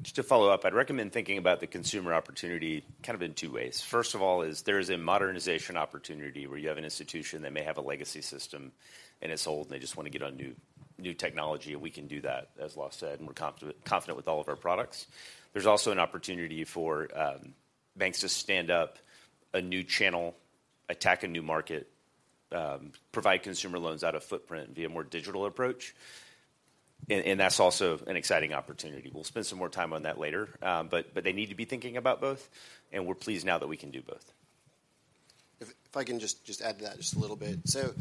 Just to follow up, I'd recommend thinking about the consumer opportunity kind of in two ways. First of all, there is a modernization opportunity where you have an institution that may have a legacy system, and it's old, and they just want to get on new technology, and we can do that, as Law said, and we're confident with all of our products. There's also an opportunity for banks to stand up a new channel, attack a new market, provide consumer loans out of footprint via more digital approach. And that's also an exciting opportunity. We'll spend some more time on that later. But they need to be thinking about both, and we're pleased now that we can do both. If I can just add to that just a little bit. So,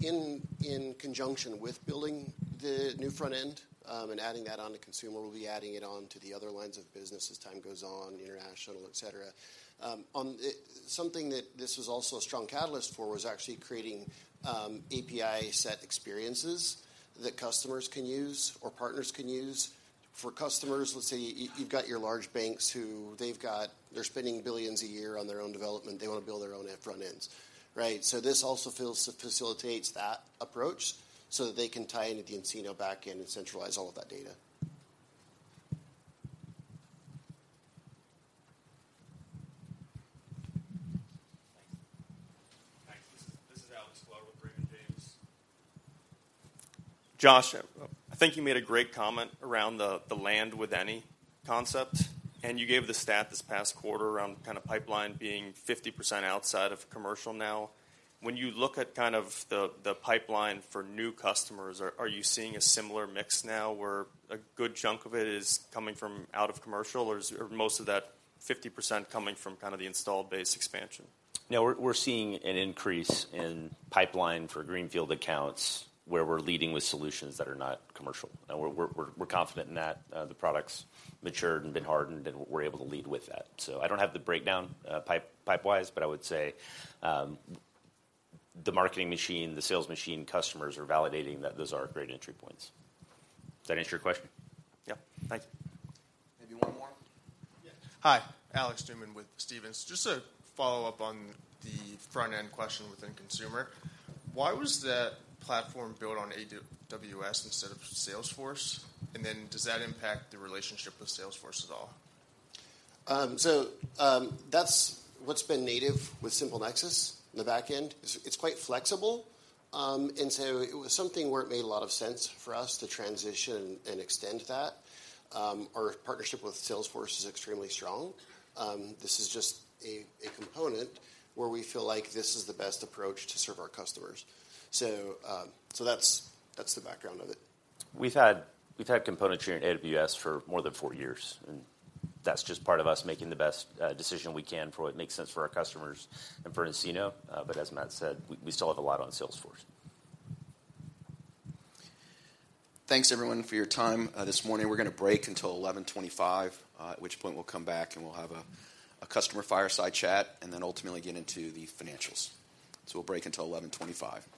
in conjunction with building the new front end, and adding that on to consumer, we'll be adding it on to the other lines of business as time goes on, international, et cetera. Something that this was also a strong catalyst for was actually creating API set experiences that customers can use or partners can use. For customers, let's say you've got your large banks who—they're spending $billions a year on their own development. They want to build their own front ends, right? So this also facilitates that approach so that they can tie into the nCino backend and centralize all of that data. Thanks. This is Alex Clark with Raymond James. Josh, I think you made a great comment around the land-and-expand concept, and you gave the stat this past quarter around kind of pipeline being 50% outside of commercial now. When you look at kind of the pipeline for new customers, are you seeing a similar mix now where a good chunk of it is coming from out of commercial, or is or most of that 50% coming from kind of the installed base expansion? No, we're seeing an increase in pipeline for greenfield accounts where we're leading with solutions that are not commercial, and we're confident in that. The product's matured and been hardened, and we're able to lead with that. So I don't have the breakdown, pipeline-wise, but I would say, the marketing machine, the sales machine, customers are validating that those are great entry points. Does that answer your question? Yep. Thank you. Maybe one more? Yeah. Hi, Alex Newman with Stephens. Just to follow up on the front-end question within consumer, why was that platform built on AWS instead of Salesforce? And then does that impact the relationship with Salesforce at all? So, that's what's been native with SimpleNexus. The back end, it's quite flexible, and so it was something where it made a lot of sense for us to transition and extend that. Our partnership with Salesforce is extremely strong. This is just a component where we feel like this is the best approach to serve our customers. So, that's the background of it. We've had, we've had components here in AWS for more than four years, and that's just part of us making the best decision we can for what makes sense for our customers and for nCino. But as Matt said, we still have a lot on Salesforce. Thanks, everyone, for your time this morning. We're gonna break until 11:25 A.M., at which point we'll come back, and we'll have a customer fireside chat and then ultimately get into the financials. So we'll break until 11:25 A.M. Thank you.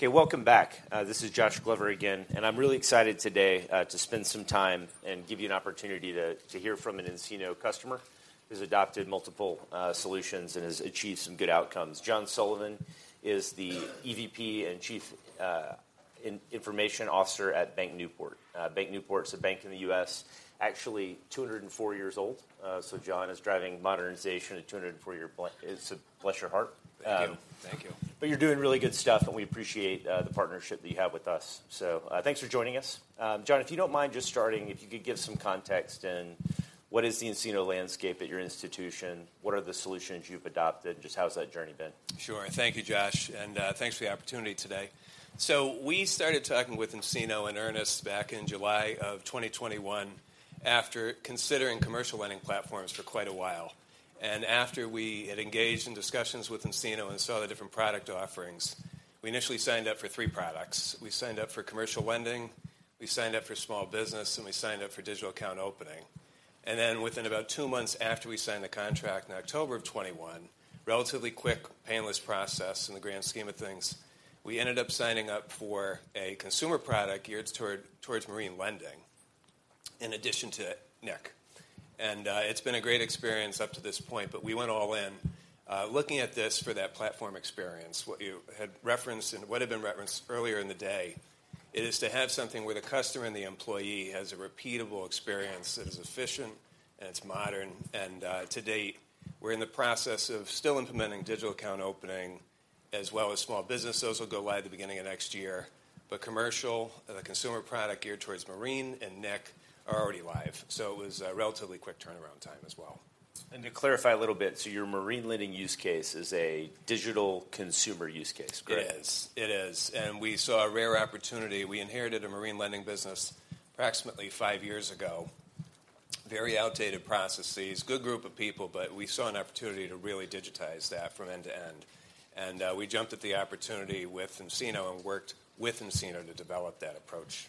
Okay, welcome back. This is Josh Glover again, and I'm really excited today to spend some time and give you an opportunity to hear from an nCino customer, who's adopted multiple solutions and has achieved some good outcomes. John Sullivan is the EVP and Chief Information Officer at BankNewport. BankNewport is a bank in the U.S., actually 204 years old. So John is driving modernization at 204 year-- Bl- So bless your heart. Thank you. Thank you. But you're doing really good stuff, and we appreciate the partnership that you have with us. So, thanks for joining us. John, if you don't mind just starting, if you could give some context in what is the nCino landscape at your institution? What are the solutions you've adopted? Just how has that journey been? Sure. Thank you, Josh, and thanks for the opportunity today. So we started talking with nCino in earnest back in July 2021 after considering commercial lending platforms for quite a while. After we had engaged in discussions with nCino and saw the different product offerings, we initially signed up for 3 products. We signed up for commercial lending, we signed up for small business, and we signed up for digital account opening. Then within about 2 months after we signed the contract in October 2021, relatively quick, painless process in the grand scheme of things, we ended up signing up for a consumer product geared toward marine lending, in addition to nIQ. It's been a great experience up to this point, but we went all in. Looking at this for that platform experience, what you had referenced and what had been referenced earlier in the day, it is to have something where the customer and the employee has a repeatable experience that is efficient and it's modern. And, to date, we're in the process of still implementing digital account opening as well as small business. Those will go live at the beginning of next year. But commercial, the consumer product geared towards marine and nIQ are already live, so it was a relatively quick turnaround time as well. To clarify a little bit, so your marine lending use case is a digital consumer use case, correct? It is. It is. We saw a rare opportunity. We inherited a mortgage lending business approximately 5 years ago. Very outdated processes, good group of people, but we saw an opportunity to really digitize that from end to end. We jumped at the opportunity with nCino and worked with nCino to develop that approach.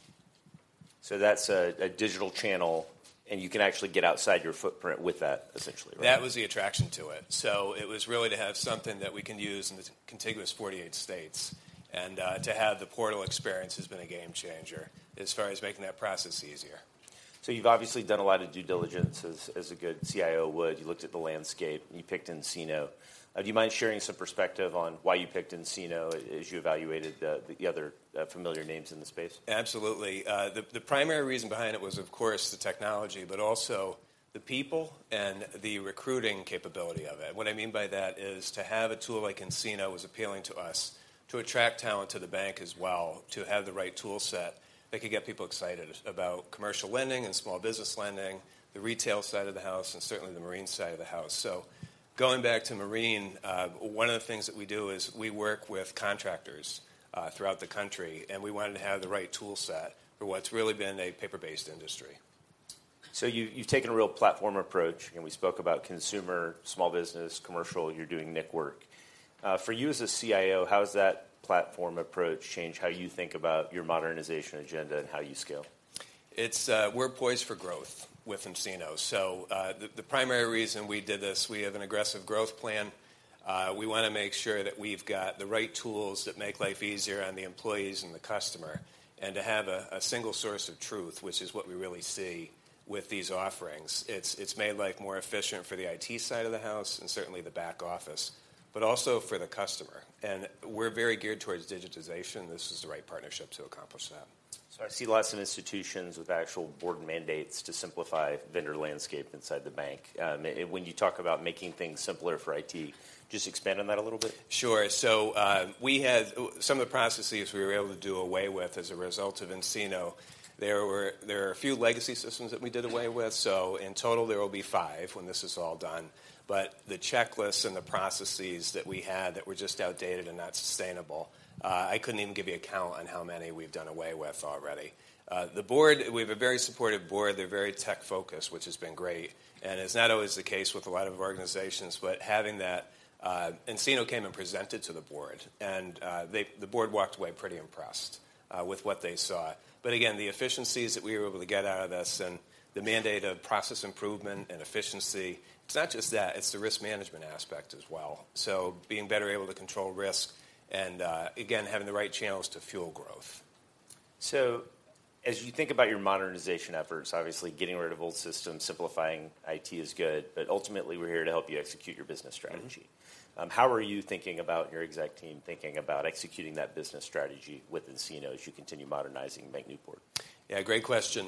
So that's a digital channel, and you can actually get outside your footprint with that, essentially, right? That was the attraction to it. So it was really to have something that we can use in the contiguous 48 states. And, to have the portal experience has been a game changer as far as making that process easier. So you've obviously done a lot of due diligence, as a good CIO would. You looked at the landscape, and you picked nCino. Do you mind sharing some perspective on why you picked nCino as you evaluated the other familiar names in the space? Absolutely. The primary reason behind it was, of course, the technology, but also the people and the recruiting capability of it. What I mean by that is to have a tool like nCino was appealing to us, to attract talent to the bank as well, to have the right tool set that could get people excited about commercial lending and small business lending, the retail side of the house, and certainly the marine side of the house. So going back to marine, one of the things that we do is we work with contractors throughout the country, and we wanted to have the right tool set for what's really been a paper-based industry. So you, you've taken a real platform approach, and we spoke about consumer, small business, commercial. You're doing nCino work. For you as a CIO, how has that platform approach changed how you think about your modernization agenda and how you scale? It's, we're poised for growth with nCino. So, the primary reason we did this, we have an aggressive growth plan. We want to make sure that we've got the right tools that make life easier on the employees and the customer, and to have a single source of truth, which is what we really see with these offerings. It's made life more efficient for the IT side of the house and certainly the back office, but also for the customer. And we're very geared towards digitization. This is the right partnership to accomplish that. I see lots of institutions with actual board mandates to simplify vendor landscape inside the bank. And when you talk about making things simpler for IT, just expand on that a little bit. Sure. So, we had some of the processes we were able to do away with as a result of nCino. There were. There are a few legacy systems that we did away with. So in total, there will be five when this is all done. But the checklists and the processes that we had that were just outdated and not sustainable, I couldn't even give you a count on how many we've done away with already. The board, we have a very supportive board. They're very tech-focused, which has been great, and it's not always the case with a lot of organizations. But having that, nCino came and presented to the board, and the board walked away pretty impressed with what they saw. But again, the efficiencies that we were able to get out of this and the mandate of process improvement and efficiency, it's not just that, it's the risk management aspect as well. So being better able to control risk and, again, having the right channels to fuel growth. So as you think about your modernization efforts, obviously getting rid of old systems, simplifying IT is good, but ultimately, we're here to help you execute your business strategy. Mm-hmm. How are you thinking about your exec team, thinking about executing that business strategy with nCino as you continue modernizing Bank Newport? Yeah, great question.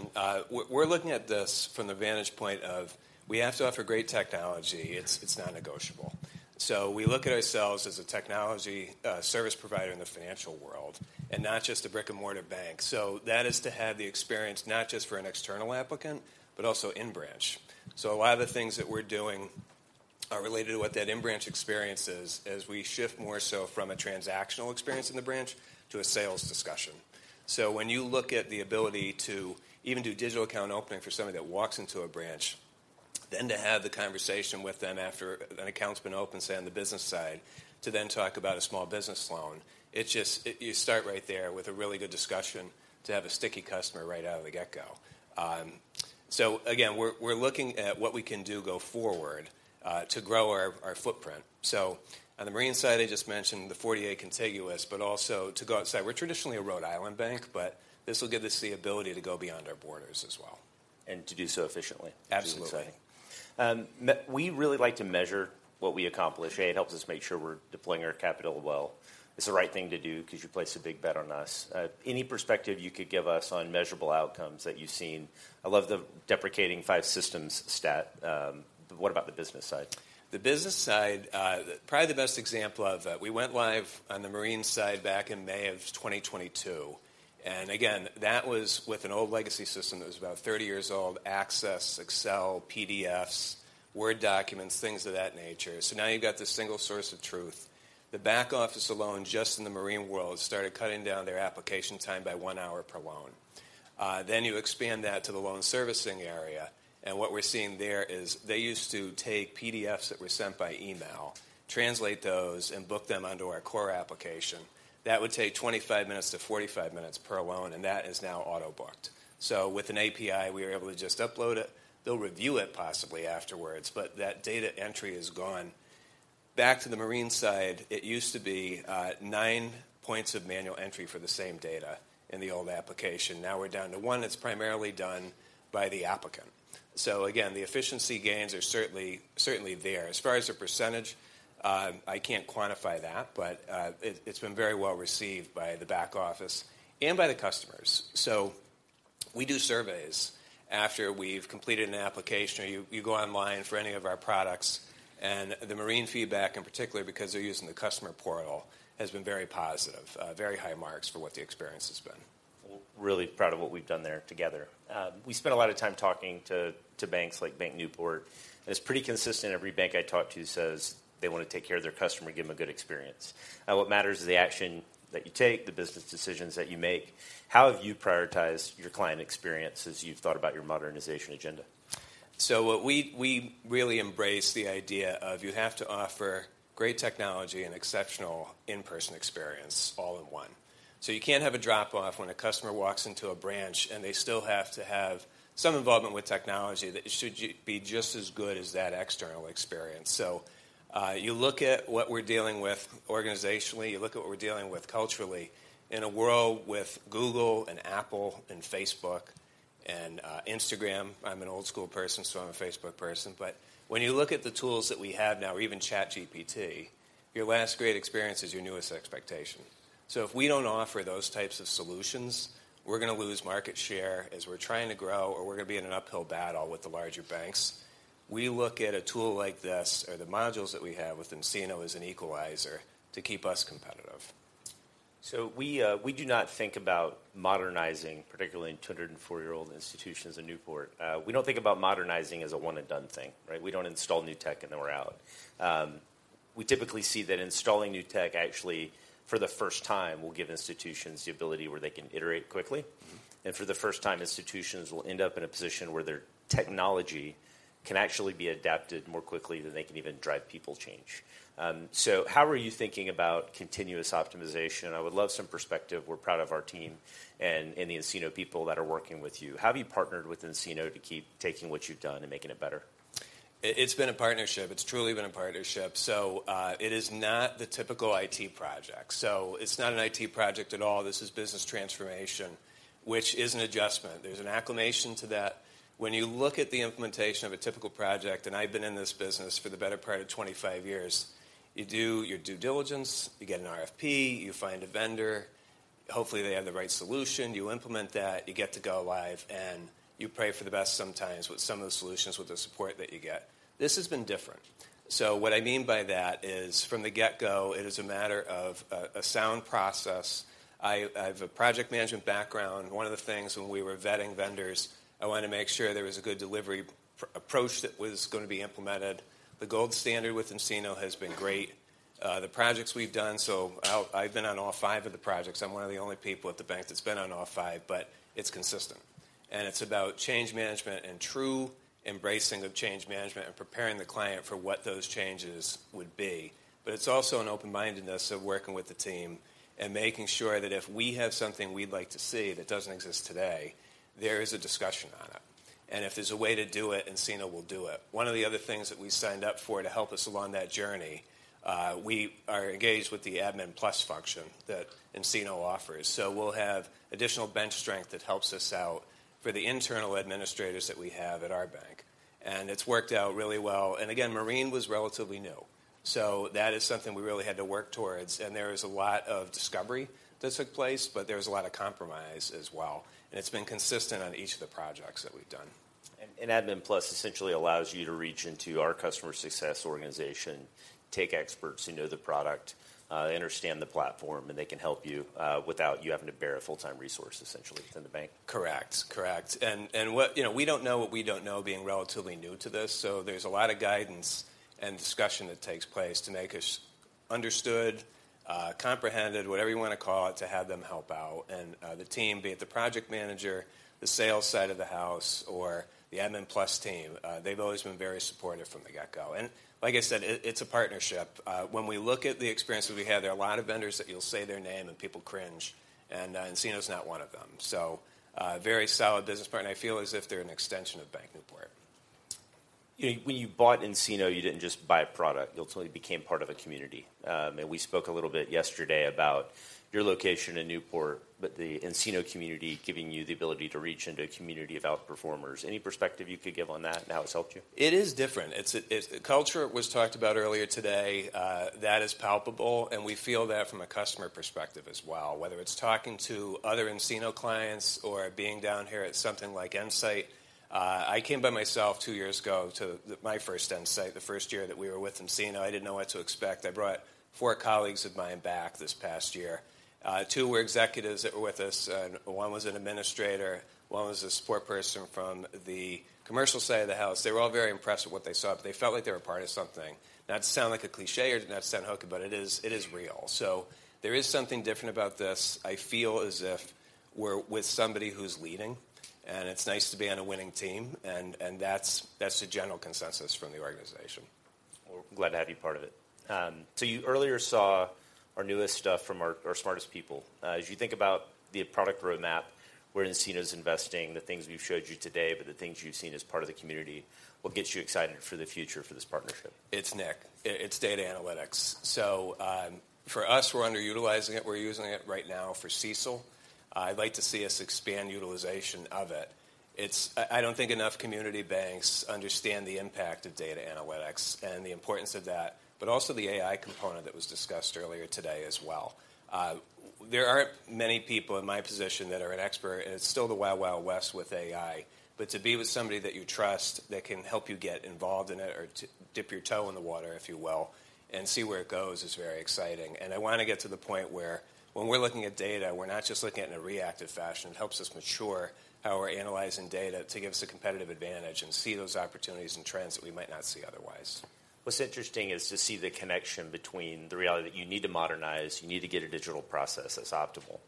We're, we're looking at this from the vantage point of we have to offer great technology. It's, it's non-negotiable. So we look at ourselves as a technology service provider in the financial world and not just a brick-and-mortar bank. So that is to have the experience not just for an external applicant but also in-branch. So a lot of the things that we're doing are related to what that in-branch experience is, as we shift more so from a transactional experience in the branch to a sales discussion. So when you look at the ability to even do digital account opening for somebody that walks into a branch, then to have the conversation with them after an account's been opened, say, on the business side, to then talk about a small business loan, it just... You start right there with a really good discussion to have a sticky customer right out of the get-go. So again, we're looking at what we can do go forward to grow our footprint. So on the marine side, I just mentioned the 48 contiguous, but also to go outside. We're traditionally a Rhode Island bank, but this will give us the ability to go beyond our borders as well. To do so efficiently. Absolutely. We really like to measure what we accomplish. It helps us make sure we're deploying our capital well. It's the right thing to do because you placed a big bet on us. Any perspective you could give us on measurable outcomes that you've seen? I love the deprecating five systems stat. What about the business side? The business side, probably the best example of that, we went live on the marine side back in May of 2022, and again, that was with an old legacy system that was about 30 years old, Access, Excel, PDFs, Word documents, things of that nature. So now you've got this single source of truth. The back office alone, just in the marine world, started cutting down their application time by 1 hour per loan. Then you expand that to the loan servicing area, and what we're seeing there is they used to take PDFs that were sent by email, translate those, and book them onto our core application. That would take 25-45 minutes per loan, and that is now auto-booked. So with an API, we are able to just upload it. They'll review it possibly afterwards, but that data entry is gone. Back to the marine side, it used to be nine points of manual entry for the same data in the old application. Now we're down to one that's primarily done by the applicant. So again, the efficiency gains are certainly, certainly there. As far as the percentage, I can't quantify that, but it, it's been very well-received by the back office and by the customers. So we do surveys after we've completed an application, or you go online for any of our products, and the marine feedback, in particular, because they're using the customer portal, has been very positive. Very high marks for what the experience has been. We're really proud of what we've done there together. We spent a lot of time talking to banks like BankNewport, and it's pretty consistent. Every bank I talk to says they want to take care of their customer and give them a good experience. What matters is the action that you take, the business decisions that you make. How have you prioritized your client experience as you've thought about your modernization agenda? So what we really embrace the idea of you have to offer great technology and exceptional in-person experience all in one. So you can't have a drop-off when a customer walks into a branch, and they still have to have some involvement with technology that should be just as good as that external experience. So, you look at what we're dealing with organizationally, you look at what we're dealing with culturally, in a world with Google and Apple and Facebook and, Instagram. I'm an old school person, so I'm a Facebook person. But when you look at the tools that we have now, or even ChatGPT, your last great experience is your newest expectation. So if we don't offer those types of solutions, we're gonna lose market share as we're trying to grow, or we're gonna be in an uphill battle with the larger banks.... We look at a tool like this or the modules that we have within nCino as an equalizer to keep us competitive. So we do not think about modernizing, particularly in 204-year-old institutions in Newport. We don't think about modernizing as a one-and-done thing, right? We don't install new tech, and then we're out. We typically see that installing new tech actually, for the first time, will give institutions the ability where they can iterate quickly. Mm-hmm. For the first time, institutions will end up in a position where their technology can actually be adapted more quickly than they can even drive people change. So how are you thinking about continuous optimization? I would love some perspective. We're proud of our team and the nCino people that are working with you. How have you partnered with nCino to keep taking what you've done and making it better? It's been a partnership. It's truly been a partnership. So, it is not the typical IT project. So it's not an IT project at all. This is business transformation, which is an adjustment. There's an acclimation to that. When you look at the implementation of a typical project, and I've been in this business for the better part of 25 years, you do your due diligence, you get an RFP, you find a vendor. Hopefully, they have the right solution. You implement that, you get to go live, and you pray for the best sometimes with some of the solutions with the support that you get. This has been different. So what I mean by that is, from the get-go, it is a matter of a sound process. I have a project management background. One of the things when we were vetting vendors, I wanted to make sure there was a good delivery approach that was gonna be implemented. The gold standard with nCino has been great. The projects we've done, so I've been on all five of the projects. I'm one of the only people at the bank that's been on all five, but it's consistent, and it's about change management and true embracing of change management and preparing the client for what those changes would be. But it's also an open-mindedness of working with the team and making sure that if we have something we'd like to see that doesn't exist today, there is a discussion on it. And if there's a way to do it, nCino will do it. One of the other things that we signed up for to help us along that journey, we are engaged with the Admin Plus function that nCino offers. So we'll have additional bench strength that helps us out for the internal administrators that we have at our bank, and it's worked out really well. And again, Marine was relatively new, so that is something we really had to work towards. And there is a lot of discovery that took place, but there was a lot of compromise as well, and it's been consistent on each of the projects that we've done. Admin Plus essentially allows you to reach into our customer success organization, take experts who know the product, understand the platform, and they can help you, without you having to bear a full-time resource essentially within the bank. Correct. Correct. You know, we don't know what we don't know, being relatively new to this, so there's a lot of guidance and discussion that takes place to make us understood, comprehended, whatever you want to call it, to have them help out. And the team, be it the project manager, the sales side of the house, or the Admin Plus team, they've always been very supportive from the get-go. And like I said, it, it's a partnership. When we look at the experience that we have, there are a lot of vendors that you'll say their name, and people cringe, and nCino's not one of them. So, very solid business partner. I feel as if they're an extension of BankNewport. You know, when you bought nCino, you didn't just buy a product. We spoke a little bit yesterday about your location in Newport, but the nCino community giving you the ability to reach into a community of outperformers. Any perspective you could give on that and how it's helped you? It is different. It's culture was talked about earlier today. That is palpable, and we feel that from a customer perspective as well. Whether it's talking to other nCino clients or being down here at something like nSight. I came by myself two years ago to my first nSight, the first year that we were with nCino. I didn't know what to expect. I brought four colleagues of mine back this past year. Two were executives that were with us, and one was an administrator, one was a support person from the commercial side of the house. They were all very impressed with what they saw. They felt like they were part of something. Not to sound like a cliché or not to sound hokey, but it is, it is real. So there is something different about this. I feel as if we're with somebody who's leading, and it's nice to be on a winning team. And that's the general consensus from the organization. Well, we're glad to have you part of it. So you earlier saw our newest stuff from our smartest people. As you think about the product roadmap, where nCino's investing, the things we've showed you today, but the things you've seen as part of the community, what gets you excited for the future for this partnership? It's Nick. It's data analytics. So, for us, we're underutilizing it. We're using it right now for CECL. I'd like to see us expand utilization of it. I don't think enough community banks understand the impact of data analytics and the importance of that, but also the AI component that was discussed earlier today as well. There aren't many people in my position that are an expert, and it's still the Wild Wild West with AI. But to be with somebody that you trust, that can help you get involved in it or to dip your toe in the water, if you will, and see where it goes, is very exciting. And I want to get to the point where when we're looking at data, we're not just looking at it in a reactive fashion. It helps us mature how we're analyzing data to give us a competitive advantage and see those opportunities and trends that we might not see otherwise. What's interesting is to see the connection between the reality that you need to modernize, you need to get a digital process that's optimal.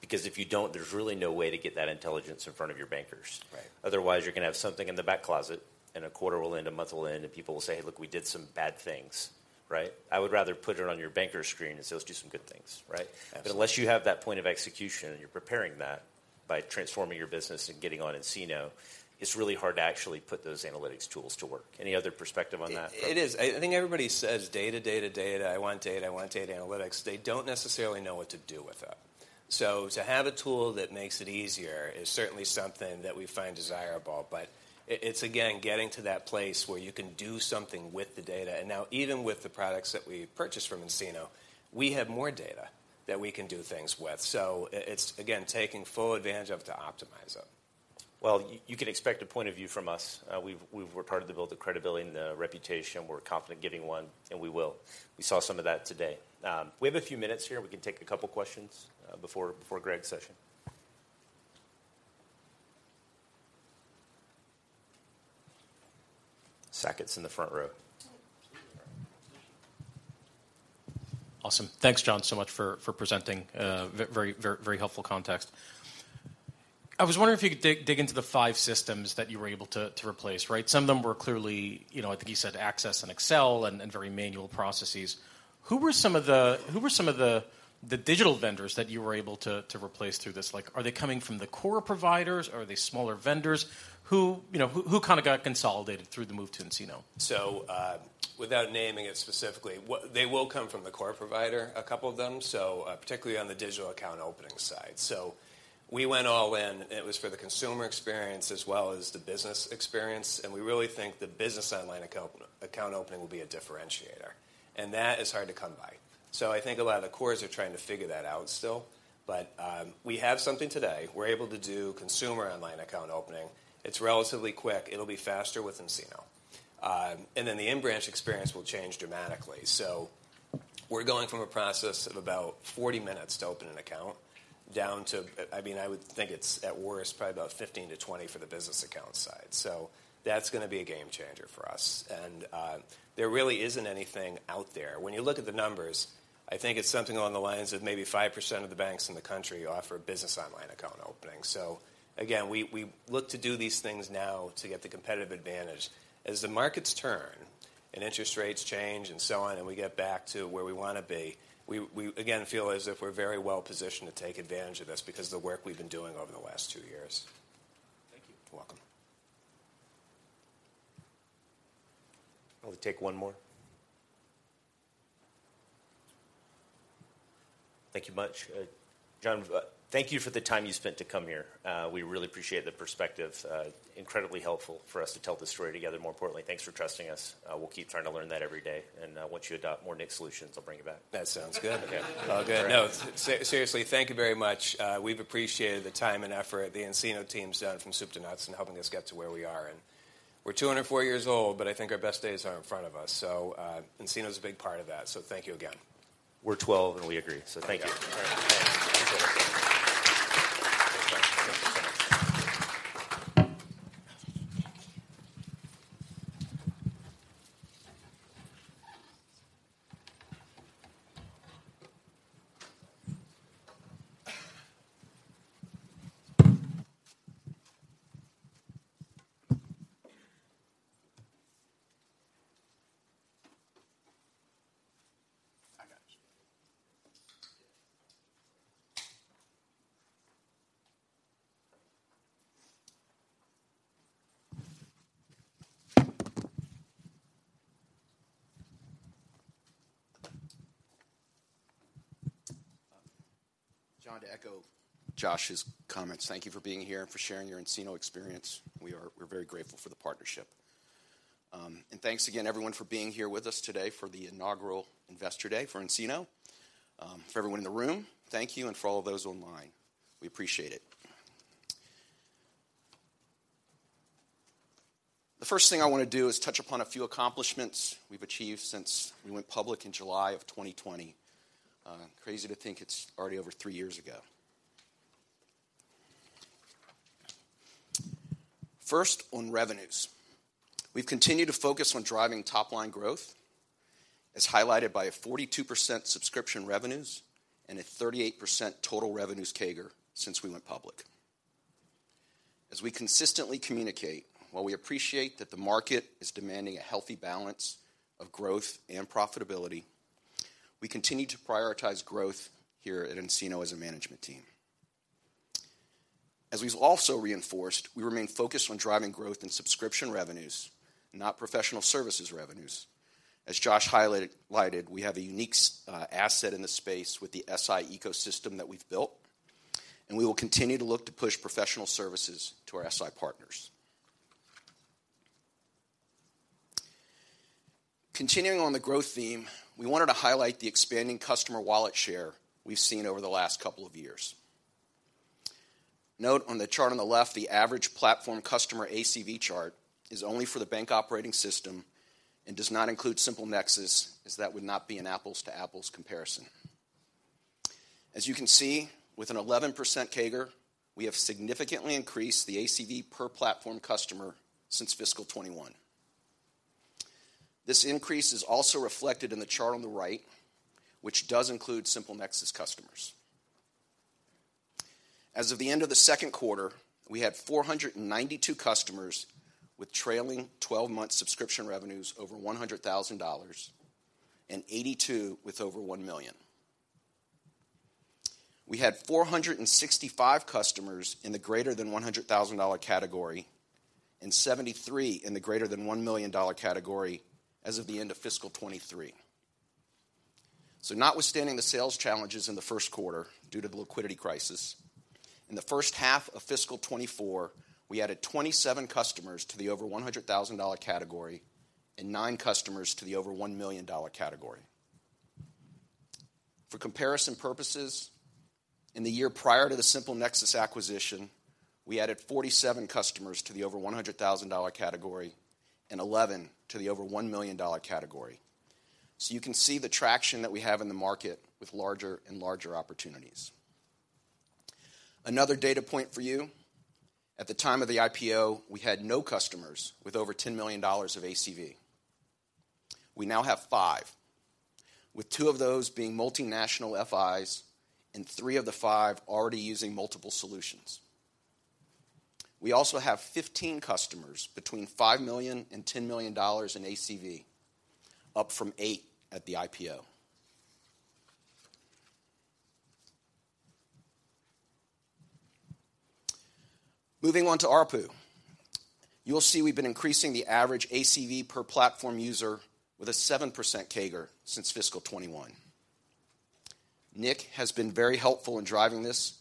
Because if you don't, there's really no way to get that intelligence in front of your bankers. Right. Otherwise, you're gonna have something in the back closet, and a quarter will end, a month will end, and people will say, "Hey, look, we did some bad things." Right? I would rather put it on your banker's screen and say, "Let's do some good things." Right? Absolutely. But unless you have that point of execution, and you're preparing that by transforming your business and getting on nCino, it's really hard to actually put those analytics tools to work. Any other perspective on that from- It is. I think everybody says, "Data, data, data. I want data. I want data analytics." They don't necessarily know what to do with it. So to have a tool that makes it easier is certainly something that we find desirable, but it's again getting to that place where you can do something with the data. And now, even with the products that we purchased from nCino, we have more data... that we can do things with. So it's again taking full advantage of to optimize it. Well, you can expect a point of view from us. We've worked hard to build the credibility and the reputation. We're confident giving one, and we will. We saw some of that today. We have a few minutes here. We can take a couple questions before Greg's session. Seconds in the front row. Awesome. Thanks, John, so much for presenting. Very, very helpful context. I was wondering if you could dig into the five systems that you were able to replace, right? Some of them were clearly, you know, I think you said Access and Excel and very manual processes. Who were some of the digital vendors that you were able to replace through this? Like, are they coming from the core providers, or are they smaller vendors? Who, you know, who kinda got consolidated through the move to nCino? So, without naming it specifically, they will come from the core provider, a couple of them, so, particularly on the digital account opening side. So we went all in, and it was for the consumer experience as well as the business experience, and we really think the business online account opening will be a differentiator, and that is hard to come by. So I think a lot of the cores are trying to figure that out still, but we have something today. We're able to do consumer online account opening. It's relatively quick. It'll be faster with nCino. And then the in-branch experience will change dramatically. So we're going from a process of about 40 minutes to open an account, down to, I mean, I would think it's, at worst, probably about 15-20 for the business account side. So that's gonna be a game changer for us. And, there really isn't anything out there. When you look at the numbers, I think it's something along the lines of maybe 5% of the banks in the country offer business online account opening. So again, we, we look to do these things now to get the competitive advantage. As the markets turn, and interest rates change and so on, and we get back to where we wanna be, we, we again feel as if we're very well-positioned to take advantage of this because of the work we've been doing over the last two years. Thank you. You're welcome. We'll take one more. Thank you much. John, thank you for the time you spent to come here. We really appreciate the perspective, incredibly helpful for us to tell the story together. More importantly, thanks for trusting us. We'll keep trying to learn that every day, and, once you adopt more nCino's solutions, I'll bring you back. That sounds good. Okay. All good. All right. No, seriously, thank you very much. We've appreciated the time and effort the nCino team's done from soup to nuts in helping us get to where we are, and we're 204 years old, but I think our best days are in front of us. So, nCino's a big part of that, so thank you again. We're 12, and we agree. So thank you. I got you. John, to echo Josh's comments, thank you for being here and for sharing your nCino experience. We're very grateful for the partnership. Thanks again, everyone, for being here with us today for the inaugural Investor Day for nCino. For everyone in the room, thank you, and for all those online, we appreciate it. The first thing I wanna do is touch upon a few accomplishments we've achieved since we went public in July of 2020. Crazy to think it's already over three years ago. First, on revenues. We've continued to focus on driving top-line growth, as highlighted by a 42% subscription revenues and a 38% total revenues CAGR since we went public. As we consistently communicate, while we appreciate that the market is demanding a healthy balance of growth and profitability, we continue to prioritize growth here at nCino as a management team. As we've also reinforced, we remain focused on driving growth and subscription revenues, not professional services revenues. As Josh highlighted, we have a unique asset in this space with the SI ecosystem that we've built, and we will continue to look to push professional services to our SI partners. Continuing on the growth theme, we wanted to highlight the expanding customer wallet share we've seen over the last couple of years. Note on the chart on the left, the average platform customer ACV chart is only for the Bank Operating System and does not include SimpleNexus, as that would not be an apples-to-apples comparison. As you can see, with an 11% CAGR, we have significantly increased the ACV per platform customer since fiscal 2021. This increase is also reflected in the chart on the right, which does include SimpleNexus customers. As of the end of the second quarter, we had 492 customers with trailing twelve-month subscription revenues over $100,000 and 82 with over $1 million. We had 465 customers in the greater than $100,000 category and 73 in the greater than $1 million category as of the end of fiscal 2023. Notwithstanding the sales challenges in the first quarter due to the liquidity crisis, in the first half of fiscal 2024, we added 27 customers to the over $100,000 category and 9 customers to the over $1 million category. For comparison purposes, in the year prior to the SimpleNexus acquisition, we added 47 customers to the over $100,000 category and 11 to the over $1 million category. So you can see the traction that we have in the market with larger and larger opportunities. Another data point for you. At the time of the IPO, we had no customers with over $10 million of ACV. We now have 5, with 2 of those being multinational FIs and 3 of the 5 already using multiple solutions. We also have 15 customers between $5 million and $10 million in ACV, up from 8 at the IPO. Moving on to ARPU. You'll see we've been increasing the average ACV per platform user with a 7% CAGR since fiscal 2021. nIQ has been very helpful in driving this,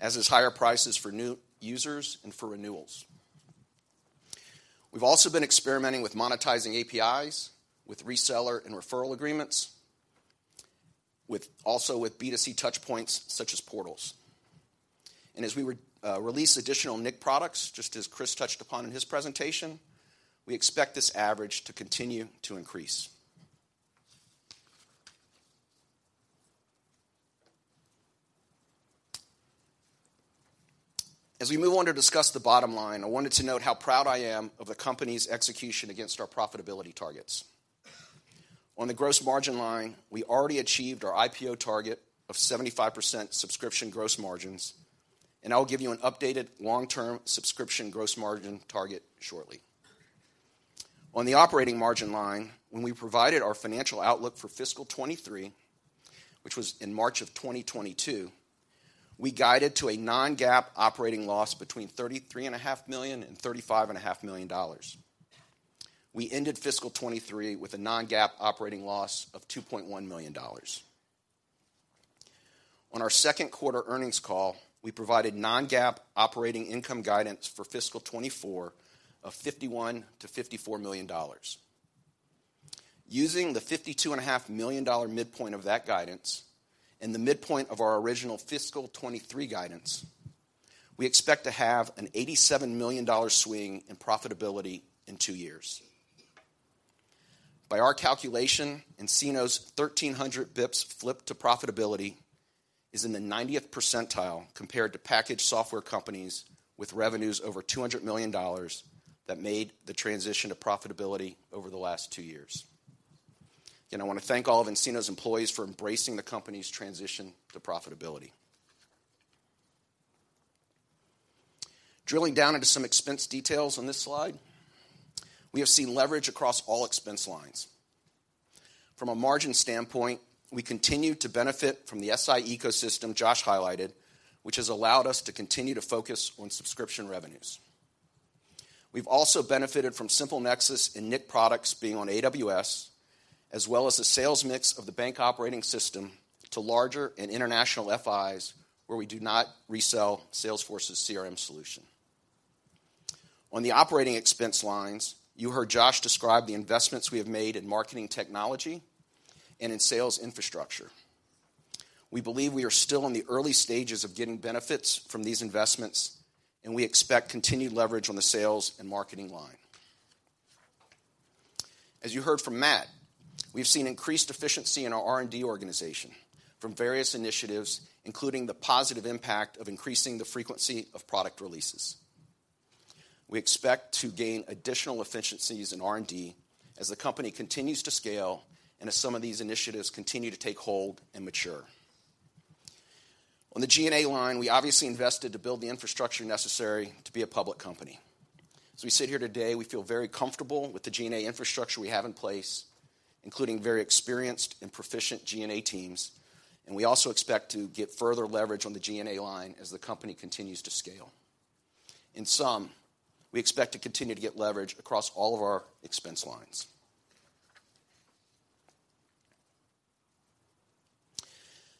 as is higher prices for new users and for renewals. We've also been experimenting with monetizing APIs, with reseller and referral agreements, with also with B2C touch points such as portals. As we release additional nIQ products, just as Chris touched upon in his presentation, we expect this average to continue to increase. As we move on to discuss the bottom line, I wanted to note how proud I am of the company's execution against our profitability targets. On the gross margin line, we already achieved our IPO target of 75% subscription gross margins, and I'll give you an updated long-term subscription gross margin target shortly. On the operating margin line, when we provided our financial outlook for fiscal 2023, which was in March 2022, we guided to a non-GAAP operating loss between $33.5 million and $35.5 million. We ended fiscal 2023 with a non-GAAP operating loss of $2.1 million. On our second quarter earnings call, we provided non-GAAP operating income guidance for fiscal 2024 of $51 million-$54 million. Using the $52.5 million midpoint of that guidance and the midpoint of our original fiscal 2023 guidance, we expect to have an $87 million swing in profitability in two years. By our calculation, nCino's 1,300 bps flip to profitability is in the 90th percentile compared to packaged software companies with revenues over $200 million that made the transition to profitability over the last two years. Again, I want to thank all of nCino's employees for embracing the company's transition to profitability. Drilling down into some expense details on this slide, we have seen leverage across all expense lines. From a margin standpoint, we continue to benefit from the SI ecosystem Josh highlighted, which has allowed us to continue to focus on subscription revenues. We've also benefited from SimpleNexus and nIQ products being on AWS, as well as the sales mix of the Bank Operating System to larger and international FIs, where we do not resell Salesforce's CRM solution. On the operating expense lines, you heard Josh describe the investments we have made in marketing technology and in sales infrastructure. We believe we are still in the early stages of getting benefits from these investments, and we expect continued leverage on the sales and marketing line. As you heard from Matt, we've seen increased efficiency in our R&D organization from various initiatives, including the positive impact of increasing the frequency of product releases. We expect to gain additional efficiencies in R&D as the company continues to scale and as some of these initiatives continue to take hold and mature. On the G&A line, we obviously invested to build the infrastructure necessary to be a public company. As we sit here today, we feel very comfortable with the G&A infrastructure we have in place, including very experienced and proficient G&A teams, and we also expect to get further leverage on the G&A line as the company continues to scale. In sum, we expect to continue to get leverage across all of our expense lines.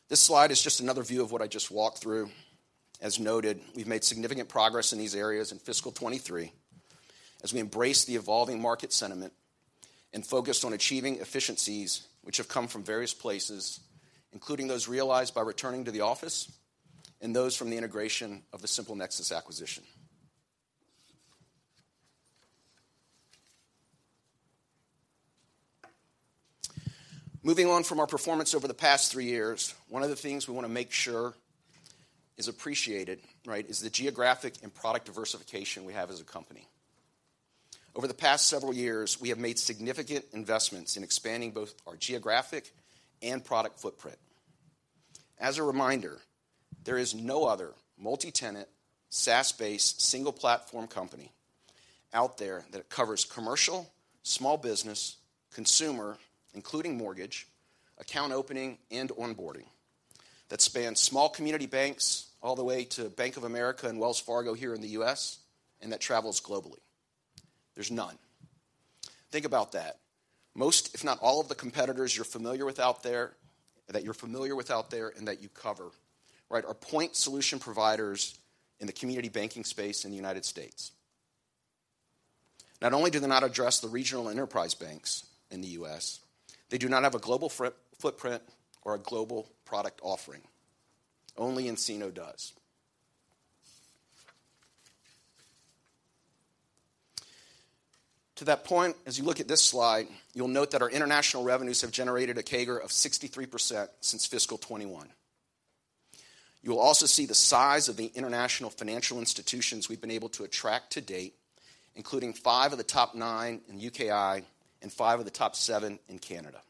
This slide is just another view of what I just walked through. As noted, we've made significant progress in these areas in fiscal 2023 as we embrace the evolving market sentiment and focused on achieving efficiencies which have come from various places, including those realized by returning to the office and those from the integration of the SimpleNexus acquisition. Moving on from our performance over the past three years, one of the things we want to make sure is appreciated, right, is the geographic and product diversification we have as a company. Over the past several years, we have made significant investments in expanding both our geographic and product footprint. As a reminder, there is no other multi-tenant, SaaS-based, single-platform company out there that covers commercial, small business, consumer, including mortgage, account opening, and onboarding, that spans small community banks all the way to Bank of America and Wells Fargo here in the US, and that travels globally. There's none.... Think about that. Most, if not all, of the competitors you're familiar with out there, that you're familiar with out there and that you cover, right, are point solution providers in the community banking space in the United States. Not only do they not address the regional enterprise banks in the U.S., they do not have a global footprint, footprint or a global product offering. Only nCino does. To that point, as you look at this slide, you'll note that our international revenues have generated a CAGR of 63% since fiscal 2021. You'll also see the size of the international financial institutions we've been able to attract to date, including five of the top nine in UKI and five of the top seven in Canada.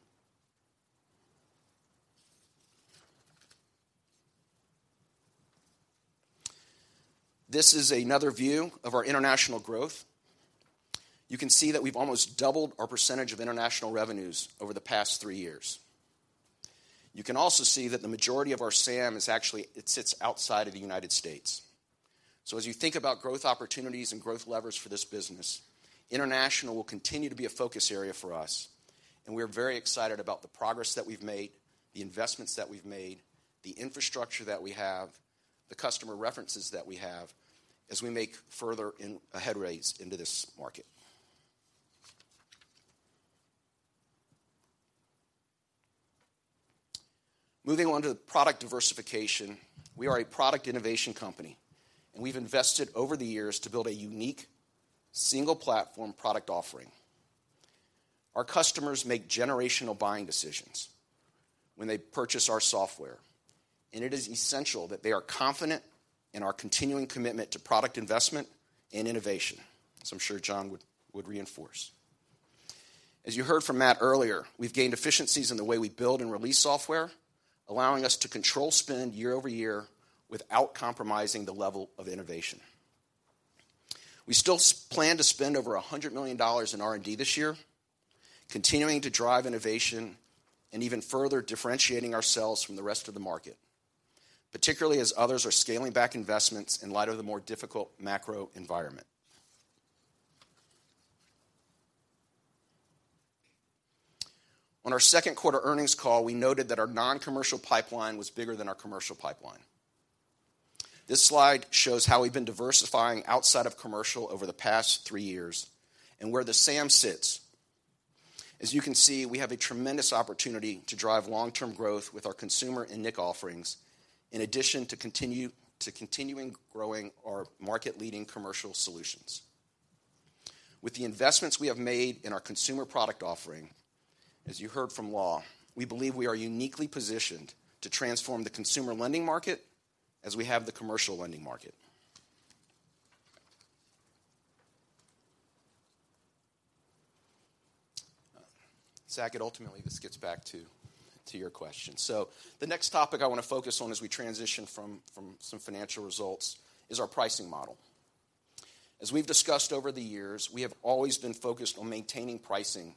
This is another view of our international growth. You can see that we've almost doubled our percentage of international revenues over the past three years. You can also see that the majority of our SAM is actually it sits outside of the United States. So as you think about growth opportunities and growth levers for this business, international will continue to be a focus area for us, and we are very excited about the progress that we've made, the investments that we've made, the infrastructure that we have, the customer references that we have as we make further headway into this market. Moving on to product diversification, we are a product innovation company, and we've invested over the years to build a unique single-platform product offering. Our customers make generational buying decisions when they purchase our software, and it is essential that they are confident in our continuing commitment to product investment and innovation, as I'm sure John would reinforce. As you heard from Matt earlier, we've gained efficiencies in the way we build and release software, allowing us to control spend year over year without compromising the level of innovation. We still plan to spend over $100 million in R&D this year, continuing to drive innovation and even further differentiating ourselves from the rest of the market, particularly as others are scaling back investments in light of the more difficult macro environment. On our second quarter earnings call, we noted that our non-commercial pipeline was bigger than our commercial pipeline. This slide shows how we've been diversifying outside of commercial over the past 3 years and where the SAM sits. As you can see, we have a tremendous opportunity to drive long-term growth with our consumer and nIQ offerings, in addition to continuing growing our market-leading commercial solutions. With the investments we have made in our consumer product offering, as you heard from Law, we believe we are uniquely positioned to transform the consumer lending market as we have the commercial lending market. Zach, it ultimately this gets back to your question. So the next topic I want to focus on as we transition from some financial results is our pricing model. As we've discussed over the years, we have always been focused on maintaining pricing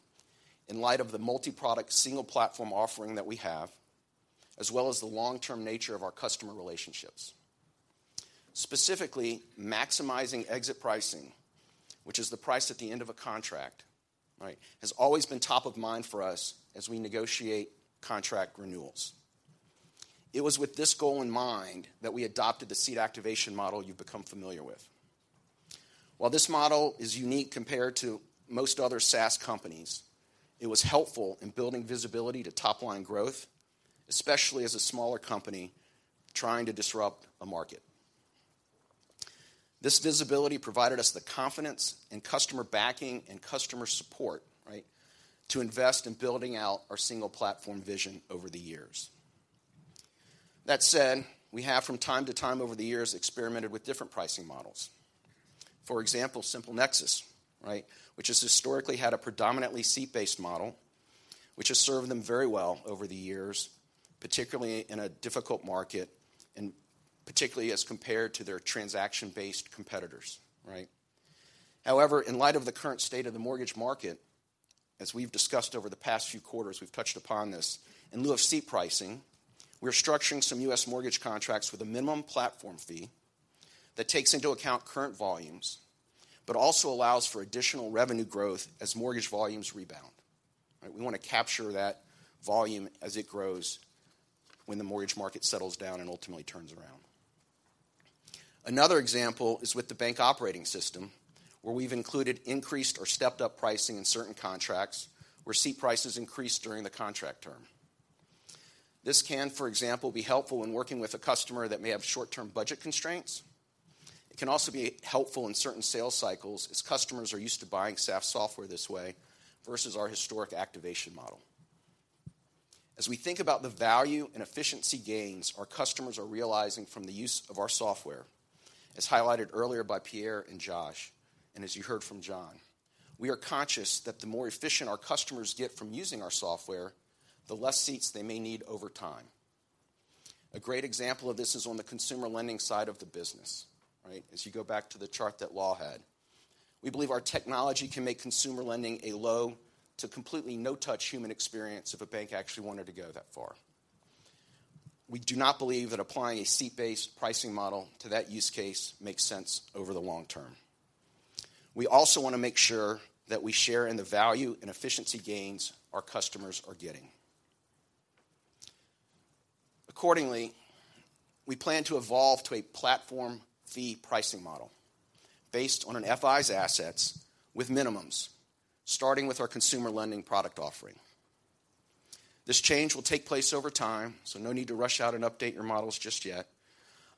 in light of the multi-product, single platform offering that we have, as well as the long-term nature of our customer relationships. Specifically, maximizing exit pricing, which is the price at the end of a contract, right, has always been top of mind for us as we negotiate contract renewals. It was with this goal in mind that we adopted the seat activation model you've become familiar with. While this model is unique compared to most other SaaS companies, it was helpful in building visibility to top-line growth, especially as a smaller company trying to disrupt a market. This visibility provided us the confidence and customer backing and customer support, right, to invest in building out our single platform vision over the years. That said, we have, from time to time over the years, experimented with different pricing models. For example, SimpleNexus, right, which has historically had a predominantly seat-based model, which has served them very well over the years, particularly in a difficult market and particularly as compared to their transaction-based competitors, right? However, in light of the current state of the mortgage market, as we've discussed over the past few quarters, we've touched upon this, in lieu of seat pricing, we're structuring some U.S. mortgage contracts with a minimum platform fee that takes into account current volumes, but also allows for additional revenue growth as mortgage volumes rebound, right? We want to capture that volume as it grows when the mortgage market settles down and ultimately turns around. Another example is with the bank operating system, where we've included increased or stepped-up pricing in certain contracts, where seat prices increase during the contract term. This can, for example, be helpful when working with a customer that may have short-term budget constraints. It can also be helpful in certain sales cycles as customers are used to buying SaaS software this way versus our historic activation model. As we think about the value and efficiency gains our customers are realizing from the use of our software, as highlighted earlier by Pierre and Josh, and as you heard from John, we are conscious that the more efficient our customers get from using our software, the less seats they may need over time. A great example of this is on the consumer lending side of the business, right? As you go back to the chart that Law had. We believe our technology can make consumer lending a low to completely no-touch human experience if a bank actually wanted to go that far.... We do not believe that applying a seat-based pricing model to that use case makes sense over the long term. We also want to make sure that we share in the value and efficiency gains our customers are getting. Accordingly, we plan to evolve to a platform fee pricing model based on an FI's assets with minimums, starting with our consumer lending product offering. This change will take place over time, so no need to rush out and update your models just yet.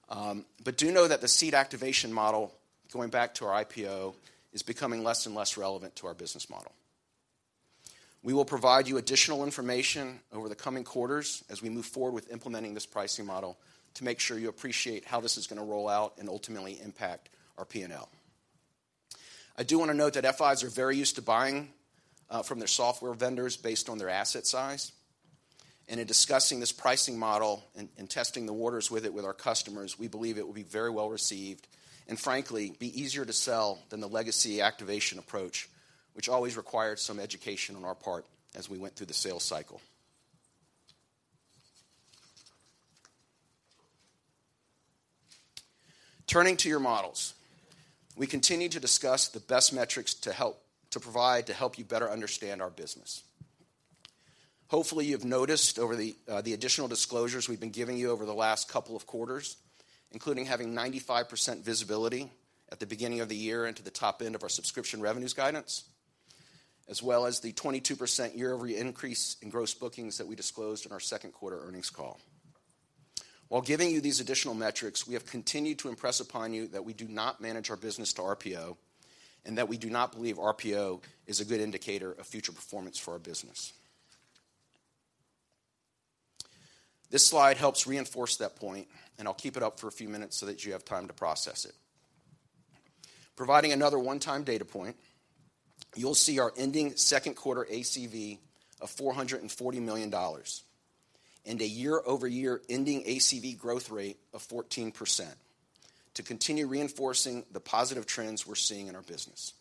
But do know that the seat activation model, going back to our IPO, is becoming less and less relevant to our business model. We will provide you additional information over the coming quarters as we move forward with implementing this pricing model to make sure you appreciate how this is going to roll out and ultimately impact our P&L. I do want to note that FIs are very used to buying from their software vendors based on their asset size. In discussing this pricing model and testing the waters with it with our customers, we believe it will be very well received and frankly, be easier to sell than the legacy activation approach, which always required some education on our part as we went through the sales cycle. Turning to your models, we continue to discuss the best metrics to help you better understand our business. Hopefully, you've noticed over the additional disclosures we've been giving you over the last couple of quarters, including having 95% visibility at the beginning of the year into the top end of our subscription revenues guidance, as well as the 22% year-over-year increase in gross bookings that we disclosed in our second quarter earnings call. While giving you these additional metrics, we have continued to impress upon you that we do not manage our business to RPO, and that we do not believe RPO is a good indicator of future performance for our business. This slide helps reinforce that point, and I'll keep it up for a few minutes so that you have time to process it. Providing another one-time data point, you'll see our ending second quarter ACV of $440 million, and a year-over-year ending ACV growth rate of 14% to continue reinforcing the positive trends we're seeing in our business.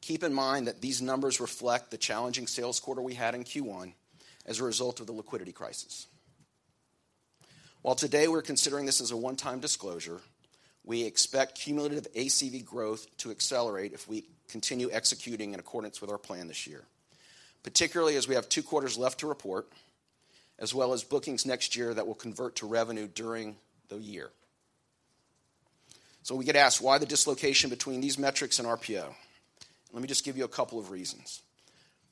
Keep in mind that these numbers reflect the challenging sales quarter we had in Q1 as a result of the liquidity crisis. While today we're considering this as a one-time disclosure, we expect cumulative ACV growth to accelerate if we continue executing in accordance with our plan this year, particularly as we have two quarters left to report, as well as bookings next year that will convert to revenue during the year. So we get asked why the dislocation between these metrics and RPO? Let me just give you a couple of reasons.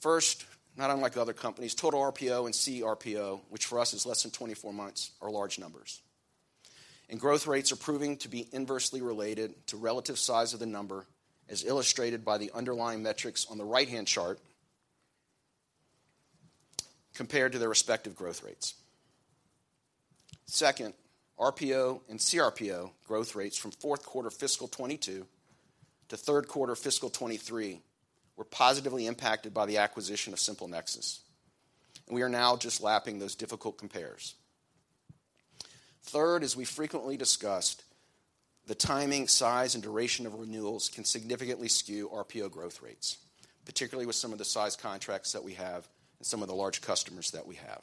First, not unlike the other companies, total RPO and CRPO, which for us is less than 24 months, are large numbers. And growth rates are proving to be inversely related to relative size of the number, as illustrated by the underlying metrics on the right-hand chart, compared to their respective growth rates. Second, RPO and CRPO growth rates from fourth quarter fiscal 2022 to third quarter fiscal 2023 were positively impacted by the acquisition of SimpleNexus, and we are now just lapping those difficult compares. Third, as we frequently discussed, the timing, size, and duration of renewals can significantly skew RPO growth rates, particularly with some of the size contracts that we have and some of the large customers that we have.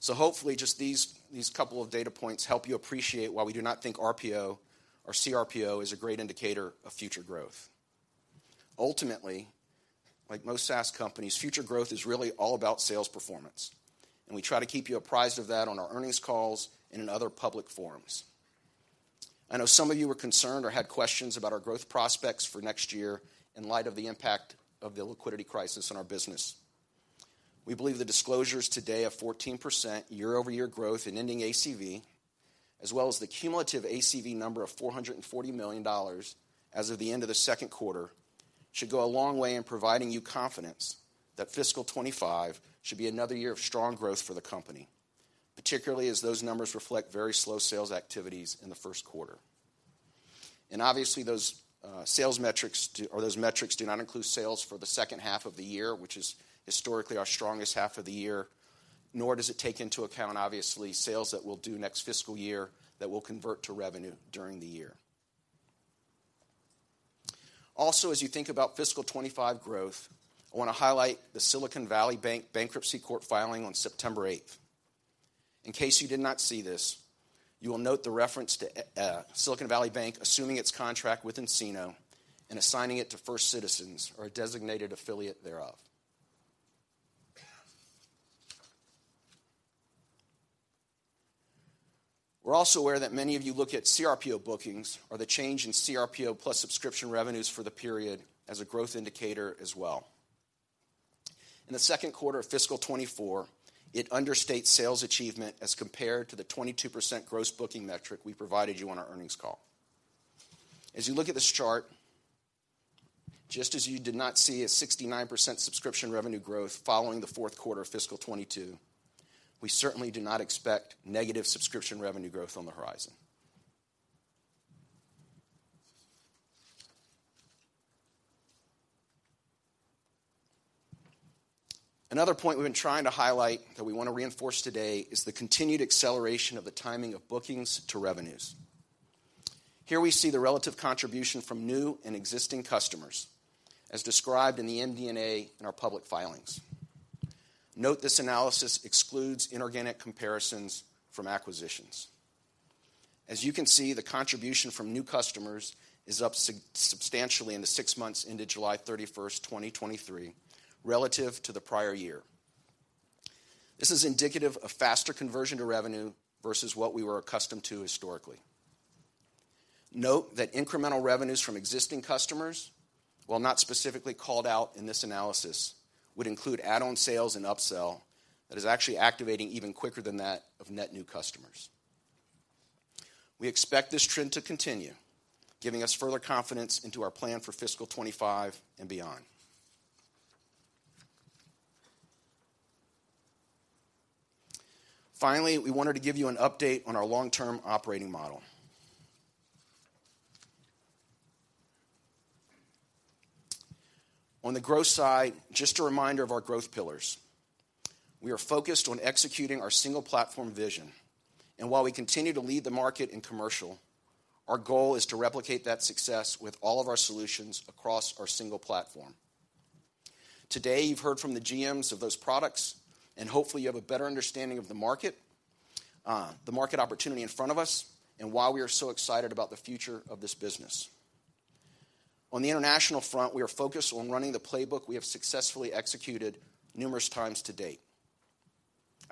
So hopefully, just these, these couple of data points help you appreciate why we do not think RPO or CRPO is a great indicator of future growth. Ultimately, like most SaaS companies, future growth is really all about sales performance, and we try to keep you apprised of that on our earnings calls and in other public forums. I know some of you were concerned or had questions about our growth prospects for next year in light of the impact of the liquidity crisis on our business. We believe the disclosures today of 14% year-over-year growth in ending ACV, as well as the cumulative ACV number of $440 million as of the end of the second quarter, should go a long way in providing you confidence that fiscal 2025 should be another year of strong growth for the company, particularly as those numbers reflect very slow sales activities in the first quarter. And obviously, those sales metrics do not include sales for the second half of the year, which is historically our strongest half of the year, nor does it take into account, obviously, sales that we'll do next fiscal year that will convert to revenue during the year. Also, as you think about fiscal 25 growth, I want to highlight the Silicon Valley Bank bankruptcy court filing on September eighth. In case you did not see this, you will note the reference to Silicon Valley Bank assuming its contract with nCino and assigning it to First Citizens or a designated affiliate thereof. We're also aware that many of you look at CRPO bookings or the change in CRPO plus subscription revenues for the period as a growth indicator as well. In the second quarter of fiscal 2024, it understates sales achievement as compared to the 22% gross booking metric we provided you on our earnings call. As you look at this chart, just as you did not see a 69% subscription revenue growth following the fourth quarter of fiscal 2022, we certainly do not expect negative subscription revenue growth on the horizon. Another point we've been trying to highlight that we want to reinforce today is the continued acceleration of the timing of bookings to revenues. Here we see the relative contribution from new and existing customers, as described in the MD&A in our public filings. Note this analysis excludes inorganic comparisons from acquisitions. As you can see, the contribution from new customers is up substantially in the six months into July 31, 2023, relative to the prior year. This is indicative of faster conversion to revenue versus what we were accustomed to historically. Note that incremental revenues from existing customers, while not specifically called out in this analysis, would include add-on sales and upsell that is actually activating even quicker than that of net new customers. We expect this trend to continue, giving us further confidence into our plan for fiscal 25 and beyond. Finally, we wanted to give you an update on our long-term operating model. On the growth side, just a reminder of our growth pillars. We are focused on executing our single platform vision, and while we continue to lead the market in commercial, our goal is to replicate that success with all of our solutions across our single platform. Today, you've heard from the GMs of those products, and hopefully you have a better understanding of the market, the market opportunity in front of us, and why we are so excited about the future of this business. On the international front, we are focused on running the playbook we have successfully executed numerous times to date.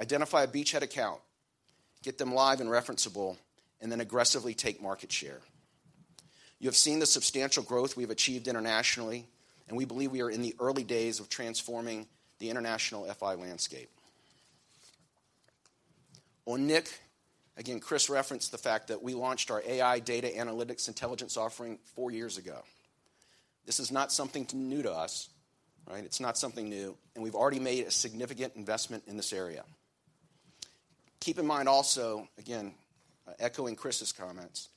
Identify a beachhead account, get them live and referenceable, and then aggressively take market share. You have seen the substantial growth we've achieved internationally, and we believe we are in the early days of transforming the international FI landscape. On nIQ, again, Chris referenced the fact that we launched our AI data analytics intelligence offering four years ago. This is not something new to us, all right? It's not something new, and we've already made a significant investment in this area. Keep in mind also, again, echoing Chris's comments,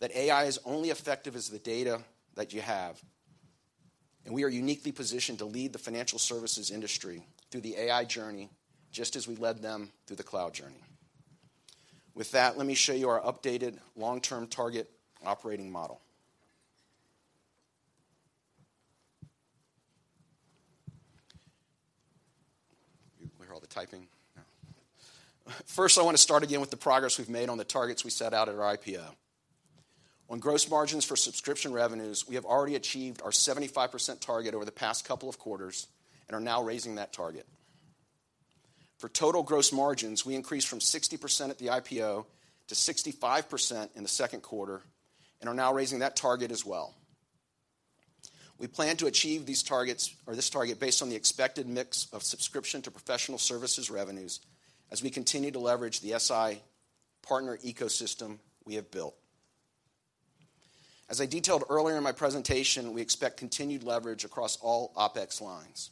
that AI is only effective as the data that you have, and we are uniquely positioned to lead the financial services industry through the AI journey, just as we led them through the cloud journey. With that, let me show you our updated long-term target operating model. You can hear all the typing? Yeah. First, I want to start again with the progress we've made on the targets we set out at our IPO. On gross margins for subscription revenues, we have already achieved our 75% target over the past couple of quarters and are now raising that target. For total gross margins, we increased from 60% at the IPO to 65% in the second quarter and are now raising that target as well. We plan to achieve these targets or this target based on the expected mix of subscription to professional services revenues as we continue to leverage the SI partner ecosystem we have built. As I detailed earlier in my presentation, we expect continued leverage across all OpEx lines.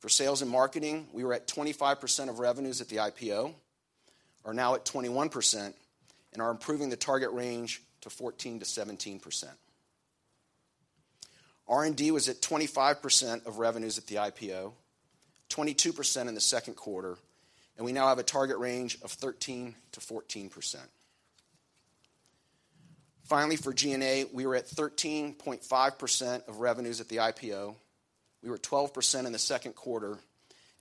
For sales and marketing, we were at 25% of revenues at the IPO, are now at 21%, and are improving the target range to 14%-17%. R&D was at 25% of revenues at the IPO, 22% in the second quarter, and we now have a target range of 13%-14%. Finally, for G&A, we were at 13.5% of revenues at the IPO. We were 12% in the second quarter,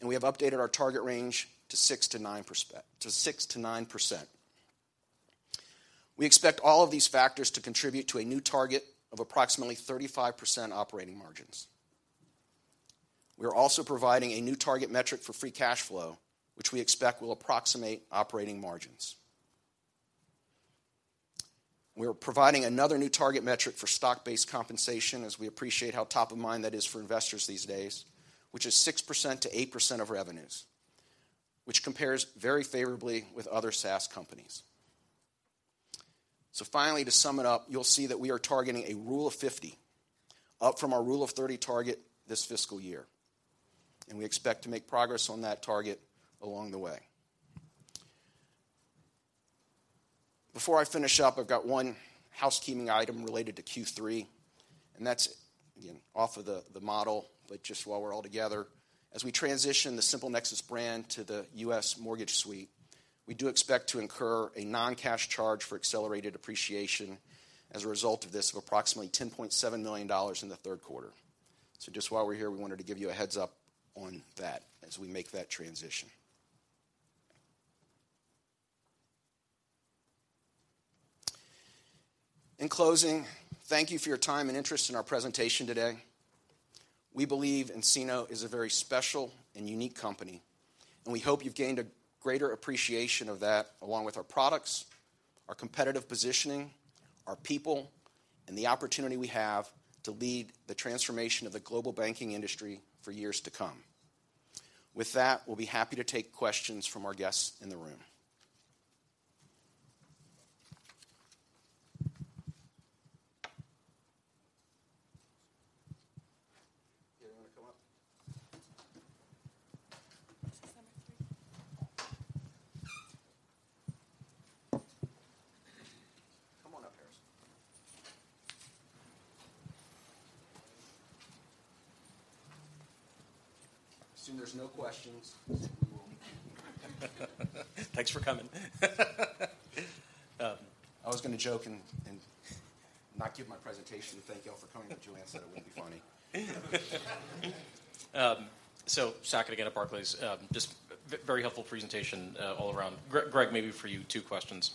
and we have updated our target range to 6%-9%. We expect all of these factors to contribute to a new target of approximately 35% operating margins. We are also providing a new target metric for free cash flow, which we expect will approximate operating margins. We are providing another new target metric for stock-based compensation, as we appreciate how top of mind that is for investors these days, which is 6%-8% of revenues, which compares very favorably with other SaaS companies. So finally, to sum it up, you'll see that we are targeting a rule of 50, up from our rule of 30 target this fiscal year, and we expect to make progress on that target along the way. Before I finish up, I've got one housekeeping item related to Q3, and that's, again, off of the model, but just while we're all together. As we transition the SimpleNexus brand to the nCino Mortgage Suite, we do expect to incur a non-cash charge for accelerated depreciation as a result of this, of approximately $10.7 million in the third quarter. So just while we're here, we wanted to give you a heads-up on that as we make that transition. In closing, thank you for your time and interest in our presentation today. We believe nCino is a very special and unique company, and we hope you've gained a greater appreciation of that, along with our products, our competitive positioning, our people, and the opportunity we have to lead the transformation of the global banking industry for years to come. With that, we'll be happy to take questions from our guests in the room. You want to come up? Come on up, Harrison.... Assume there's no questions. Thanks for coming. I was going to joke and not give my presentation to thank you all for coming, but Joanne said it wouldn't be funny. So Saket again at Barclays. Just very helpful presentation, all around. Greg, maybe for you, two questions.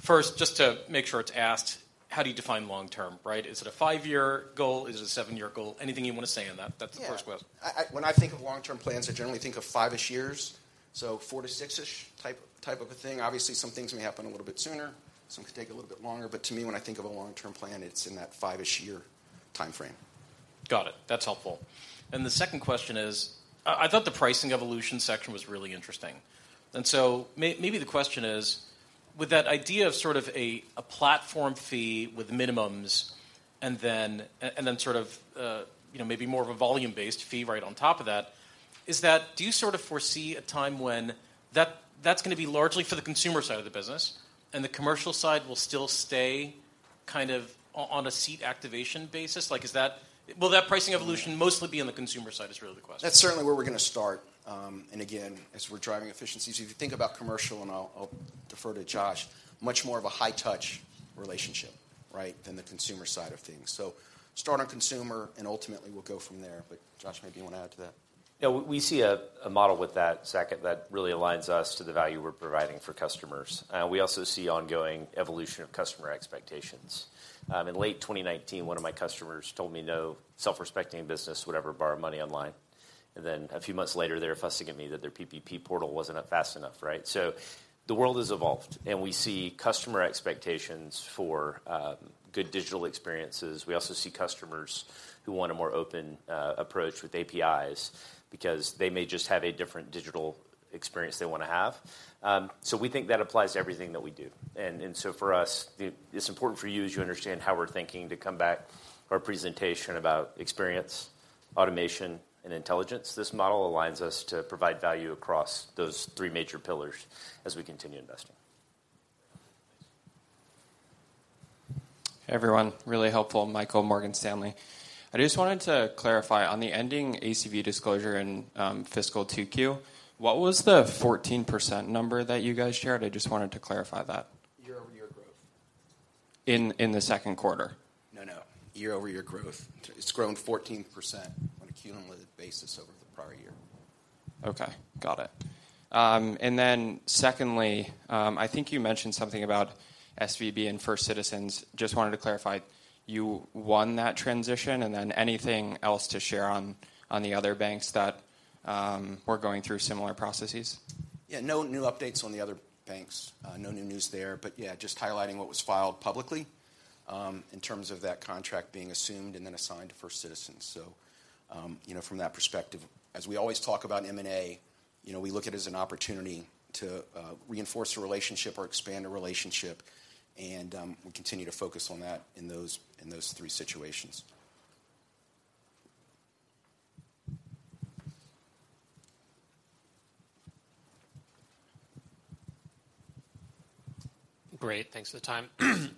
First, just to make sure it's asked, how do you define long term, right? Is it a five-year goal? Is it a seven-year goal? Anything you want to say on that, that's the first question. Yeah. I when I think of long-term plans, I generally think of 5-ish years, so 4 to 6-ish type, type of a thing. Obviously, some things may happen a little bit sooner, some could take a little bit longer. But to me, when I think of a long-term plan, it's in that 5-ish year timeframe. Got it. That's helpful. And the second question is, I thought the pricing evolution section was really interesting. And so maybe the question is: with that idea of sort of a platform fee with minimums and then and then sort of, you know, maybe more of a volume-based fee right on top of that, is that do you sort of foresee a time when that, that's going to be largely for the consumer side of the business and the commercial side will still stay kind of on a seat activation basis? Like, is that... Will that pricing evolution mostly be on the consumer side, is really the question. That's certainly where we're going to start. And again, as we're driving efficiencies, if you think about commercial, and I'll defer to Josh, much more of a high-touch relationship, right, than the consumer side of things. So start on consumer, and ultimately we'll go from there. But Josh, maybe you want to add to that. Yeah, we see a model with that, Saket, that really aligns us to the value we're providing for customers. We also see ongoing evolution of customer expectations. In late 2019, one of my customers told me no self-respecting business would ever borrow money online. And then a few months later, they were fussing at me that their PPP portal wasn't up fast enough, right? So the world has evolved, and we see customer expectations for good digital experiences. We also see customers who want a more open approach with APIs because they may just have a different digital experience they want to have. So we think that applies to everything that we do. And so for us, it's important for you, as you understand how we're thinking, to come back to our presentation about experience, automation, and intelligence. This model aligns us to provide value across those three major pillars as we continue investing. Hey, everyone. Really helpful. Michael, Morgan Stanley. I just wanted to clarify, on the ending ACV disclosure in fiscal 2Q, what was the 14% number that you guys shared? I just wanted to clarify that. Year-over-year growth. In the Q2? No, no, year-over-year growth. It's grown 14% on a cumulative basis over the prior year. Okay, got it. And then secondly, I think you mentioned something about SVB and First Citizens. Just wanted to clarify, you won that transition, and then anything else to share on, on the other banks that were going through similar processes? Yeah, no new updates on the other banks. No new news there. But yeah, just highlighting what was filed publicly, in terms of that contract being assumed and then assigned to First Citizens. So, you know, from that perspective, as we always talk about M&A, you know, we look at it as an opportunity to reinforce a relationship or expand a relationship, and we continue to focus on that in those three situations. Great. Thanks for the time.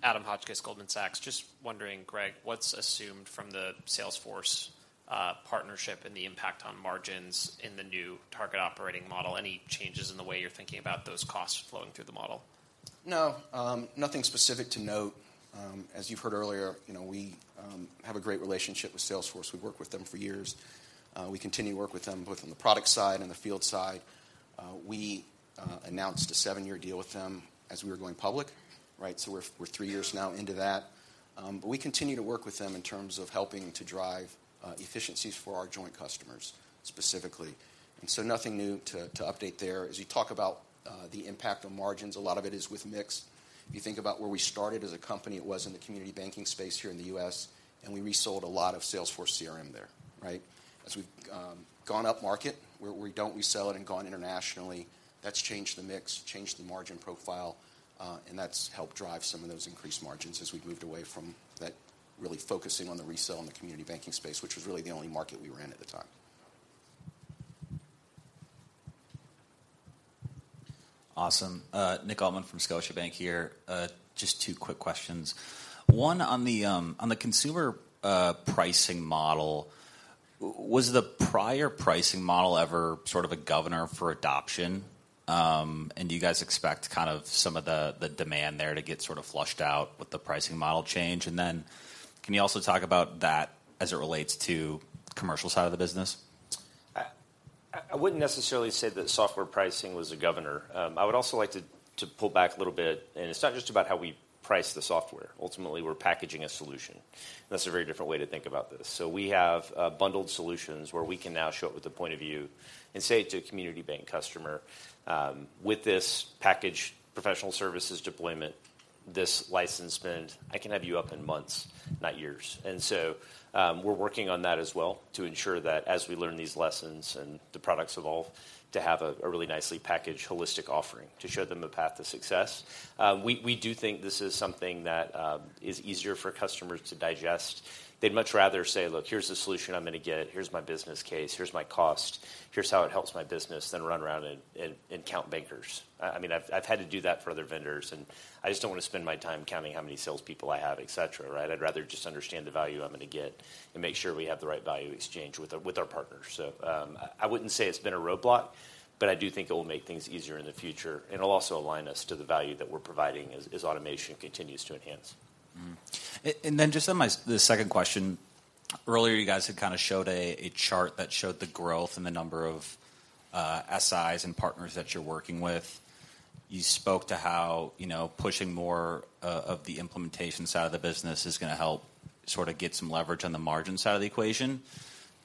Adam Hotchkiss, Goldman Sachs. Just wondering, Greg, what's assumed from the Salesforce partnership and the impact on margins in the new target operating model? Any changes in the way you're thinking about those costs flowing through the model? No, nothing specific to note. As you've heard earlier, you know, we have a great relationship with Salesforce. We've worked with them for years. We continue to work with them, both on the product side and the field side. We announced a seven-year deal with them as we were going public, right? So we're three years now into that. But we continue to work with them in terms of helping to drive efficiencies for our joint customers, specifically. And so nothing new to update there. As you talk about the impact on margins, a lot of it is with mix. If you think about where we started as a company, it was in the community banking space here in the U.S., and we resold a lot of Salesforce CRM there, right? As we've gone upmarket, where we don't resell it and gone internationally, that's changed the mix, changed the margin profile, and that's helped drive some of those increased margins as we've moved away from that, really focusing on the resell and the community banking space, which was really the only market we were in at the time. Awesome. Nick Altman from Scotiabank here. Just two quick questions. One, on the consumer pricing model, was the prior pricing model ever sort of a governor for adoption? And do you guys expect kind of some of the demand there to get sort of flushed out with the pricing model change? And then can you also talk about that as it relates to commercial side of the business? I wouldn't necessarily say that software pricing was a governor. I would also like to pull back a little bit, and it's not just about how we price the software. Ultimately, we're packaging a solution, and that's a very different way to think about this. So we have bundled solutions where we can now show up with a point of view and say to a community bank customer, "With this package, professional services deployment, this license spend, I can have you up in months, not years." And so, we're working on that as well to ensure that as we learn these lessons and the products evolve, to have a really nicely packaged, holistic offering to show them the path to success. We do think this is something that is easier for customers to digest. They'd much rather say: "Look, here's the solution I'm gonna get, here's my business case, here's my cost, here's how it helps my business," than run around and count bankers. I mean, I've had to do that for other vendors, and I just don't want to spend my time counting how many salespeople I have, et cetera, right? I'd rather just understand the value I'm gonna get and make sure we have the right value exchange with our partners. So, I wouldn't say it's been a roadblock, but I do think it will make things easier in the future, and it'll also align us to the value that we're providing as automation continues to enhance. Mm-hmm. And then just on my second question, earlier, you guys had kinda showed a chart that showed the growth and the number of SIs and partners that you're working with. You spoke to how, you know, pushing more of the implementation side of the business is gonna help sort of get some leverage on the margin side of the equation.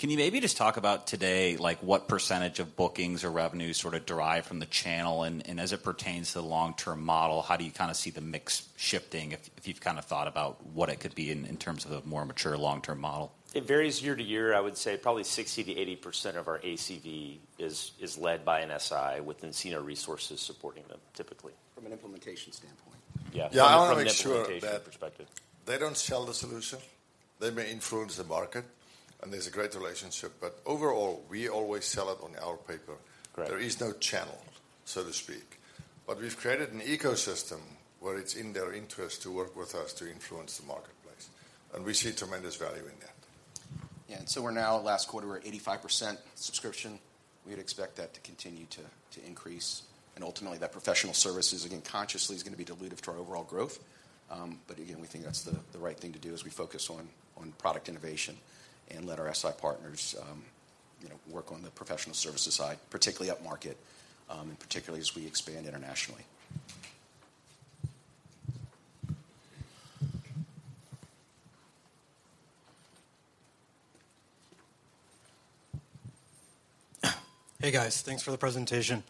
Can you maybe just talk about today, like, what percentage of bookings or revenue sort of derive from the channel? And as it pertains to the long-term model, how do you kinda see the mix shifting, if you've kind of thought about what it could be in terms of a more mature long-term model? It varies year to year. I would say probably 60%-80% of our ACV is led by an SI, with nCino resources supporting them, typically. From an implementation standpoint. Yeah. Yeah, from an implementation perspective. They don't sell the solution. They may influence the market, and there's a great relationship, but overall, we always sell it on our paper. Right. There is no channel, so to speak. But we've created an ecosystem where it's in their interest to work with us to influence the marketplace, and we see tremendous value in that. Yeah, and so we're now, last quarter, we're at 85% subscription. We'd expect that to continue to increase, and ultimately, that professional services, again, consciously, is going to be dilutive to our overall growth. But again, we think that's the right thing to do as we focus on product innovation and let our SI partners, you know, work on the professional services side, particularly upmarket, and particularly as we expand internationally. Hey, guys. Thanks for the presentation.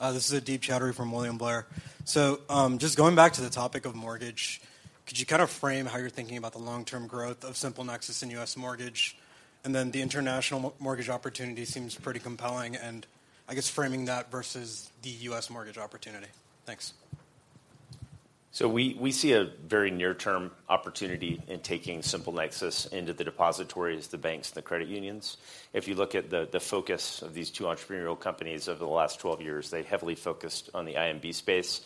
This is Deep Chowdhury from William Blair. So, just going back to the topic of mortgage, could you kind of frame how you're thinking about the long-term growth of SimpleNexus in U.S. mortgage? And then the international mortgage opportunity seems pretty compelling, and I guess framing that versus the U.S. mortgage opportunity. Thanks. So we see a very near-term opportunity in taking SimpleNexus into the depositories, the banks, and the credit unions. If you look at the focus of these two entrepreneurial companies over the last 12 years, they heavily focused on the IMB space.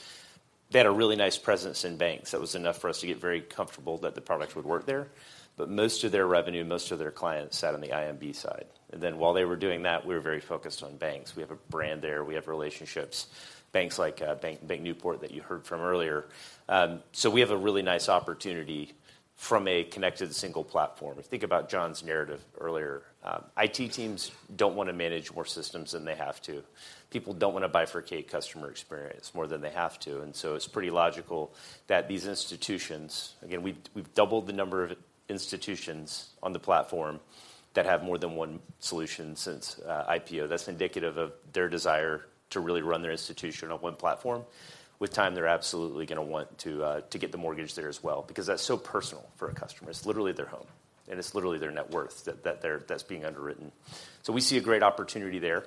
They had a really nice presence in banks. That was enough for us to get very comfortable that the product would work there. But most of their revenue, most of their clients, sat on the IMB side. And then while they were doing that, we were very focused on banks. We have a brand there, we have relationships, banks like BankNewport, that you heard from earlier. So we have a really nice opportunity from a connected single platform. If you think about John's narrative earlier, IT teams don't want to manage more systems than they have to. People don't want to bifurcate customer experience more than they have to, and so it's pretty logical that these institutions. Again, we've doubled the number of institutions on the platform that have more than one solution since IPO. That's indicative of their desire to really run their institution on one platform. With time, they're absolutely gonna want to get the mortgage there as well, because that's so personal for a customer. It's literally their home, and it's literally their net worth that's being underwritten. So we see a great opportunity there.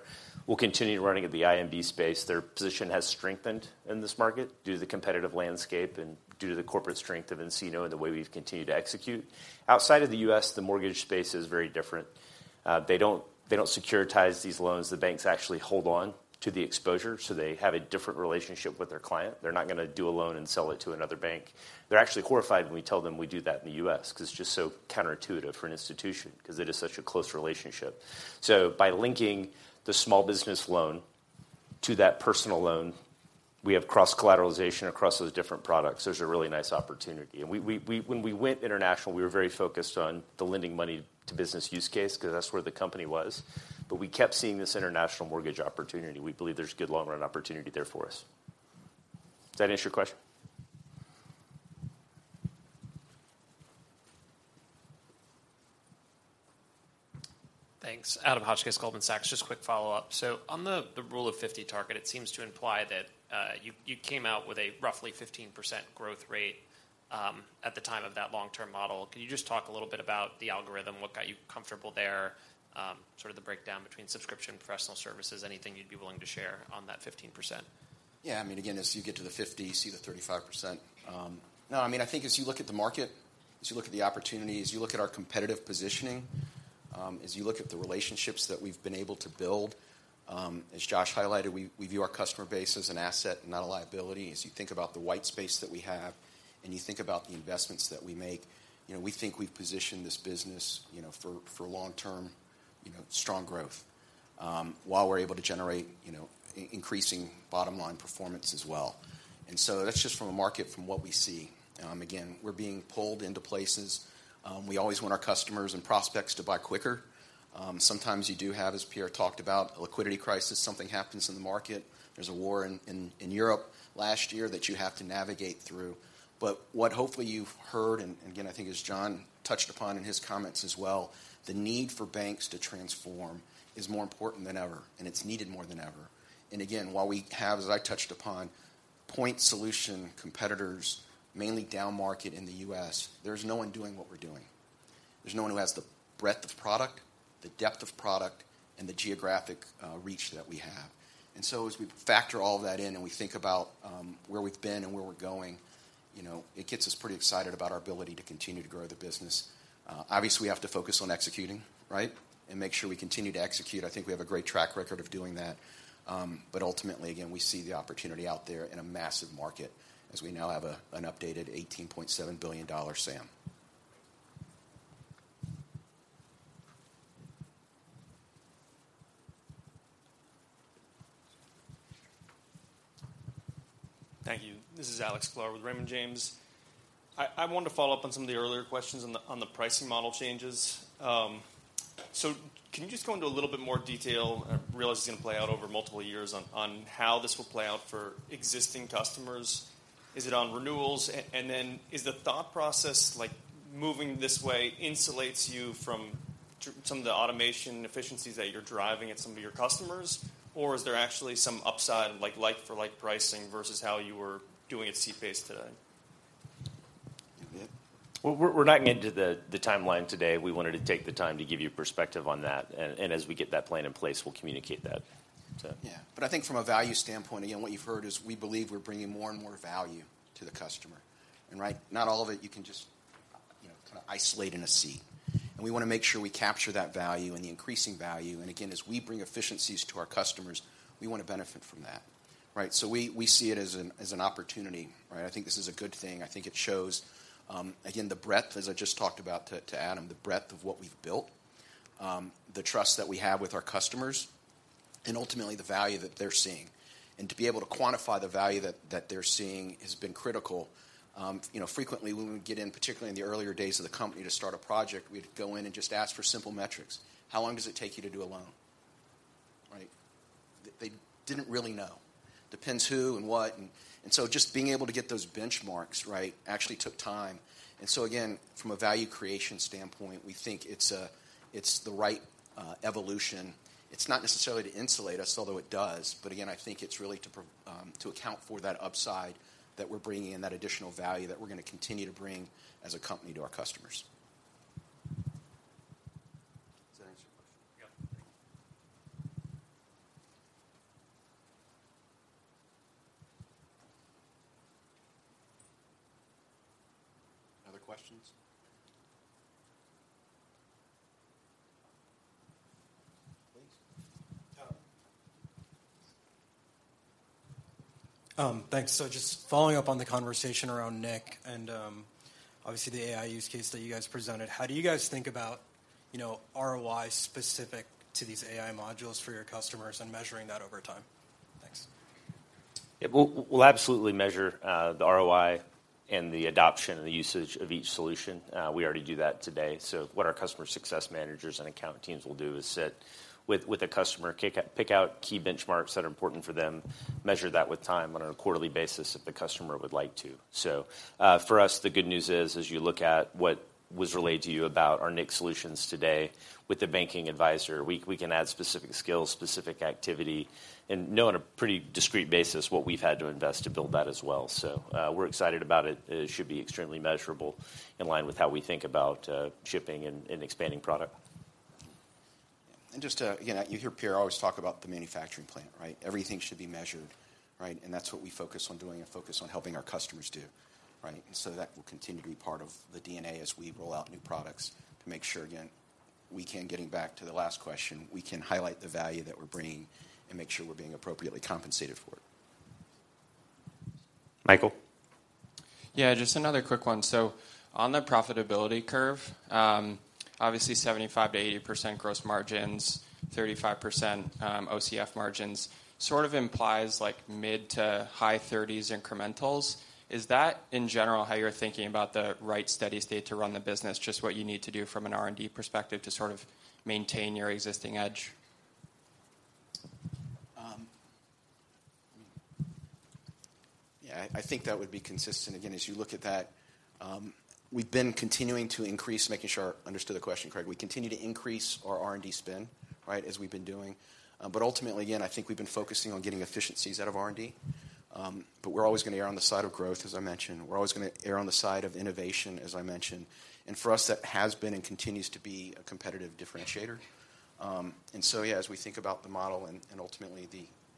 We'll continue running in the IMB space. Their position has strengthened in this market due to the competitive landscape and due to the corporate strength of nCino and the way we've continued to execute. Outside of the U.S., the mortgage space is very different. They don't securitize these loans. The banks actually hold on to the exposure, so they have a different relationship with their client. They're not gonna do a loan and sell it to another bank. They're actually horrified when we tell them we do that in the U.S. because it's just so counterintuitive for an institution, because it is such a close relationship. So by linking the small business loan to that personal loan, we have cross-collateralization across those different products. There's a really nice opportunity. And we, when we went international, we were very focused on the lending money to business use case because that's where the company was, but we kept seeing this international mortgage opportunity. We believe there's good long-run opportunity there for us. Does that answer your question? Thanks. Adam Hotchkiss, Goldman Sachs. Just a quick follow-up. So on the Rule of 50 target, it seems to imply that you came out with a roughly 15% growth rate at the time of that long-term model. Can you just talk a little bit about the algorithm, what got you comfortable there? Sort of the breakdown between subscription, professional services, anything you'd be willing to share on that 15%. Yeah, I mean, again, as you get to the 50, you see the 35%. No, I mean, I think as you look at the market, as you look at the opportunity, as you look at our competitive positioning, as you look at the relationships that we've been able to build, as Josh highlighted, we, we view our customer base as an asset, not a liability. As you think about the white space that we have, and you think about the investments that we make, you know, we think we've positioned this business, you know, for long-term strong growth, while we're able to generate increasing bottom-line performance as well. And so that's just from a market from what we see. Again, we're being pulled into places. We always want our customers and prospects to buy quicker. Sometimes you do have, as Pierre talked about, a liquidity crisis. Something happens in the market. There was a war in Europe last year that you have to navigate through. But what hopefully you've heard, and again, I think as John touched upon in his comments as well, the need for banks to transform is more important than ever, and it's needed more than ever. And again, while we have, as I touched upon, point solution competitors, mainly downmarket in the U.S., there's no one doing what we're doing.... There's no one who has the breadth of product, the depth of product, and the geographic reach that we have. And so as we factor all that in, and we think about where we've been and where we're going, you know, it gets us pretty excited about our ability to continue to grow the business. Obviously, we have to focus on executing, right? And make sure we continue to execute. I think we have a great track record of doing that. But ultimately, again, we see the opportunity out there in a massive market, as we now have an updated $18.7 billion SAM. Thank you. This is Alex Clark with Raymond James. I wanted to follow up on some of the earlier questions on the pricing model changes. So can you just go into a little bit more detail, I realize it's gonna play out over multiple years, on how this will play out for existing customers? Is it on renewals? And then is the thought process like moving this way insulates you from some of the automation efficiencies that you're driving at some of your customers, or is there actually some upside, like-for-like pricing versus how you were doing it seat-based today? You, Nick? Well, we're not getting into the timeline today. We wanted to take the time to give you perspective on that, and as we get that plan in place, we'll communicate that. So- Yeah. But I think from a value standpoint, again, what you've heard is we believe we're bringing more and more value to the customer, and right? Not all of it, you can just, you know, kind of isolate in an ACV. And we wanna make sure we capture that value and the increasing value, and again, as we bring efficiencies to our customers, we want to benefit from that, right? So we, we see it as an, as an opportunity, right? I think this is a good thing. I think it shows, again, the breadth, as I just talked about to, to Adam, the breadth of what we've built, the trust that we have with our customers, and ultimately the value that they're seeing. And to be able to quantify the value that, that they're seeing has been critical. You know, frequently, when we get in, particularly in the earlier days of the company, to start a project, we'd go in and just ask for simple metrics. How long does it take you to do a loan? Right. They didn't really know. Depends who and what. And so just being able to get those benchmarks, right, actually took time. And so again, from a value creation standpoint, we think it's the right evolution. It's not necessarily to insulate us, although it does, but again, I think it's really to account for that upside, that we're bringing in that additional value that we're gonna continue to bring as a company to our customers. Does that answer your question? Yeah. Other questions? Thanks. Just following up on the conversation around Nick and obviously the AI use case that you guys presented, how do you guys think about, you know, ROI specific to these AI modules for your customers and measuring that over time? Thanks. Yeah. We'll, we'll absolutely measure the ROI and the adoption and the usage of each solution. We already do that today. So what our customer success managers and account teams will do is sit with a customer, pick out key benchmarks that are important for them, measure that with time on a quarterly basis if the customer would like to. So, for us, the good news is, as you look at what was relayed to you about our nIQ solutions today with the Banking Advisor, we can add specific skills, specific activity, and know on a pretty discrete basis what we've had to invest to build that as well. So, we're excited about it. It should be extremely measurable in line with how we think about shipping and expanding product. And just to... Again, you hear Pierre always talk about the manufacturing plant, right? Everything should be measured, right? And that's what we focus on doing and focus on helping our customers do, right? So that will continue to be part of the DNA as we roll out new products to make sure, again, we can, getting back to the last question, we can highlight the value that we're bringing and make sure we're being appropriately compensated for it. Michael? Yeah, just another quick one. So on the profitability curve, obviously 75%-80% gross margins, 35% OCF margins, sort of implies like mid- to high-30s incrementals. Is that in general how you're thinking about the right steady state to run the business, just what you need to do from an R&D perspective to sort of maintain your existing edge? Yeah, I think that would be consistent. Again, as you look at that, we've been continuing to increase, making sure I understood the question correct. We continue to increase our R&D spend, right, as we've been doing. But ultimately, again, I think we've been focusing on getting efficiencies out of R&D. But we're always gonna err on the side of growth, as I mentioned. We're always gonna err on the side of innovation, as I mentioned. And for us, that has been and continues to be a competitive differentiator. And so yeah, as we think about the model and ultimately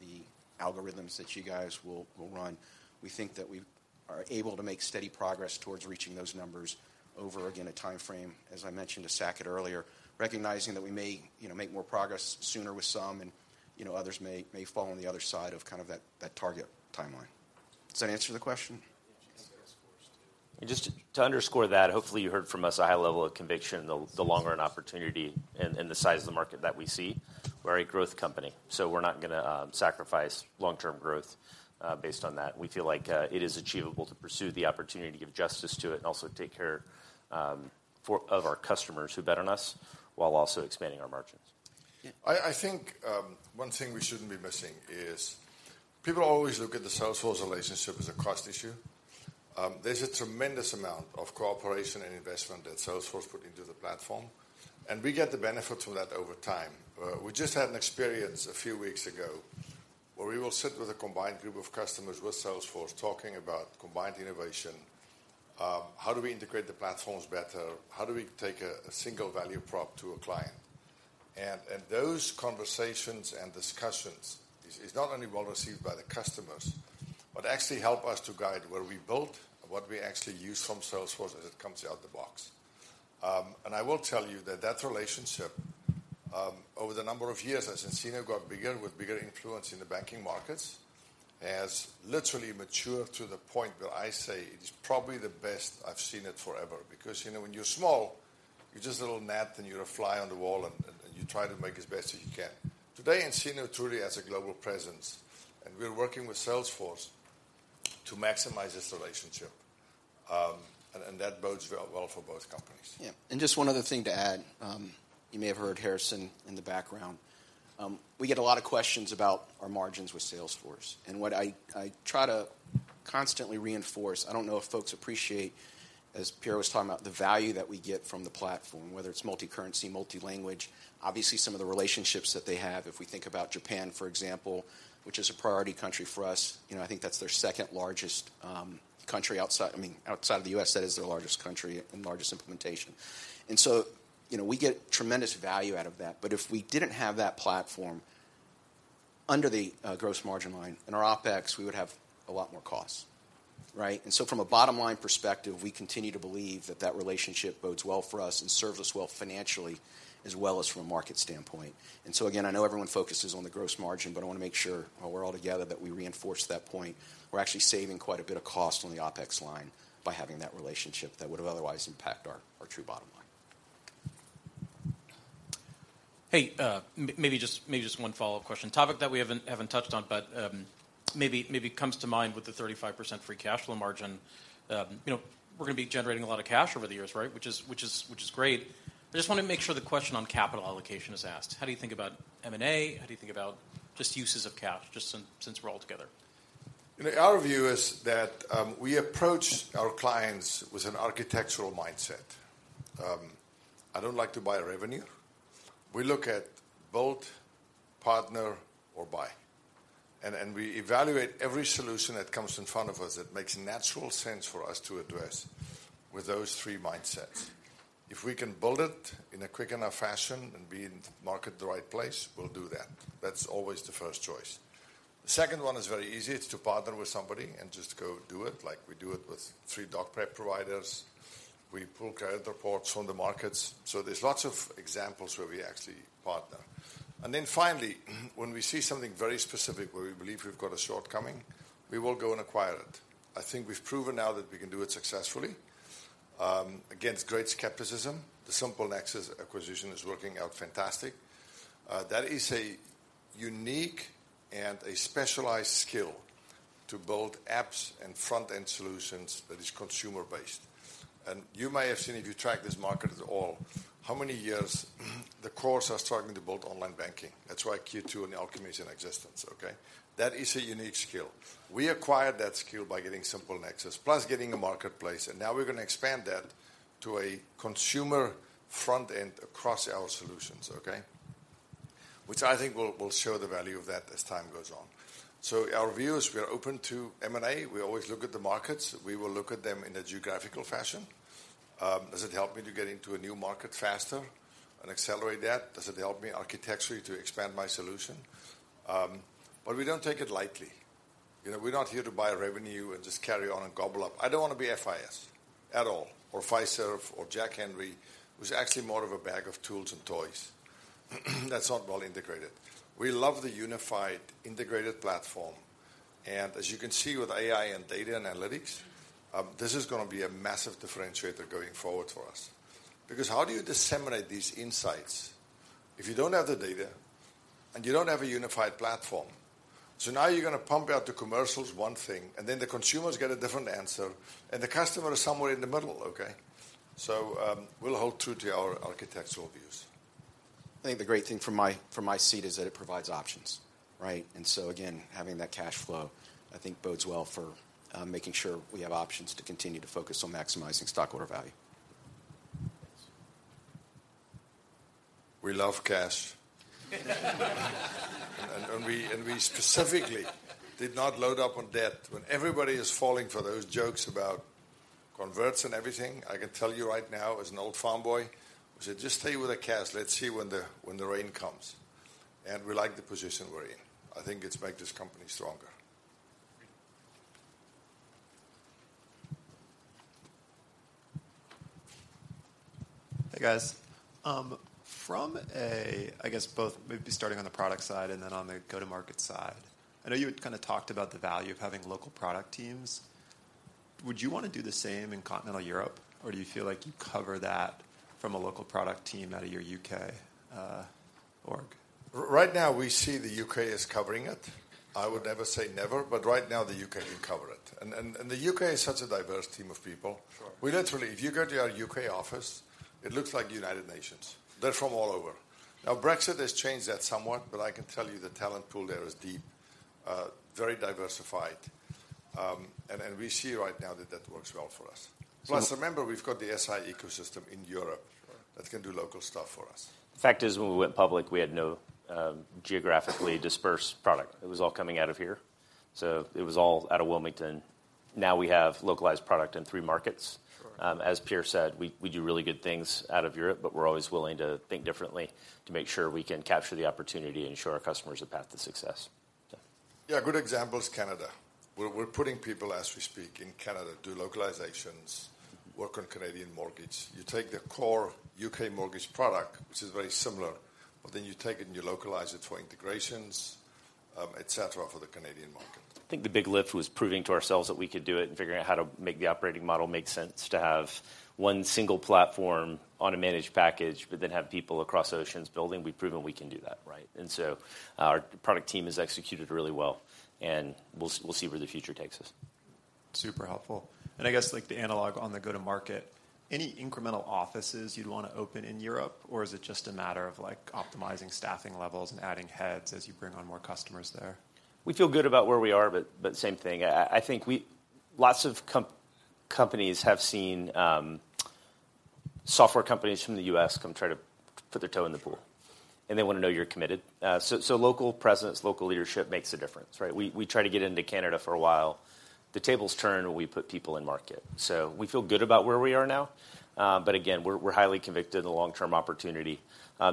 the algorithms that you guys will run, we think that we are able to make steady progress towards reaching those numbers over, again, a time frame, as I mentioned to Saket earlier. Recognizing that we may, you know, make more progress sooner with some, and, you know, others may fall on the other side of kind of that target timeline. Does that answer the question? Just to underscore that, hopefully you heard from us a high level of conviction, the long-run opportunity and the size of the market that we see. We're a growth company, so we're not gonna sacrifice long-term growth based on that. We feel like it is achievable to pursue the opportunity to give justice to it and also take care of our customers who bet on us, while also expanding our margins. I think, one thing we shouldn't be missing is people always look at the Salesforce relationship as a cost issue. There's a tremendous amount of cooperation and investment that Salesforce put into the platform-... And we get the benefit from that over time. We just had an experience a few weeks ago, where we will sit with a combined group of customers with Salesforce talking about combined innovation, how do we integrate the platforms better? How do we take a single value prop to a client? And those conversations and discussions is not only well received by the customers, but actually help us to guide where we build and what we actually use from Salesforce as it comes out the box. And I will tell you that that relationship over the number of years, as nCino got bigger, with bigger influence in the banking markets, has literally matured to the point where I say it is probably the best I've seen it forever. Because, you know, when you're small, you're just a little gnat, and you're a fly on the wall, and you try to make as best as you can. Today, nCino truly has a global presence, and we're working with Salesforce to maximize this relationship. And that bodes well for both companies. Yeah. Just one other thing to add. You may have heard Harrison in the background. We get a lot of questions about our margins with Salesforce, and what I try to constantly reinforce, I don't know if folks appreciate, as Pierre was talking about, the value that we get from the platform, whether it's multi-currency, multi-language. Obviously, some of the relationships that they have, if we think about Japan, for example, which is a priority country for us, you know, I think that's their second largest country outside, I mean, outside of the US, that is their largest country and largest implementation. And so, you know, we get tremendous value out of that. But if we didn't have that platform, under the gross margin line and our OpEx, we would have a lot more costs, right? From a bottom-line perspective, we continue to believe that that relationship bodes well for us and serves us well financially, as well as from a market standpoint. Again, I know everyone focuses on the gross margin, but I wanna make sure, while we're all together, that we reinforce that point. We're actually saving quite a bit of cost on the OpEx line by having that relationship that would have otherwise impacted our, our true bottom line. Maybe just one follow-up question. Topic that we haven't touched on, but maybe comes to mind with the 35% free cash flow margin. You know, we're gonna be generating a lot of cash over the years, right? Which is great. I just wanna make sure the question on capital allocation is asked: How do you think about M&A? How do you think about just uses of cash, just since we're all together? You know, our view is that we approach our clients with an architectural mindset. I don't like to buy revenue. We look at build, partner, or buy, and, and we evaluate every solution that comes in front of us that makes natural sense for us to address with those three mindsets. If we can build it in a quick enough fashion and be in the market at the right place, we'll do that. That's always the first choice. The second one is very easy. It's to partner with somebody and just go do it, like we do it with three doc prep providers. We pull credit reports from the markets, so there's lots of examples where we actually partner. And then finally, when we see something very specific where we believe we've got a shortcoming, we will go and acquire it. I think we've proven now that we can do it successfully against great skepticism. The SimpleNexus acquisition is working out fantastic. That is a unique and a specialized skill to build apps and front-end solutions that is consumer-based. And you may have seen, if you track this market at all, how many years the cores are struggling to build online banking. That's why Q2 and the others are in existence, okay? That is a unique skill. We acquired that skill by getting SimpleNexus, plus getting a marketplace, and now we're gonna expand that to a consumer front end across our solutions, okay? Which I think will show the value of that as time goes on. So our view is we are open to M&A. We always look at the markets. We will look at them in a geographical fashion. Does it help me to get into a new market faster and accelerate that? Does it help me architecturally to expand my solution? But we don't take it lightly. You know, we're not here to buy revenue and just carry on and gobble up. I don't want to be FIS at all, or Fiserv or Jack Henry, who's actually more of a bag of tools and toys that's not well integrated. We love the unified, integrated platform, and as you can see with AI and data analytics, this is gonna be a massive differentiator going forward for us. Because how do you disseminate these insights if you don't have the data and you don't have a unified platform? So now you're gonna pump out the commercials, one thing, and then the consumers get a different answer, and the customer is somewhere in the middle, okay? We'll hold true to our architectural views. I think the great thing from my seat is that it provides options, right? And so again, having that cash flow, I think bodes well for making sure we have options to continue to focus on maximizing stockholder value. We love cash. And we specifically did not load up on debt. When everybody is falling for those jokes about converts and everything, I can tell you right now, as an old farm boy, I said, "Just stay with the cash. Let's see when the rain comes." And we like the position we're in. I think it's made this company stronger. Hey, guys. From a... I guess both maybe starting on the product side and then on the go-to-market side, I know you had kind of talked about the value of having local product teams. Would you want to do the same in continental Europe, or do you feel like you cover that from a local product team out of your U org? Right now, we see the UK as covering it. I would never say never, but right now the UK can cover it. And the UK is such a diverse team of people. Sure. We literally. If you go to our UK office, it looks like United Nations. They're from all over. Now, Brexit has changed that somewhat, but I can tell you the talent pool there is deep, very diversified.... and we see right now that that works well for us. Plus, remember, we've got the SI ecosystem in Europe that can do local stuff for us. The fact is, when we went public, we had no geographically dispersed product. It was all coming out of here, so it was all out of Wilmington. Now we have localized product in three markets. Sure. As Pierre said, we do really good things out of Europe, but we're always willing to think differently to make sure we can capture the opportunity and show our customers a path to success. Yeah. Yeah, a good example is Canada, where we're putting people as we speak in Canada, do localizations, work on Canadian mortgage. You take the core UK mortgage product, which is very similar, but then you take it and you localize it for integrations, etc., for the Canadian market. I think the big lift was proving to ourselves that we could do it and figuring out how to make the operating model make sense, to have one single platform on a managed package, but then have people across oceans building. We've proven we can do that, right? And so our product team has executed really well, and we'll, we'll see where the future takes us. Super helpful. I guess, like, the analog on the go-to-market, any incremental offices you'd want to open in Europe, or is it just a matter of, like, optimizing staffing levels and adding heads as you bring on more customers there? We feel good about where we are, but same thing, I think we - lots of companies have seen software companies from the U.S. come try to put their toe in the pool, and they want to know you're committed. So local presence, local leadership makes a difference, right? We tried to get into Canada for a while. The tables turned, and we put people in market. So we feel good about where we are now, but again, we're highly convicted in the long-term opportunity.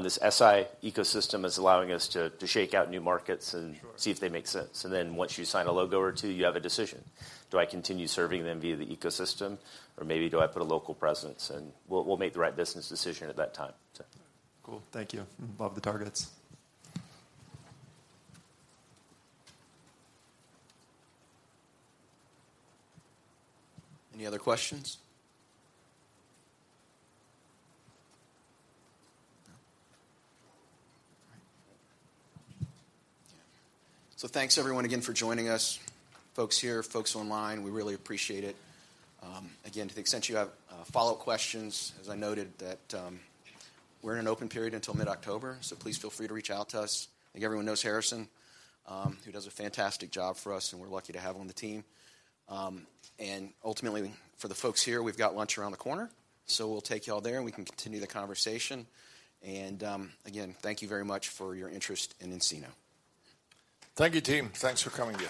This SI ecosystem is allowing us to shake out new markets and- Sure. See if they make sense. And then once you sign a logo or two, you have a decision. Do I continue serving them via the ecosystem, or maybe do I put a local presence? And we'll, we'll make the right business decision at that time, so. Cool. Thank you. Love the targets. Any other questions? No. All right. So thanks, everyone, again for joining us. Folks here, folks online, we really appreciate it. Again, to the extent you have follow-up questions, as I noted, that we're in an open period until mid-October, so please feel free to reach out to us. I think everyone knows Harrison, who does a fantastic job for us, and we're lucky to have him on the team. Ultimately, for the folks here, we've got lunch around the corner, so we'll take y'all there, and we can continue the conversation. Again, thank you very much for your interest in nCino. Thank you, team. Thanks for coming here.